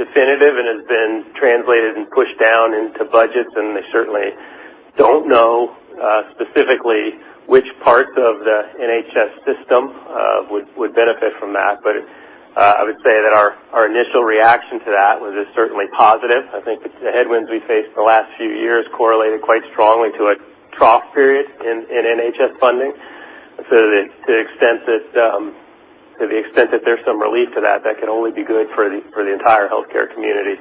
definitive and has been translated and pushed down into budgets, and they certainly don't know specifically which parts of the NHS system would benefit from that. I would say that our initial reaction to that was just certainly positive. I think the headwinds we faced in the last few years correlated quite strongly to a trough period in NHS funding. To the extent that there's some relief to that can only be good for the entire healthcare community.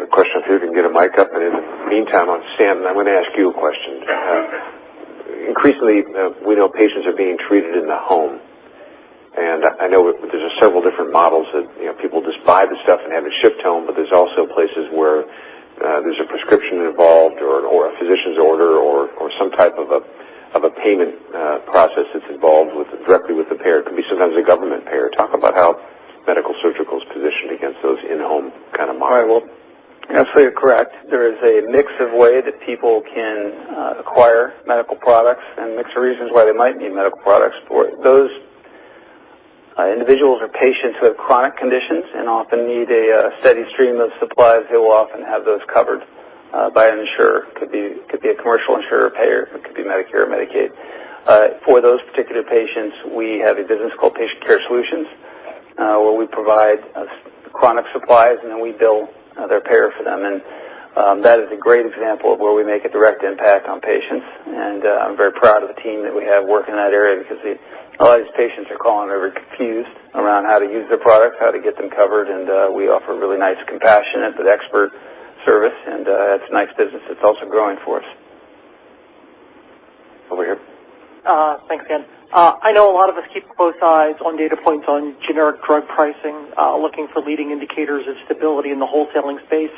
If you can get a mic up. In the meantime, Stan, I'm going to ask you a question. Increasingly, we know patients are being treated in the home, and I know there's several different models that people just buy the stuff and have it shipped home, but there's also places where there's a prescription involved or a physician's order or some type of a payment process that's involved directly with the payer. It can be sometimes a government payer. Talk about how medical-surgical is positioned against those in-home kind of models. Absolutely correct. There is a mix of way that people can acquire medical products and mix of reasons why they might need medical products. For those individuals or patients who have chronic conditions and often need a steady stream of supplies, they will often have those covered by an insurer. Could be a commercial insurer payer, it could be Medicare, Medicaid. For those particular patients, we have a business called Patient Care Solutions, where we provide chronic supplies, and then we bill their payer for them. That is a great example of where we make a direct impact on patients. I'm very proud of the team that we have working in that area because a lot of these patients are calling, they're confused around how to use their product, how to get them covered, and we offer really nice, compassionate, but expert service, and it's a nice business that's also growing for us. Over here. Thanks, [Dan] I know a lot of us keep close eyes on data points on generic drug pricing, looking for leading indicators of stability in the wholesaling space.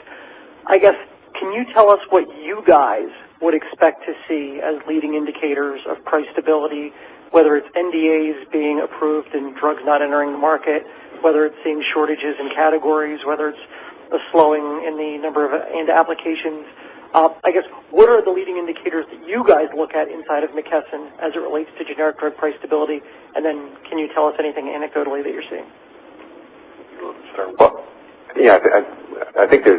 I guess, can you tell us what you guys would expect to see as leading indicators of price stability, whether it's NDAs being approved and drugs not entering the market, whether it's seeing shortages in categories, whether it's a slowing in the number of applications? I guess, what are the leading indicators that you guys look at inside of McKesson as it relates to generic drug price stability? Then can you tell us anything anecdotally that you're seeing? You want to start? Well, yeah. I think they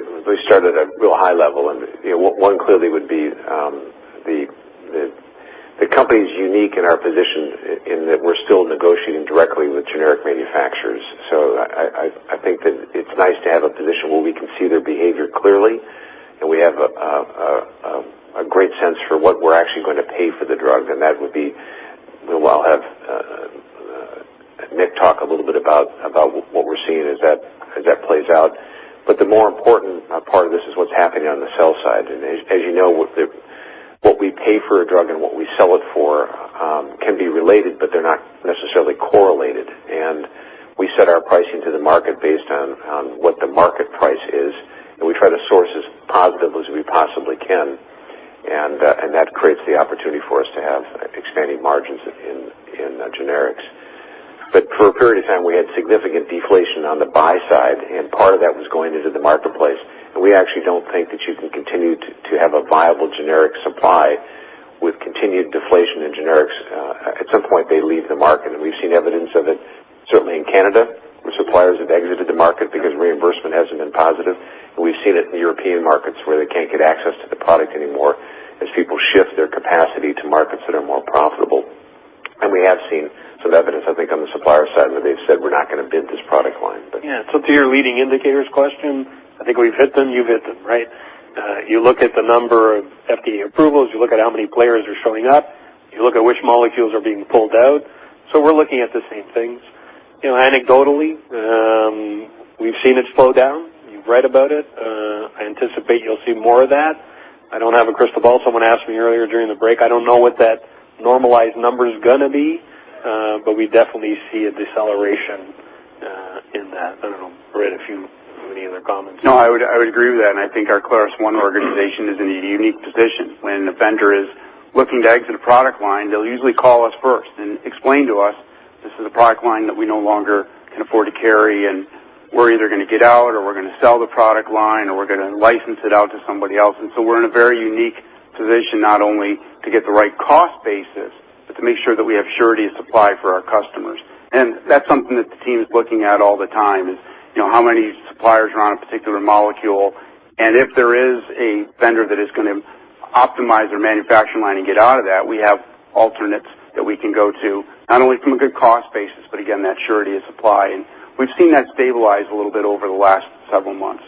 started at real high level, one clearly would be the company's unique in our position in that we're still negotiating directly with generic manufacturers. I think that it's nice to have a position where we can see their behavior clearly, and we have a great sense for what we're actually going to pay for the drug. We'll have Nick talk a little bit about what we're seeing as that plays out. The more important part of this is what's happening on the sell side. As you know, what we pay for a drug and what we sell it for can be related, but they're not necessarily correlated. We set our pricing to the market based on what the market price is, and we try to source as positively as we possibly can. That creates the opportunity for us to have expanding margins in generics. For a period of time, we had significant deflation on the buy side, and part of that was going into the marketplace. We actually don't think that you can continue to have a viable generic supply with continued deflation in generics. At some point, they leave the market, and we've seen evidence of it certainly in Canada, where suppliers have exited the market because reimbursement hasn't been positive. We've seen it in European markets where they can't get access to the product anymore as people shift their capacity to markets that are more profitable. We have seen some evidence, I think, on the supplier side, that they've said, "We're not going to bid this product line. To your leading indicators question, I think we've hit them, you've hit them, right? You look at the number of FDA approvals, you look at how many players are showing up, you look at which molecules are being pulled out. We're looking at the same things. Anecdotally, we've seen it slow down. You've read about it. I anticipate you'll see more of that. I don't have a crystal ball. Someone asked me earlier during the break, I don't know what that normalized number's going to be. We definitely see a deceleration in that. I don't know, Britt, if you have any other comments. I would agree with that, and I think our ClarusONE organization is in a unique position. When a vendor is looking to exit a product line, they'll usually call us first and explain to us, "This is a product line that we no longer can afford to carry, and we're either going to get out or we're going to sell the product line or we're going to license it out to somebody else." We're in a very unique position, not only to get the right cost basis, but to make sure that we have surety of supply for our customers. That's something that the team is looking at all the time is how many suppliers are on a particular molecule. If there is a vendor that is going to optimize their manufacturing line and get out of that, we have alternates that we can go to, not only from a good cost basis, but again, that surety of supply. We've seen that stabilize a little bit over the last several months.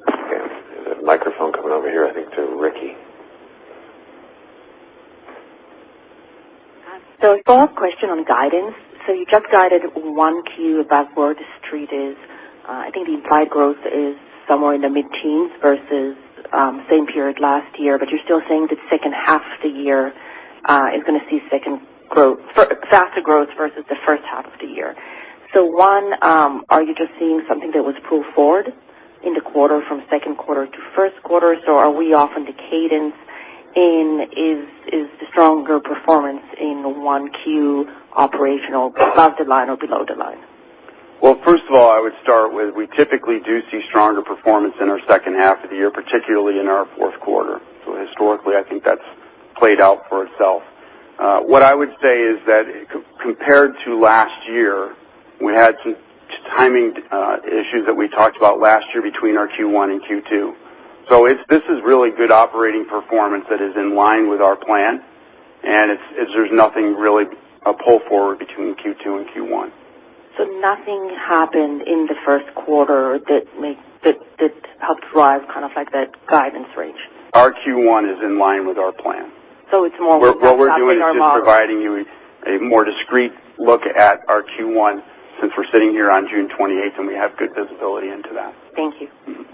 There's a microphone coming over here, I think, to Ricky. First question on guidance. You just guided 1Q above where the Street is. I think the implied growth is somewhere in the mid-teens versus same period last year. You're still saying the second half of the year is going to see faster growth versus the first half of the year. One, are you just seeing something that was pulled forward in the quarter from second quarter to first quarter? Are we off in the cadence in, is the stronger performance in 1Q operational above the line or below the line? First of all, I would start with, we typically do see stronger performance in our second half of the year, particularly in our fourth quarter. Historically, I think that's played out for itself. What I would say is that compared to last year, we had some timing issues that we talked about last year between our Q1 and Q2. This is really good operating performance that is in line with our plan, and there's nothing really a pull forward between Q2 and Q1. Nothing happened in the first quarter that helped drive that guidance range? Our Q1 is in line with our plan. It's more what's happening in our model. What we're doing is just providing you a more discrete look at our Q1, since we're sitting here on June 28th and we have good visibility into that. Thank you.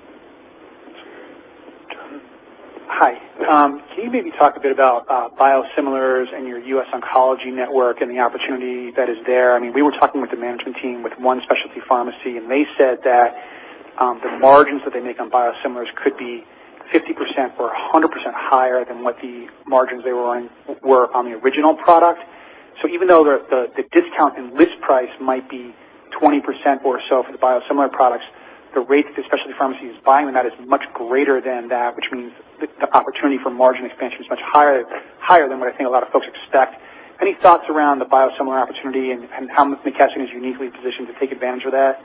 Hi. Can you maybe talk a bit about biosimilars and your U.S. Oncology Network and the opportunity that is there? We were talking with the management team with one specialty pharmacy, and they said that the margins that they make on biosimilars could be 50% or 100% higher than what the margins they were on were on the original product. Even though the discount in list price might be 20% or so for the biosimilar products, the rate that the specialty pharmacy is buying that is much greater than that, which means the opportunity for margin expansion is much higher than what I think a lot of folks expect. Any thoughts around the biosimilar opportunity and how McKesson is uniquely positioned to take advantage of that?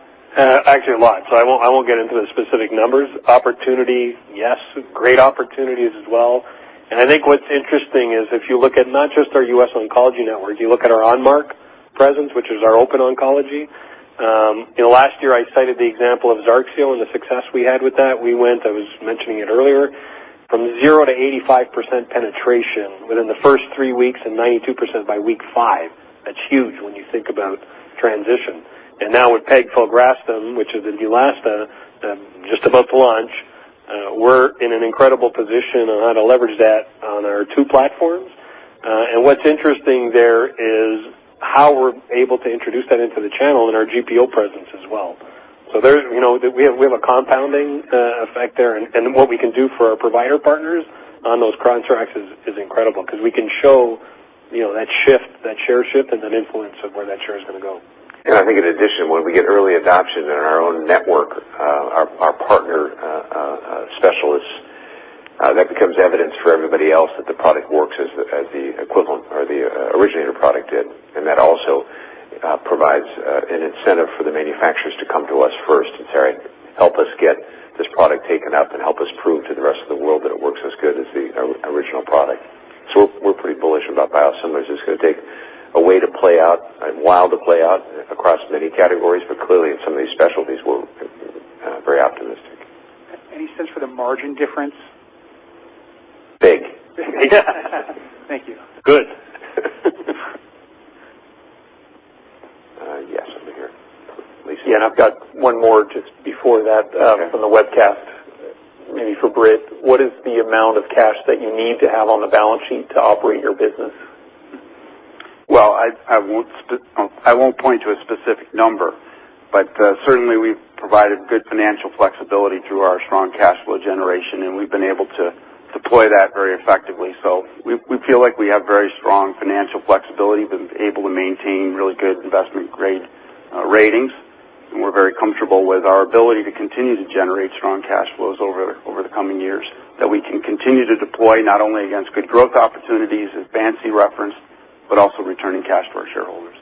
Actually, a lot. I won't get into the specific numbers. Opportunity, yes, great opportunities as well. I think what's interesting is if you look at not just our U.S. Oncology Network, you look at our Onmark presence, which is our open oncology. Last year I cited the example of ZARXIO and the success we had with that. We went, I was mentioning it earlier, from zero to 85% penetration within the first three weeks and 92% by week five. That's huge when you think about transition. Now with pegfilgrastim, which is Neulasta, just about to launch, we're in an incredible position on how to leverage that on our two platforms. What's interesting there is how we're able to introduce that into the channel in our GPO presence as well. There, we have a compounding effect there, what we can do for our provider partners on those contracts is incredible because we can show that share shift, and then influence of where that share is going to go. I think in addition, when we get early adoption on our own network, our partner specialists, that becomes evidence for everybody else that the product works as the equivalent or the originator product did. That also provides an incentive for the manufacturers to come to us first and say, "Help us get this product taken up and help us prove to the rest of the world that it works as good as the original product." We're pretty bullish about biosimilars. It's going to take a way to play out, a while to play out across many categories, clearly in some of these specialties, we're very optimistic. Any sense for the margin difference? Big. Thank you. Good. Yes, over here. Lisa. Yeah, I've got one more just before that from the webcast, maybe for Britt. What is the amount of cash that you need to have on the balance sheet to operate your business? Well, I won't point to a specific number, but certainly we've provided good financial flexibility through our strong cash flow generation, and we've been able to deploy that very effectively. We feel like we have very strong financial flexibility. We've been able to maintain really good investment-grade ratings, and we're very comfortable with our ability to continue to generate strong cash flows over the coming years that we can continue to deploy, not only against good growth opportunities as Vance referenced, but also returning cash to our shareholders.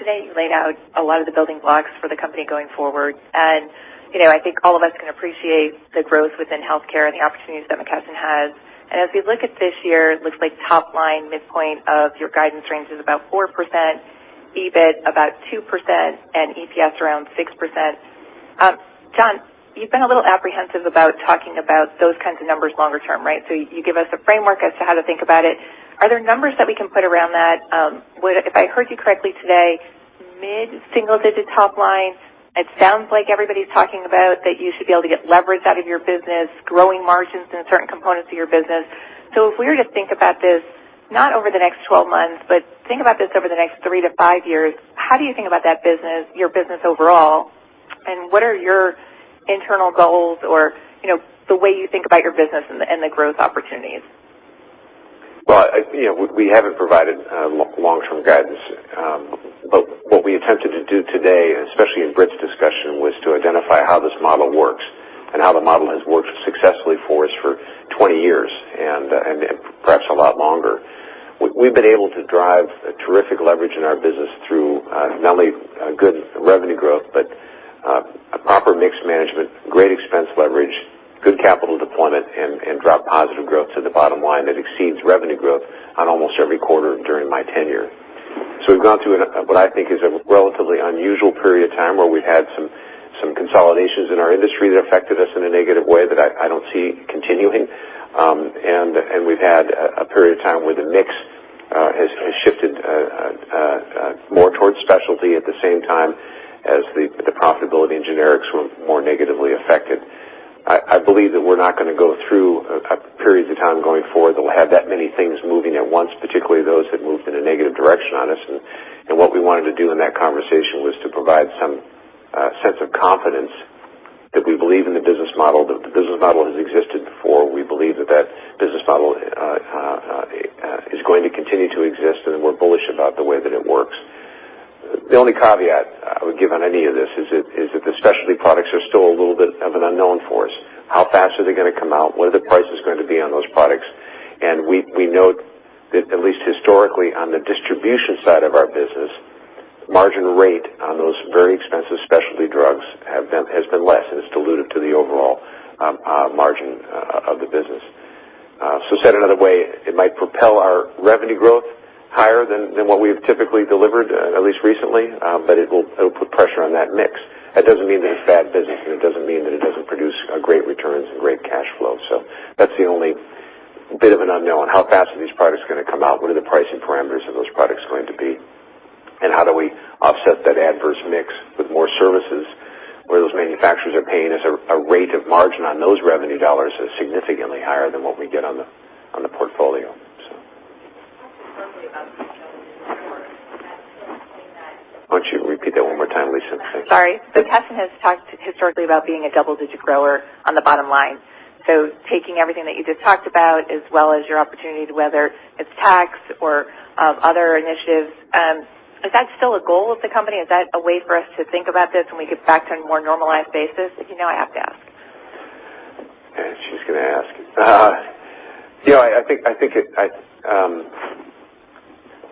Today, you laid out a lot of the building blocks for the company going forward. I think all of us can appreciate the growth within healthcare and the opportunities that McKesson has. As we look at this year, it looks like top line midpoint of your guidance range is about 4%, EBIT about 2%, and EPS around 6%. John, you've been a little apprehensive about talking about those kinds of numbers longer term, right? You give us a framework as to how to think about it. Are there numbers that we can put around that? If I heard you correctly today, mid-single-digit top line. It sounds like everybody's talking about that you should be able to get leverage out of your business, growing margins in certain components of your business. If we were to think about this, not over the next 12 months, but think about this over the next 3 to 5 years, how do you think about that business, your business overall, and what are your internal goals or the way you think about your business and the growth opportunities? Well, we haven't provided long-term guidance. What we attempted to do today, especially in Britt's discussion, was to identify how this model works and how the model has worked successfully for us for 20 years and perhaps a lot longer. We've been able to drive a terrific leverage in our business through not only good revenue growth, but proper mixed management, great expense leverage, good capital deployment, and drive positive growth to the bottom line that exceeds revenue growth on almost every quarter during my tenure. We've gone through what I think is a relatively unusual period of time where we've had some consolidations in our industry that affected us in a negative way that I don't see continuing. We've had a period of time where the mix has shifted more towards specialty at the same time as the profitability in generics were more negatively affected. I believe that we're not going to go through periods of time going forward that will have that many things moving at once, particularly those that moved in a negative direction on us. What we wanted to do in that conversation was to provide some sense of confidence that we believe in the business model, that the business model has existed before. We believe that that business model is going to continue to exist, and we're bullish about the way that it works. The only caveat I would give on any of this is that the specialty products are still a little bit of an unknown for us. How fast are they going to come out? What are the prices going to be on those products? We note that at least historically on the distribution side of our business, margin rate on those very expensive specialty drugs has been less and has diluted to the overall margin of the business. Said another way, it might propel our revenue growth higher than what we've typically delivered, at least recently, but it'll put pressure on that mix. That doesn't mean that it's bad business, and it doesn't mean that it doesn't produce great returns and great cash flow. That's the only bit of an unknown. How fast are these products going to come out? What are the pricing parameters of those products going to be? How do we offset that adverse mix with more services where those manufacturers are paying us a rate of margin on those revenue dollars that's significantly higher than what we get on the portfolio. Why don't you repeat that one more time, Lisa? Thank you. Sorry. McKesson has talked historically about being a double-digit grower on the bottom line. Taking everything that you just talked about, as well as your opportunity, whether it's tax or other initiatives, is that still a goal of the company? Is that a way for us to think about this when we get back to a more normalized basis? You know I have to ask. Yeah, she's going to ask.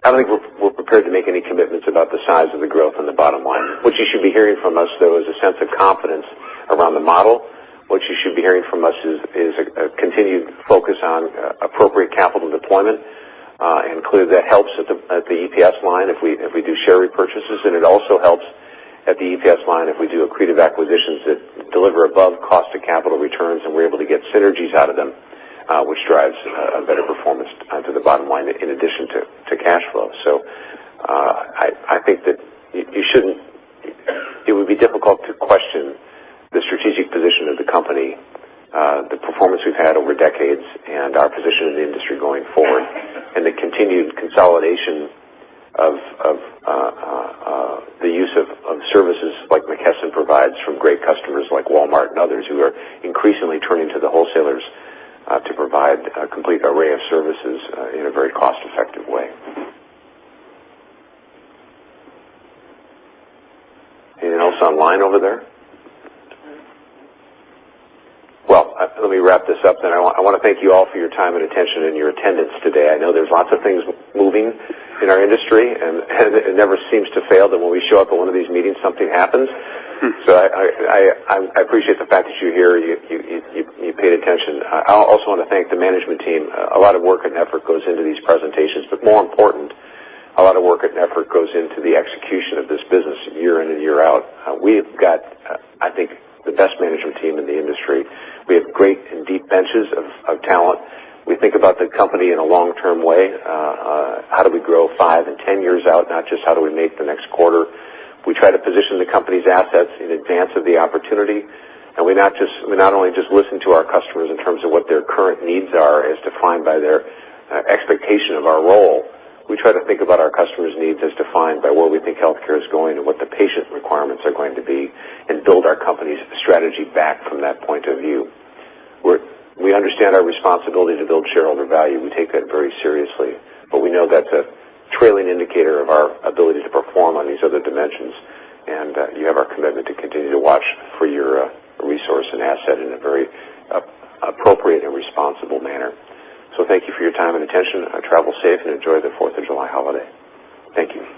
I don't think we're prepared to make any commitments about the size of the growth on the bottom line. What you should be hearing from us, though, is a sense of confidence around the model. What you should be hearing from us is a continued focus on appropriate capital deployment. Clearly, that helps at the EPS line if we do share repurchases, and it also helps at the EPS line if we do accretive acquisitions that deliver above cost of capital returns, and we're able to get synergies out of them, which drives a better performance to the bottom line in addition to cash flow. I think that it would be difficult to question the strategic position of the company, the performance we've had over decades, and our position in the industry going forward, and the continued consolidation of the use of services like McKesson provides from great customers like Walmart and others who are increasingly turning to the wholesalers to provide a complete array of services in a very cost-effective way. Anyone else online over there? Let me wrap this up then. I want to thank you all for your time and attention and your attendance today. I know there's lots of things moving in our industry, and it never seems to fail that when we show up at one of these meetings, something happens. I appreciate the fact that you're here. You paid attention. I also want to thank the management team. A lot of work and effort goes into these presentations. More important, a lot of work and effort goes into the execution of this business year in and year out. We have got, I think, the best management team in the industry. We have great and deep benches of talent. We think about the company in a long-term way. How do we grow five and 10 years out, not just how do we make the next quarter? We try to position the company's assets in advance of the opportunity. We not only just listen to our customers in terms of what their current needs are, as defined by their expectation of our role. We try to think about our customers' needs as defined by where we think healthcare is going and what the patient requirements are going to be. We build our company's strategy back from that point of view, where we understand our responsibility to build shareholder value. We take that very seriously. We know that's a trailing indicator of our ability to perform on these other dimensions. You have our commitment to continue to watch for your resource and asset in a very appropriate and responsible manner. Thank you for your time and attention. Travel safe and enjoy the Fourth of July holiday. Thank you.